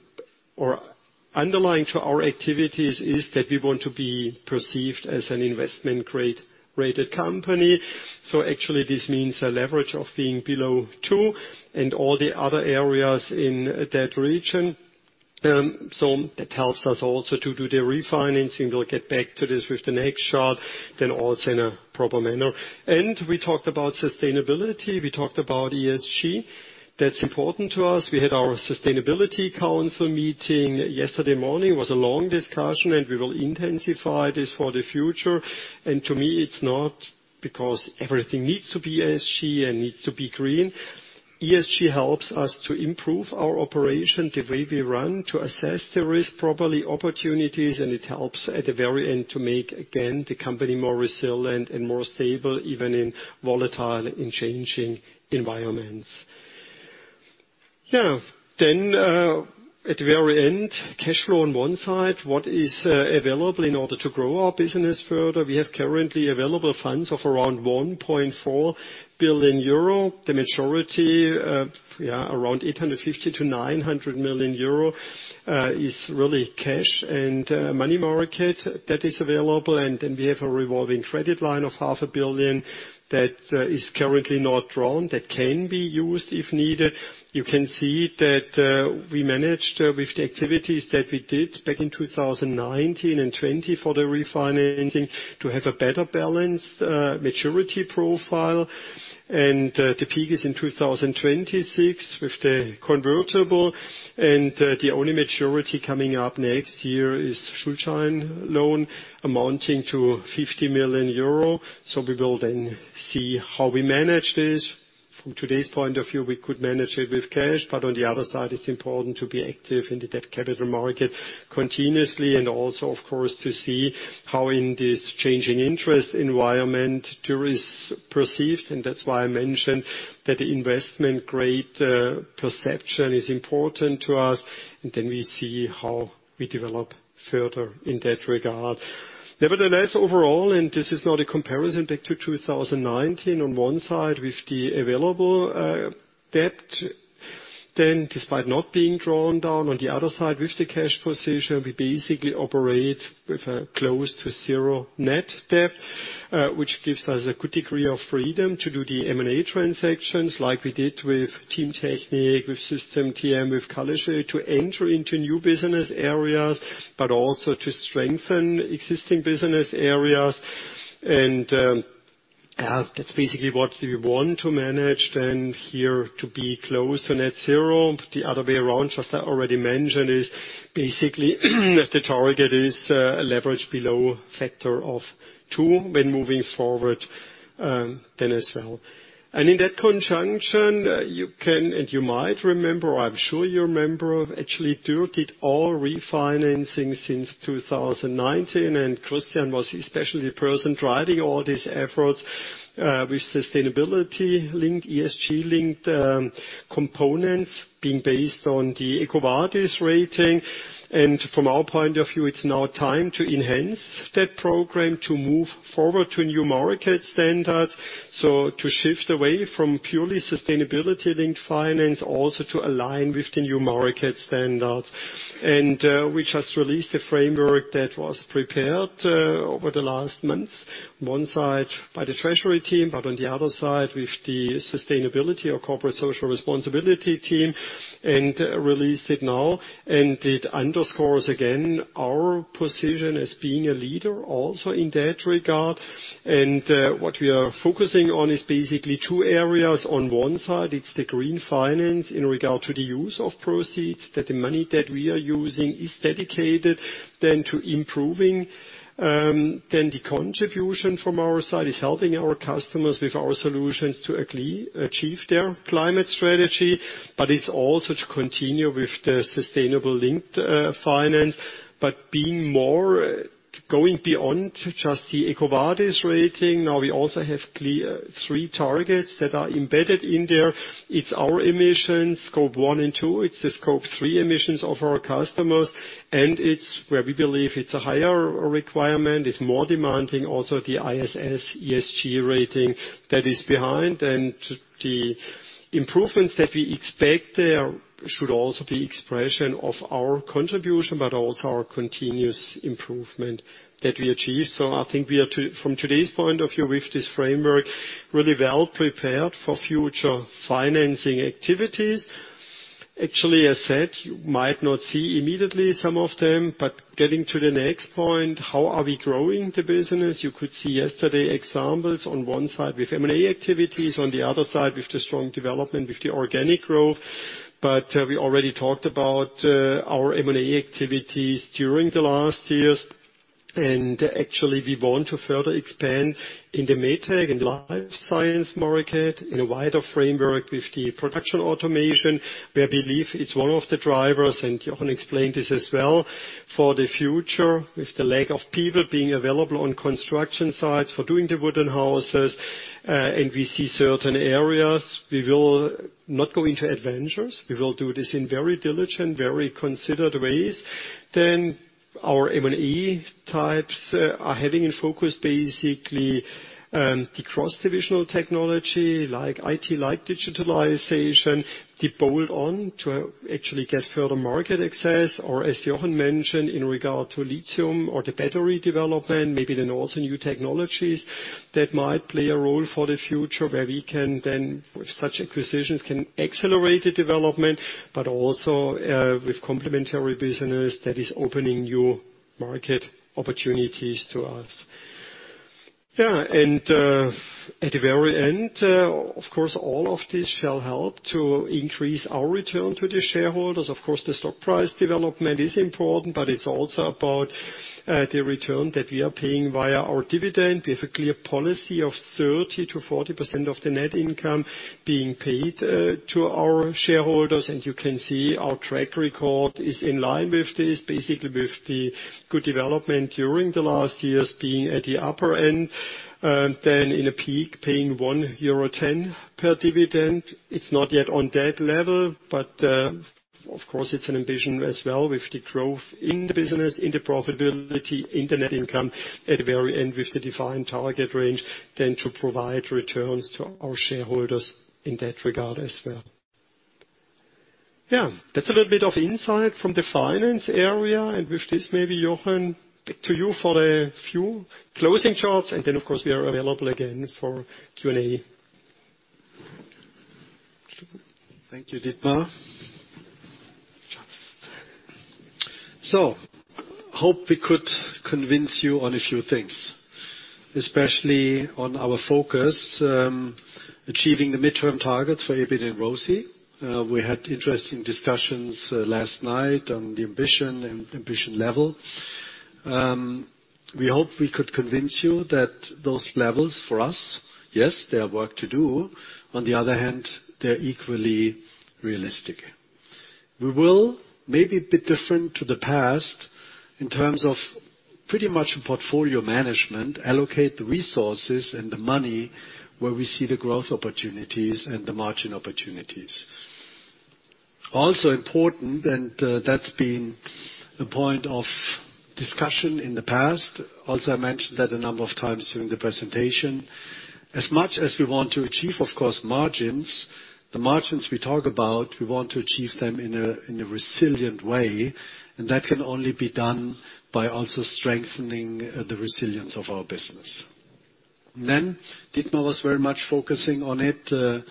to our activities is that we want to be perceived as an investment grade-rated company. Actually, this means a leverage of being below two in all the other areas in that region. That helps us also to do the refinancing. We'll get back to this with the next chart, then also in a proper manner. We talked about sustainability, we talked about ESG. That's important to us. We had our sustainability council meeting yesterday morning. It was a long discussion, and we will intensify this for the future. To me, it's not because everything needs to be ESG and needs to be green. ESG helps us to improve our operation, the way we run, to assess the risk properly, opportunities, and it helps at the very end to make, again, the company more resilient and more stable, even in volatile and changing environments. At the very end, cash flow on one side, what is available in order to grow our business further? We have currently available funds of around 1.4 billion euro. The majority, around 850 million-900 million euro, is really cash and money market that is available. We have a revolving credit line of EUR half a billion that is currently not drawn, that can be used if needed. You can see that we managed with the activities that we did back in 2019 and 2020 for the refinancing to have a better balanced maturity profile. The peak is in 2026 with the convertible. The only maturity coming up next year is Schuldschein loan amounting to 50 million euro. We will then see how we manage this. From today's point of view, we could manage it with cash, but on the other side, it's important to be active in the debt capital market continuously and also, of course, to see how in this changing interest environment, Dürr is perceived. And that's why I mentioned that the investment-grade perception is important to us, and then we see how we develop further in that regard. Nevertheless, overall, this is not a comparison back to 2019, on one side, with the available debt, then despite not being drawn down on the other side with the cash position, we basically operate with a close to zero net debt, which gives us a good degree of freedom to do the M&A transactions like we did with Teamtechnik, with System TM, with Kallesoe, to enter into new business areas, but also to strengthen existing business areas. That's basically what we want to manage then here to be close to net zero. The other way around, as I already mentioned, is basically the target is a leverage below factor of two when moving forward, then as well. In that conjunction, you can, and you might remember, I'm sure you remember, actually, Dürr did all refinancing since 2019, and Christian was especially the person driving all these efforts, with sustainability-linked, ESG-linked, components being based on the EcoVadis rating. From our point of view, it's now time to enhance that program to move forward to new market standards. To shift away from purely sustainability-linked finance also to align with the new market standards. We just released a framework that was prepared over the last months, one side by the treasury team, but on the other side, with the sustainability or corporate social responsibility team and released it now. It underscores again our position as being a leader also in that regard. What we are focusing on is basically two areas. On one side, it's the green finance in regard to the use of proceeds, that the money that we are using is dedicated then to improving. Then the contribution from our side is helping our customers with our solutions to achieve their climate strategy, but it's also to continue with the sustainability-linked finance, but being more, going beyond just the EcoVadis rating. Now, we also have three clear targets that are embedded in there. It's our emissions, Scope one and two, it's the Scope three emissions of our customers, and it's where we believe it's a higher requirement, it's more demanding, also the ISS ESG rating that is behind. The improvements that we expect there should also be expression of our contribution, but also our continuous improvement that we achieve. I think we are too. From today's point of view with this framework, really well prepared for future financing activities. Actually, as said, you might not see immediately some of them, but getting to the next point, how are we growing the business? You could see yesterday examples on one side with M&A activities, on the other side with the strong development with the organic growth. We already talked about our M&A activities during the last years. Actually, we want to further expand in the MedTech and the life science market in a wider framework with the production automation. We believe it's one of the drivers, and Jochen explained this as well, for the future, with the lack of people being available on construction sites for doing the wooden houses. We see certain areas. We will not go into adventures. We will do this in very diligent, very considered ways. Our M&A types are having in focus basically the cross-divisional technology like IT, like digitalization, the bolt-on to actually get further market access or as Jochen mentioned, in regard to lithium or the battery development, maybe then also new technologies that might play a role for the future where we can then, with such acquisitions, can accelerate the development, but also with complementary business that is opening new market opportunities to us. Yeah. At the very end, of course, all of this shall help to increase our return to the shareholders. Of course, the stock price development is important, but it's also about the return that we are paying via our dividend. We have a clear policy of 30%-40% of the net income being paid to our shareholders. You can see our track record is in line with this, basically with the good development during the last years being at the upper end, then in a peak, paying 1.10 euro per dividend. It's not yet on that level, but, of course, it's an ambition as well with the growth in the business, in the profitability, in the net income at the very end with the defined target range, then to provide returns to our shareholders in that regard as well. Yeah. That's a little bit of insight from the finance area. With this, maybe Jochen, back to you for a few closing charts. Then, of course, we are available again for Q&A. Thank you, Dietmar. Hope we could convince you on a few things, especially on our focus, achieving the midterm targets for EBIT and ROCE. We had interesting discussions last night on the ambition level. We hope we could convince you that those levels for us, yes, there is work to do. On the other hand, they're equally realistic. We will, maybe a bit different to the past, in terms of pretty much portfolio management, allocate the resources and the money where we see the growth opportunities and the margin opportunities. Also important, and, that's been a point of discussion in the past. Also, I mentioned that a number of times during the presentation. As much as we want to achieve, of course, margins, the margins we talk about, we want to achieve them in a resilient way, and that can only be done by also strengthening the resilience of our business. Dietmar was very much focusing on it.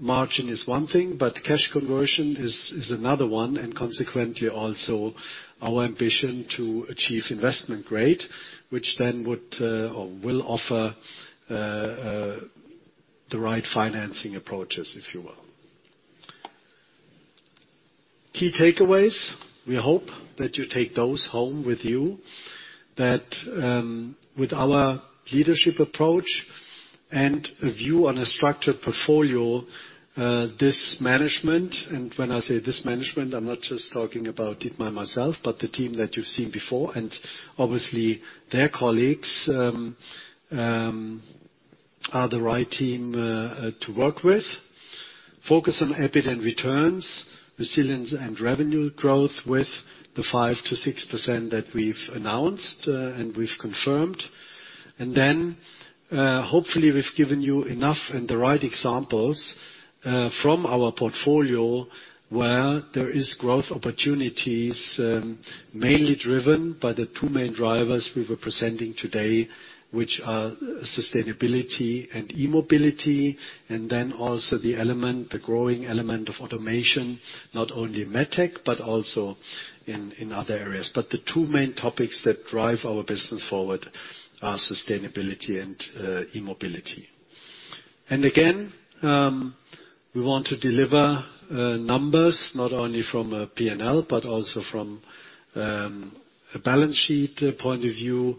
Margin is one thing, but cash conversion is another one, and consequently also our ambition to achieve investment grade, which then would or will offer the right financing approaches, if you will. Key takeaways. We hope that you take those home with you. That with our leadership approach and a view on a structured portfolio, this management, and when I say this management, I'm not just talking about Dietmar and myself, but the team that you've seen before. Obviously their colleagues are the right team to work with. Focus on EBIT and returns, resilience and revenue growth with the 5%-6% that we've announced, and we've confirmed. Hopefully we've given you enough and the right examples from our portfolio where there is growth opportunities, mainly driven by the two main drivers we were presenting today, which are sustainability and e-mobility, and then also the element, the growing element of automation, not only in MedTech, but also in other areas. The two main topics that drive our business forward are sustainability and e-mobility. Again, we want to deliver numbers not only from a P&L, but also from a balance sheet point of view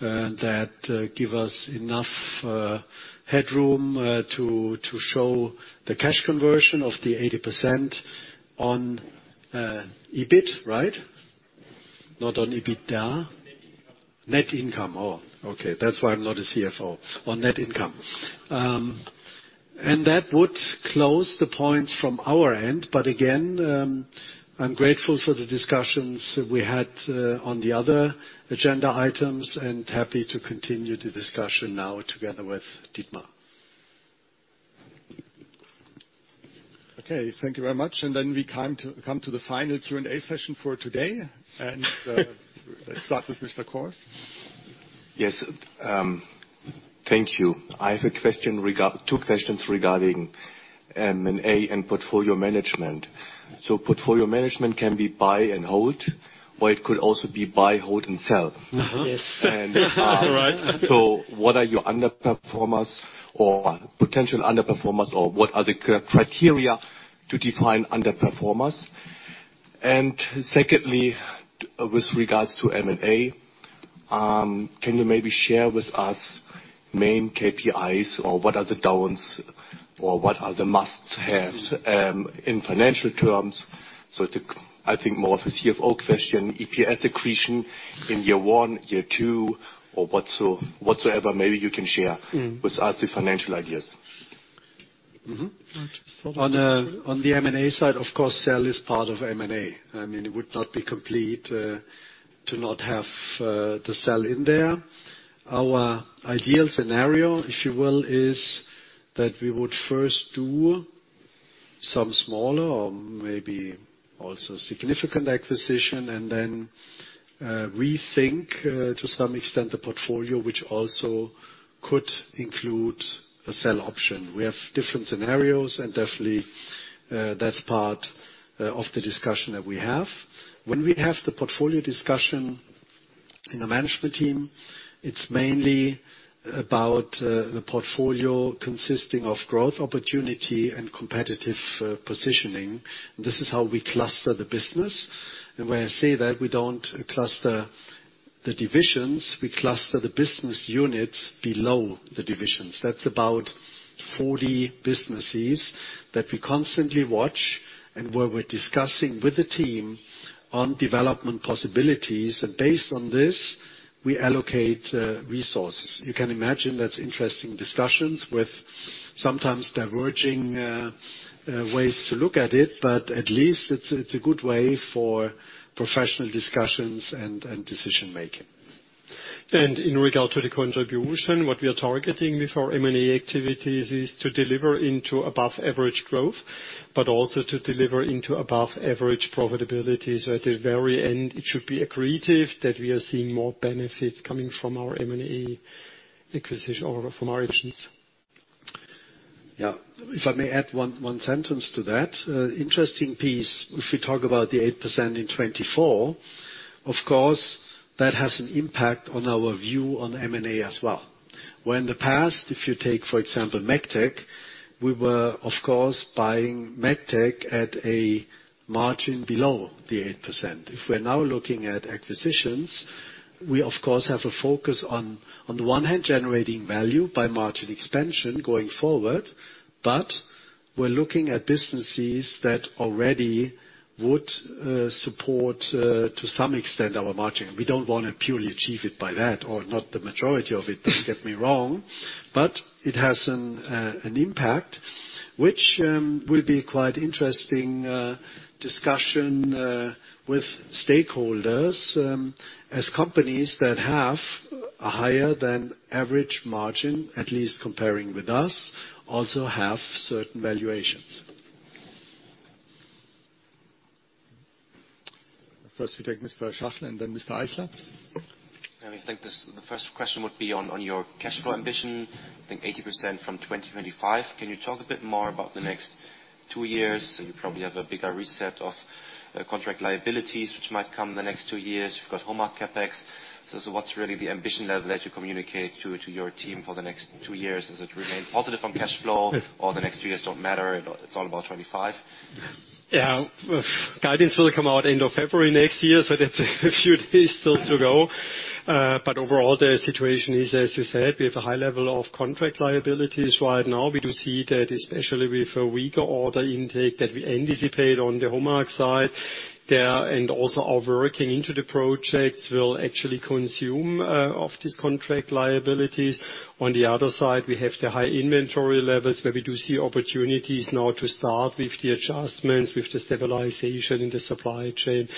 that give us enough headroom to show the cash conversion of the 80% on EBIT, right? Not on EBITDA. Net income. Net income. Oh, okay. That's why I'm not a CFO. On net income. That would close the points from our end. Again, I'm grateful for the discussions we had on the other agenda items, and happy to continue the discussion now together with Dietmar. Okay. Thank you very much. We come to the final Q&A session for today. Let's start with Mr. Course. Yes. Thank you. I have two questions regarding M&A and portfolio management. Portfolio management can be buy and hold, or it could also be buy, hold and sell. Yes. Right. What are your underperformers or potential underperformers or what are the criteria to define underperformers? Secondly, with regards to M&A, can you maybe share with us main KPIs or what are the don'ts or what are the must-haves, in financial terms? It's, I think, more of a CFO question. EPS accretion in year one, year two, or whatsoever maybe you can share. Mm-hmm. With us, the financial ideas. Mm-hmm. I'll just start off. On the M&A side, of course, sell is part of M&A. I mean, it would not be complete to not have the sell in there. Our ideal scenario, if you will, is that we would first do some smaller or maybe also significant acquisition and then rethink to some extent the portfolio which also could include a sell option. We have different scenarios and definitely that's part of the discussion that we have. When we have the portfolio discussion in the management team, it's mainly about the portfolio consisting of growth opportunity and competitive positioning. This is how we cluster the business. When I say that we don't cluster the divisions, we cluster the business units below the divisions. That's about 40 businesses that we constantly watch and where we're discussing with the team on development possibilities. Based on this, we allocate resources. You can imagine that's interesting discussions with sometimes diverging ways to look at it, but at least it's a good way for professional discussions and decision-making. In regard to the contribution, what we are targeting with our M&A activities is to deliver into above average growth, but also to deliver into above average profitabilities. At the very end, it should be accretive that we are seeing more benefits coming from our M&A acquisition or from our EPS. Yeah. If I may add one sentence to that. Interesting piece, if we talk about the 8% in 2024, of course, that has an impact on our view on M&A as well. In the past, if you take, for example, Megtec, we were of course buying Megtec at a margin below the 8%. If we're now looking at acquisitions, we of course have a focus on the one hand, generating value by margin expansion going forward, but we're looking at businesses that already would support to some extent our margin. We don't wanna purely achieve it by that or not the majority of it, don't get me wrong, but it has an impact which will be quite interesting discussion with stakeholders, as companies that have a higher than average margin, at least comparing with us, also have certain valuations. First we take Mr. Schachel and then Aisha. Let me think. This, the first question would be on your cash flow ambition. I think 80% from 2025. Can you talk a bit more about the next two years? You probably have a bigger reset of contract liabilities, which might come in the next two years. You've got HOMAG CapEx. What's really the ambition level that you communicate to your team for the next two years? Does it remain positive on cash flow or the next two years don't matter, it's all about 2025? Yeah. Guidance will come out end of February next year, so that's a few days still to go. Overall, the situation is, as you said, we have a high level of contract liabilities right now. We do see that especially with a weaker order intake that we anticipate on the HOMAG side there, and also our working into the projects will actually consume of these contract liabilities. On the other side, we have the high inventory levels where we do see opportunities now to start with the adjustments, with the stabilization in the supply chain.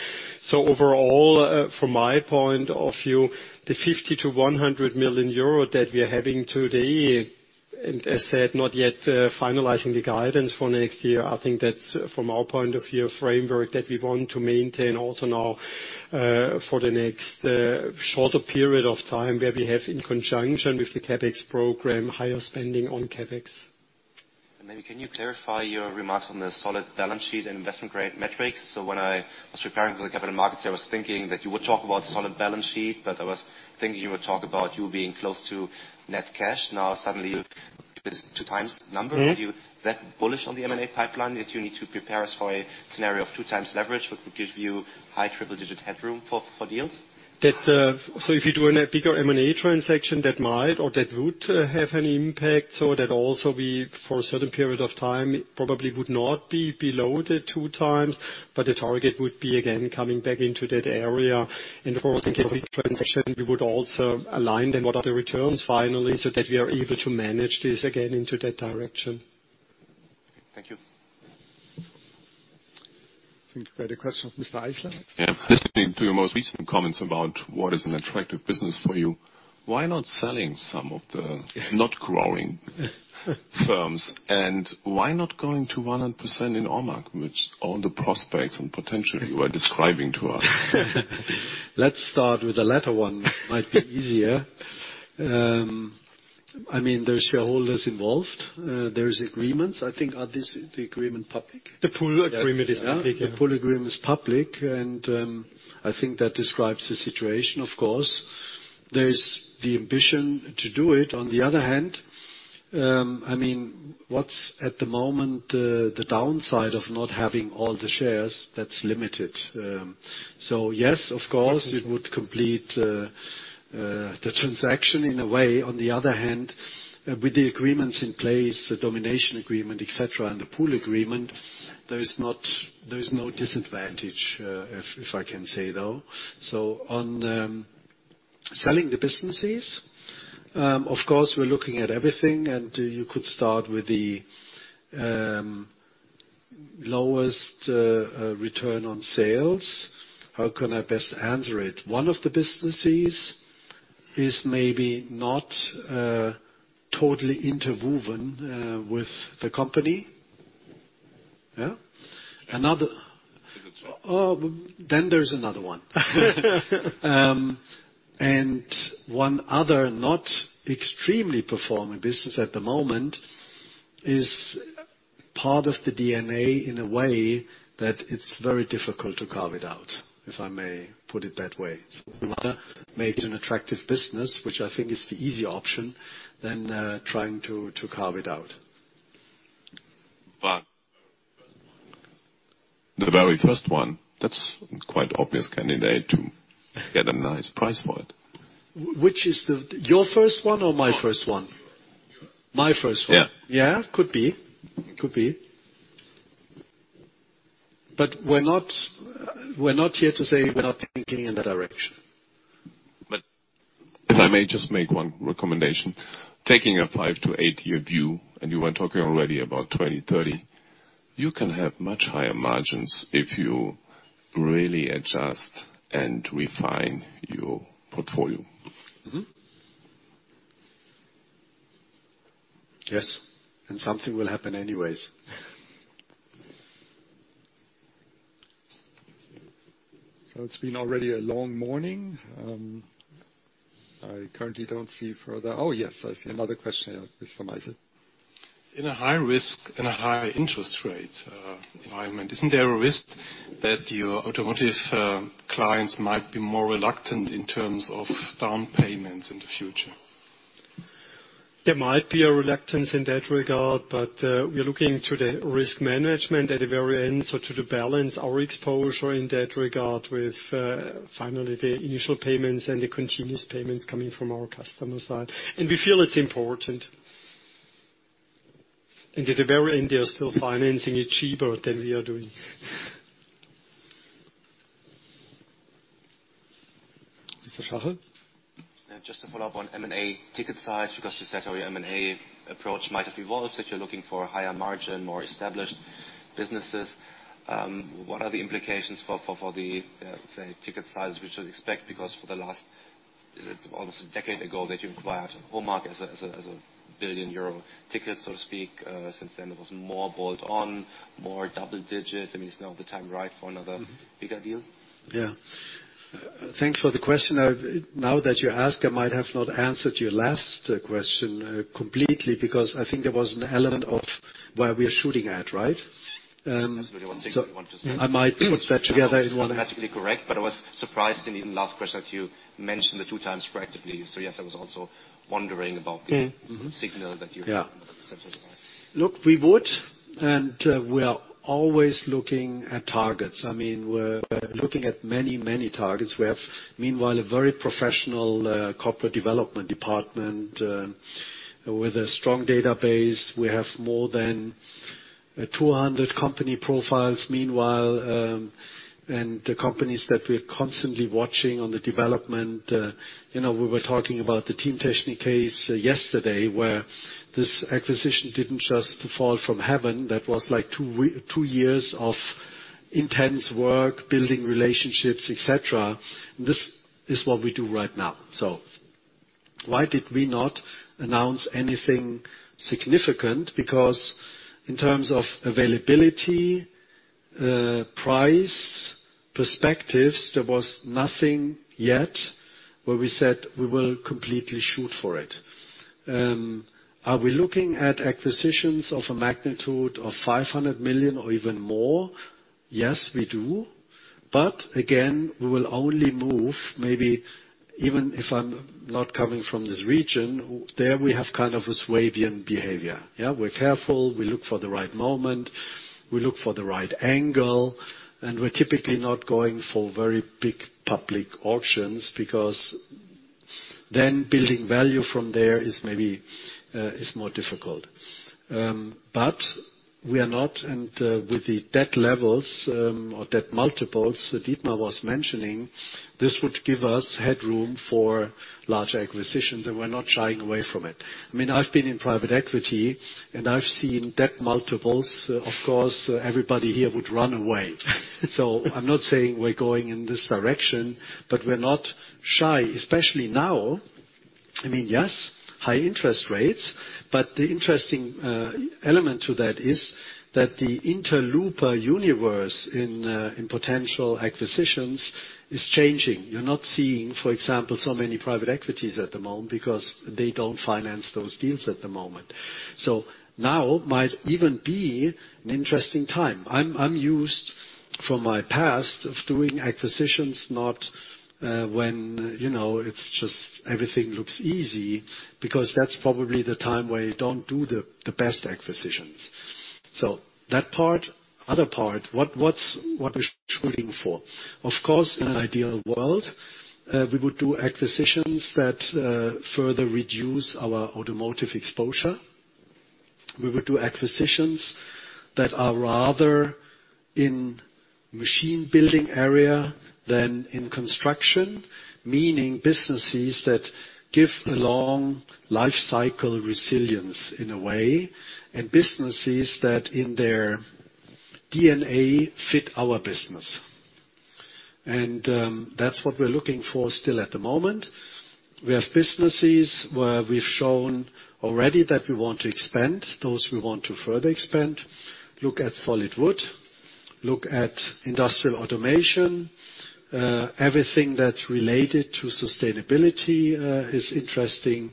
Overall, from my point of view, the 50 million-100 million euro that we are having today, and as said, not yet finalizing the guidance for next year. I think that's from our point of view, a framework that we want to maintain also now for the next shorter period of time where we have in conjunction with the CapEx program, higher spending on CapEx. Maybe you can clarify your remarks on the solid balance sheet and investment grade metrics. When I was preparing for the capital markets, I was thinking that you would talk about solid balance sheet, but I was thinking you would talk about you being close to net cash. Now suddenly this 2x number. Are you that bullish on the M&A pipeline that you need to prepare us for a scenario of 2x leverage, which would give you high triple-digit headroom for deals? That if you do a bigger M&A transaction, that might or that would have an impact. That also be for a certain period of time, it probably would not be below the 2x, but the target would be again coming back into that area. Of course, in CapEx transaction, we would also align then what are the returns finally, so that we are able to manage this again into that direction. Thank you. I think we have a question from Holger Eissler next. Yeah. Listening to your most recent comments about what is an attractive business for you, why not selling some of the not growing firms? Why not going to 100% in HOMAG, which all the prospects and potential you were describing to us? Let's start with the latter one. Might be easier. I mean, there's shareholders involved. There's agreements, I think. Are this, the agreement public? The pool agreement is public, yeah. Yes. The pool agreement is public, and I think that describes the situation, of course. There's the ambition to do it. On the other hand, I mean, what's at the moment the downside of not having all the shares, that's limited. Yes, of course, it would complete the transaction in a way. On the other hand, with the agreements in place, the domination agreement, et cetera, and the pool agreement, there's no disadvantage, if I can say, though. On selling the businesses, of course, we're looking at everything and you could start with the lowest return on sales. How can I best answer it? One of the businesses is maybe not totally interwoven with the company. Yeah. Another Is it so? Oh, there's another one. One other not extremely performing business at the moment is part of the DNA in a way that it's very difficult to carve it out, if I may put it that way. We'd rather make it an attractive business, which I think is the easy option, than trying to carve it out. The very first one, that's quite obvious candidate to get a nice price for it. Which is your first one or my first one? Yours. My first one? Yeah. Yeah. Could be. We're not here to say we're not thinking in that direction. If I may just make one recommendation. Taking a five to eight-year view, and you were talking already about 2030, you can have much higher margins if you really adjust and refine your portfolio. Yes. Something will happen anyways. It's been already a long morning. I currently don't see further. Oh, yes, I see another question here. Christoph Meisel. In a high risk and a higher interest rate environment, isn't there a risk that your automotive clients might be more reluctant in terms of down payments in the future? There might be a reluctance in that regard, but we are looking to the risk management at the very end. To balance our exposure in that regard with finally the initial payments and the continuous payments coming from our customer side. We feel it's important. At the very end, they are still financing it cheaper than we are doing. Mr. Schachel? Just to follow up on M&A ticket size, because you said how your M&A approach might have evolved, that you're looking for higher margin, more established businesses. What are the implications for the say, ticket size we should expect? Because for the last, it's almost a decade ago that you acquired HOMAG as a 1 billion euro ticket, so to speak. Since then, it was more bolt on, more double digit. I mean, is now the time right for another bigger deal? Yeah. Thanks for the question. Now that you ask, I might have not answered your last question completely, because I think there was an element of where we are shooting at, right? That's really one signal I want to say. I might put that together in one. It's not mathematically correct, but I was surprised in the last question that you mentioned the two times proactively. Yes, I was also wondering about the Mm-hmm signal that you Yeah sent to us. Look, we would, and we are always looking at targets. I mean, we're looking at many, many targets. We have, meanwhile, a very professional corporate development department with a strong database. We have more than 200 company profiles meanwhile, and the companies that we're constantly watching on the development. You know, we were talking about the Teamtechnik case yesterday, where this acquisition didn't just fall from heaven. That was like 2 years of intense work, building relationships, et cetera. This is what we do right now. Why did we not announce anything significant? Because in terms of availability, price, perspectives, there was nothing yet where we said we will completely shoot for it. Are we looking at acquisitions of a magnitude of 500 million or even more? Yes, we do. Again, we will only move maybe even if I'm not coming from this region, there we have kind of a Swabian behavior. Yeah, we're careful, we look for the right moment, we look for the right angle, and we're typically not going for very big public auctions because then building value from there is maybe is more difficult. With the debt levels, or debt multiples Dietmar was mentioning, this would give us headroom for larger acquisitions, and we're not shying away from it. I mean, I've been in private equity and I've seen debt multiples. Of course, everybody here would run away. I'm not saying we're going in this direction, but we're not shy, especially now. I mean, yes, high interest rates, but the interesting element to that is that the investor universe in potential acquisitions is changing. You're not seeing, for example, so many private equities at the moment because they don't finance those deals at the moment. Now might even be an interesting time. I'm used from my past of doing acquisitions, not when you know it's just everything looks easy because that's probably the time where you don't do the best acquisitions. That part. Other part. What we're shooting for? Of course, in an ideal world, we would do acquisitions that further reduce our automotive exposure. We would do acquisitions that are rather in machine building area than in construction. Meaning businesses that give a long life cycle resilience in a way, and businesses that in their DNA fit our business. That's what we're looking for still at the moment. We have businesses where we've shown already that we want to expand. Those we want to further expand. Look at solid wood, look at industrial automation. Everything that's related to sustainability is interesting.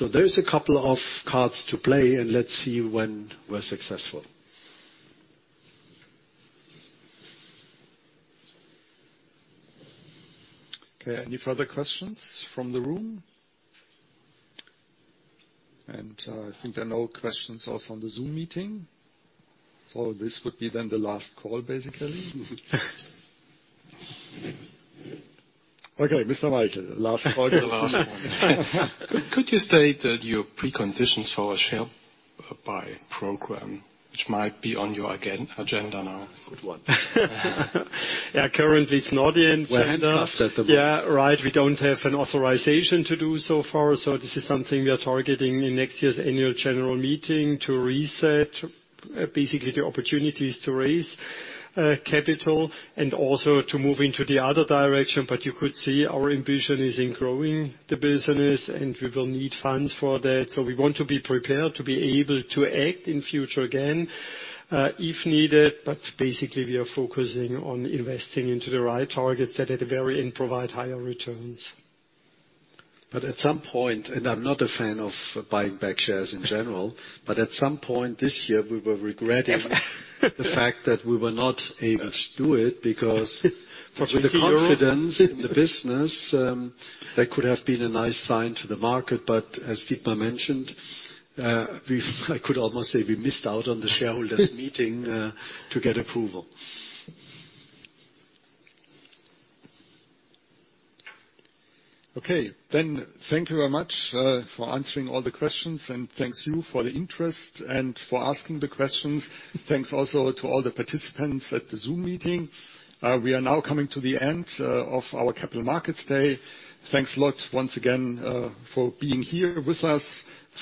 There is a couple of cards to play and let's see when we're successful. Okay, any further questions from the room? I think there are no questions also on the Zoom meeting. This would be then the last call, basically. Okay, Mr. Weyrauch, last call. The last one. Could you state your preconditions for a share buy program, which might be on your agenda now? Good one. Yeah. Currently it's not in agenda. We're handcuffed at the moment. Yeah, right. We don't have an authorization to do so far, so this is something we are targeting in next year's annual general meeting to reset basically the opportunities to raise capital and also to move into the other direction. You could see our ambition is in growing the business and we will need funds for that. We want to be prepared to be able to act in future again, if needed. Basically we are focusing on investing into the right targets that at the very end provide higher returns. At some point, and I'm not a fan of buying back shares in general, but at some point this year we were regretting the fact that we were not able to do it because. For EUR 20.... with the confidence in the business, that could have been a nice sign to the market. As Dietmar mentioned, I could almost say we missed out on the shareholders meeting to get approval. Okay. Thank you very much for answering all the questions, and thank you for the interest and for asking the questions. Thanks also to all the participants at the Zoom meeting. We are now coming to the end of our capital markets day. Thanks a lot once again for being here with us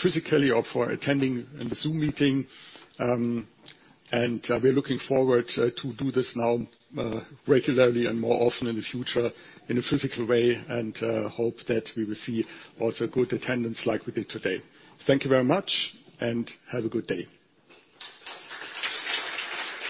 physically or for attending in the Zoom meeting. We're looking forward to do this now regularly and more often in the future in a physical way and hope that we will see also good attendance like we did today. Thank you very much and have a good day.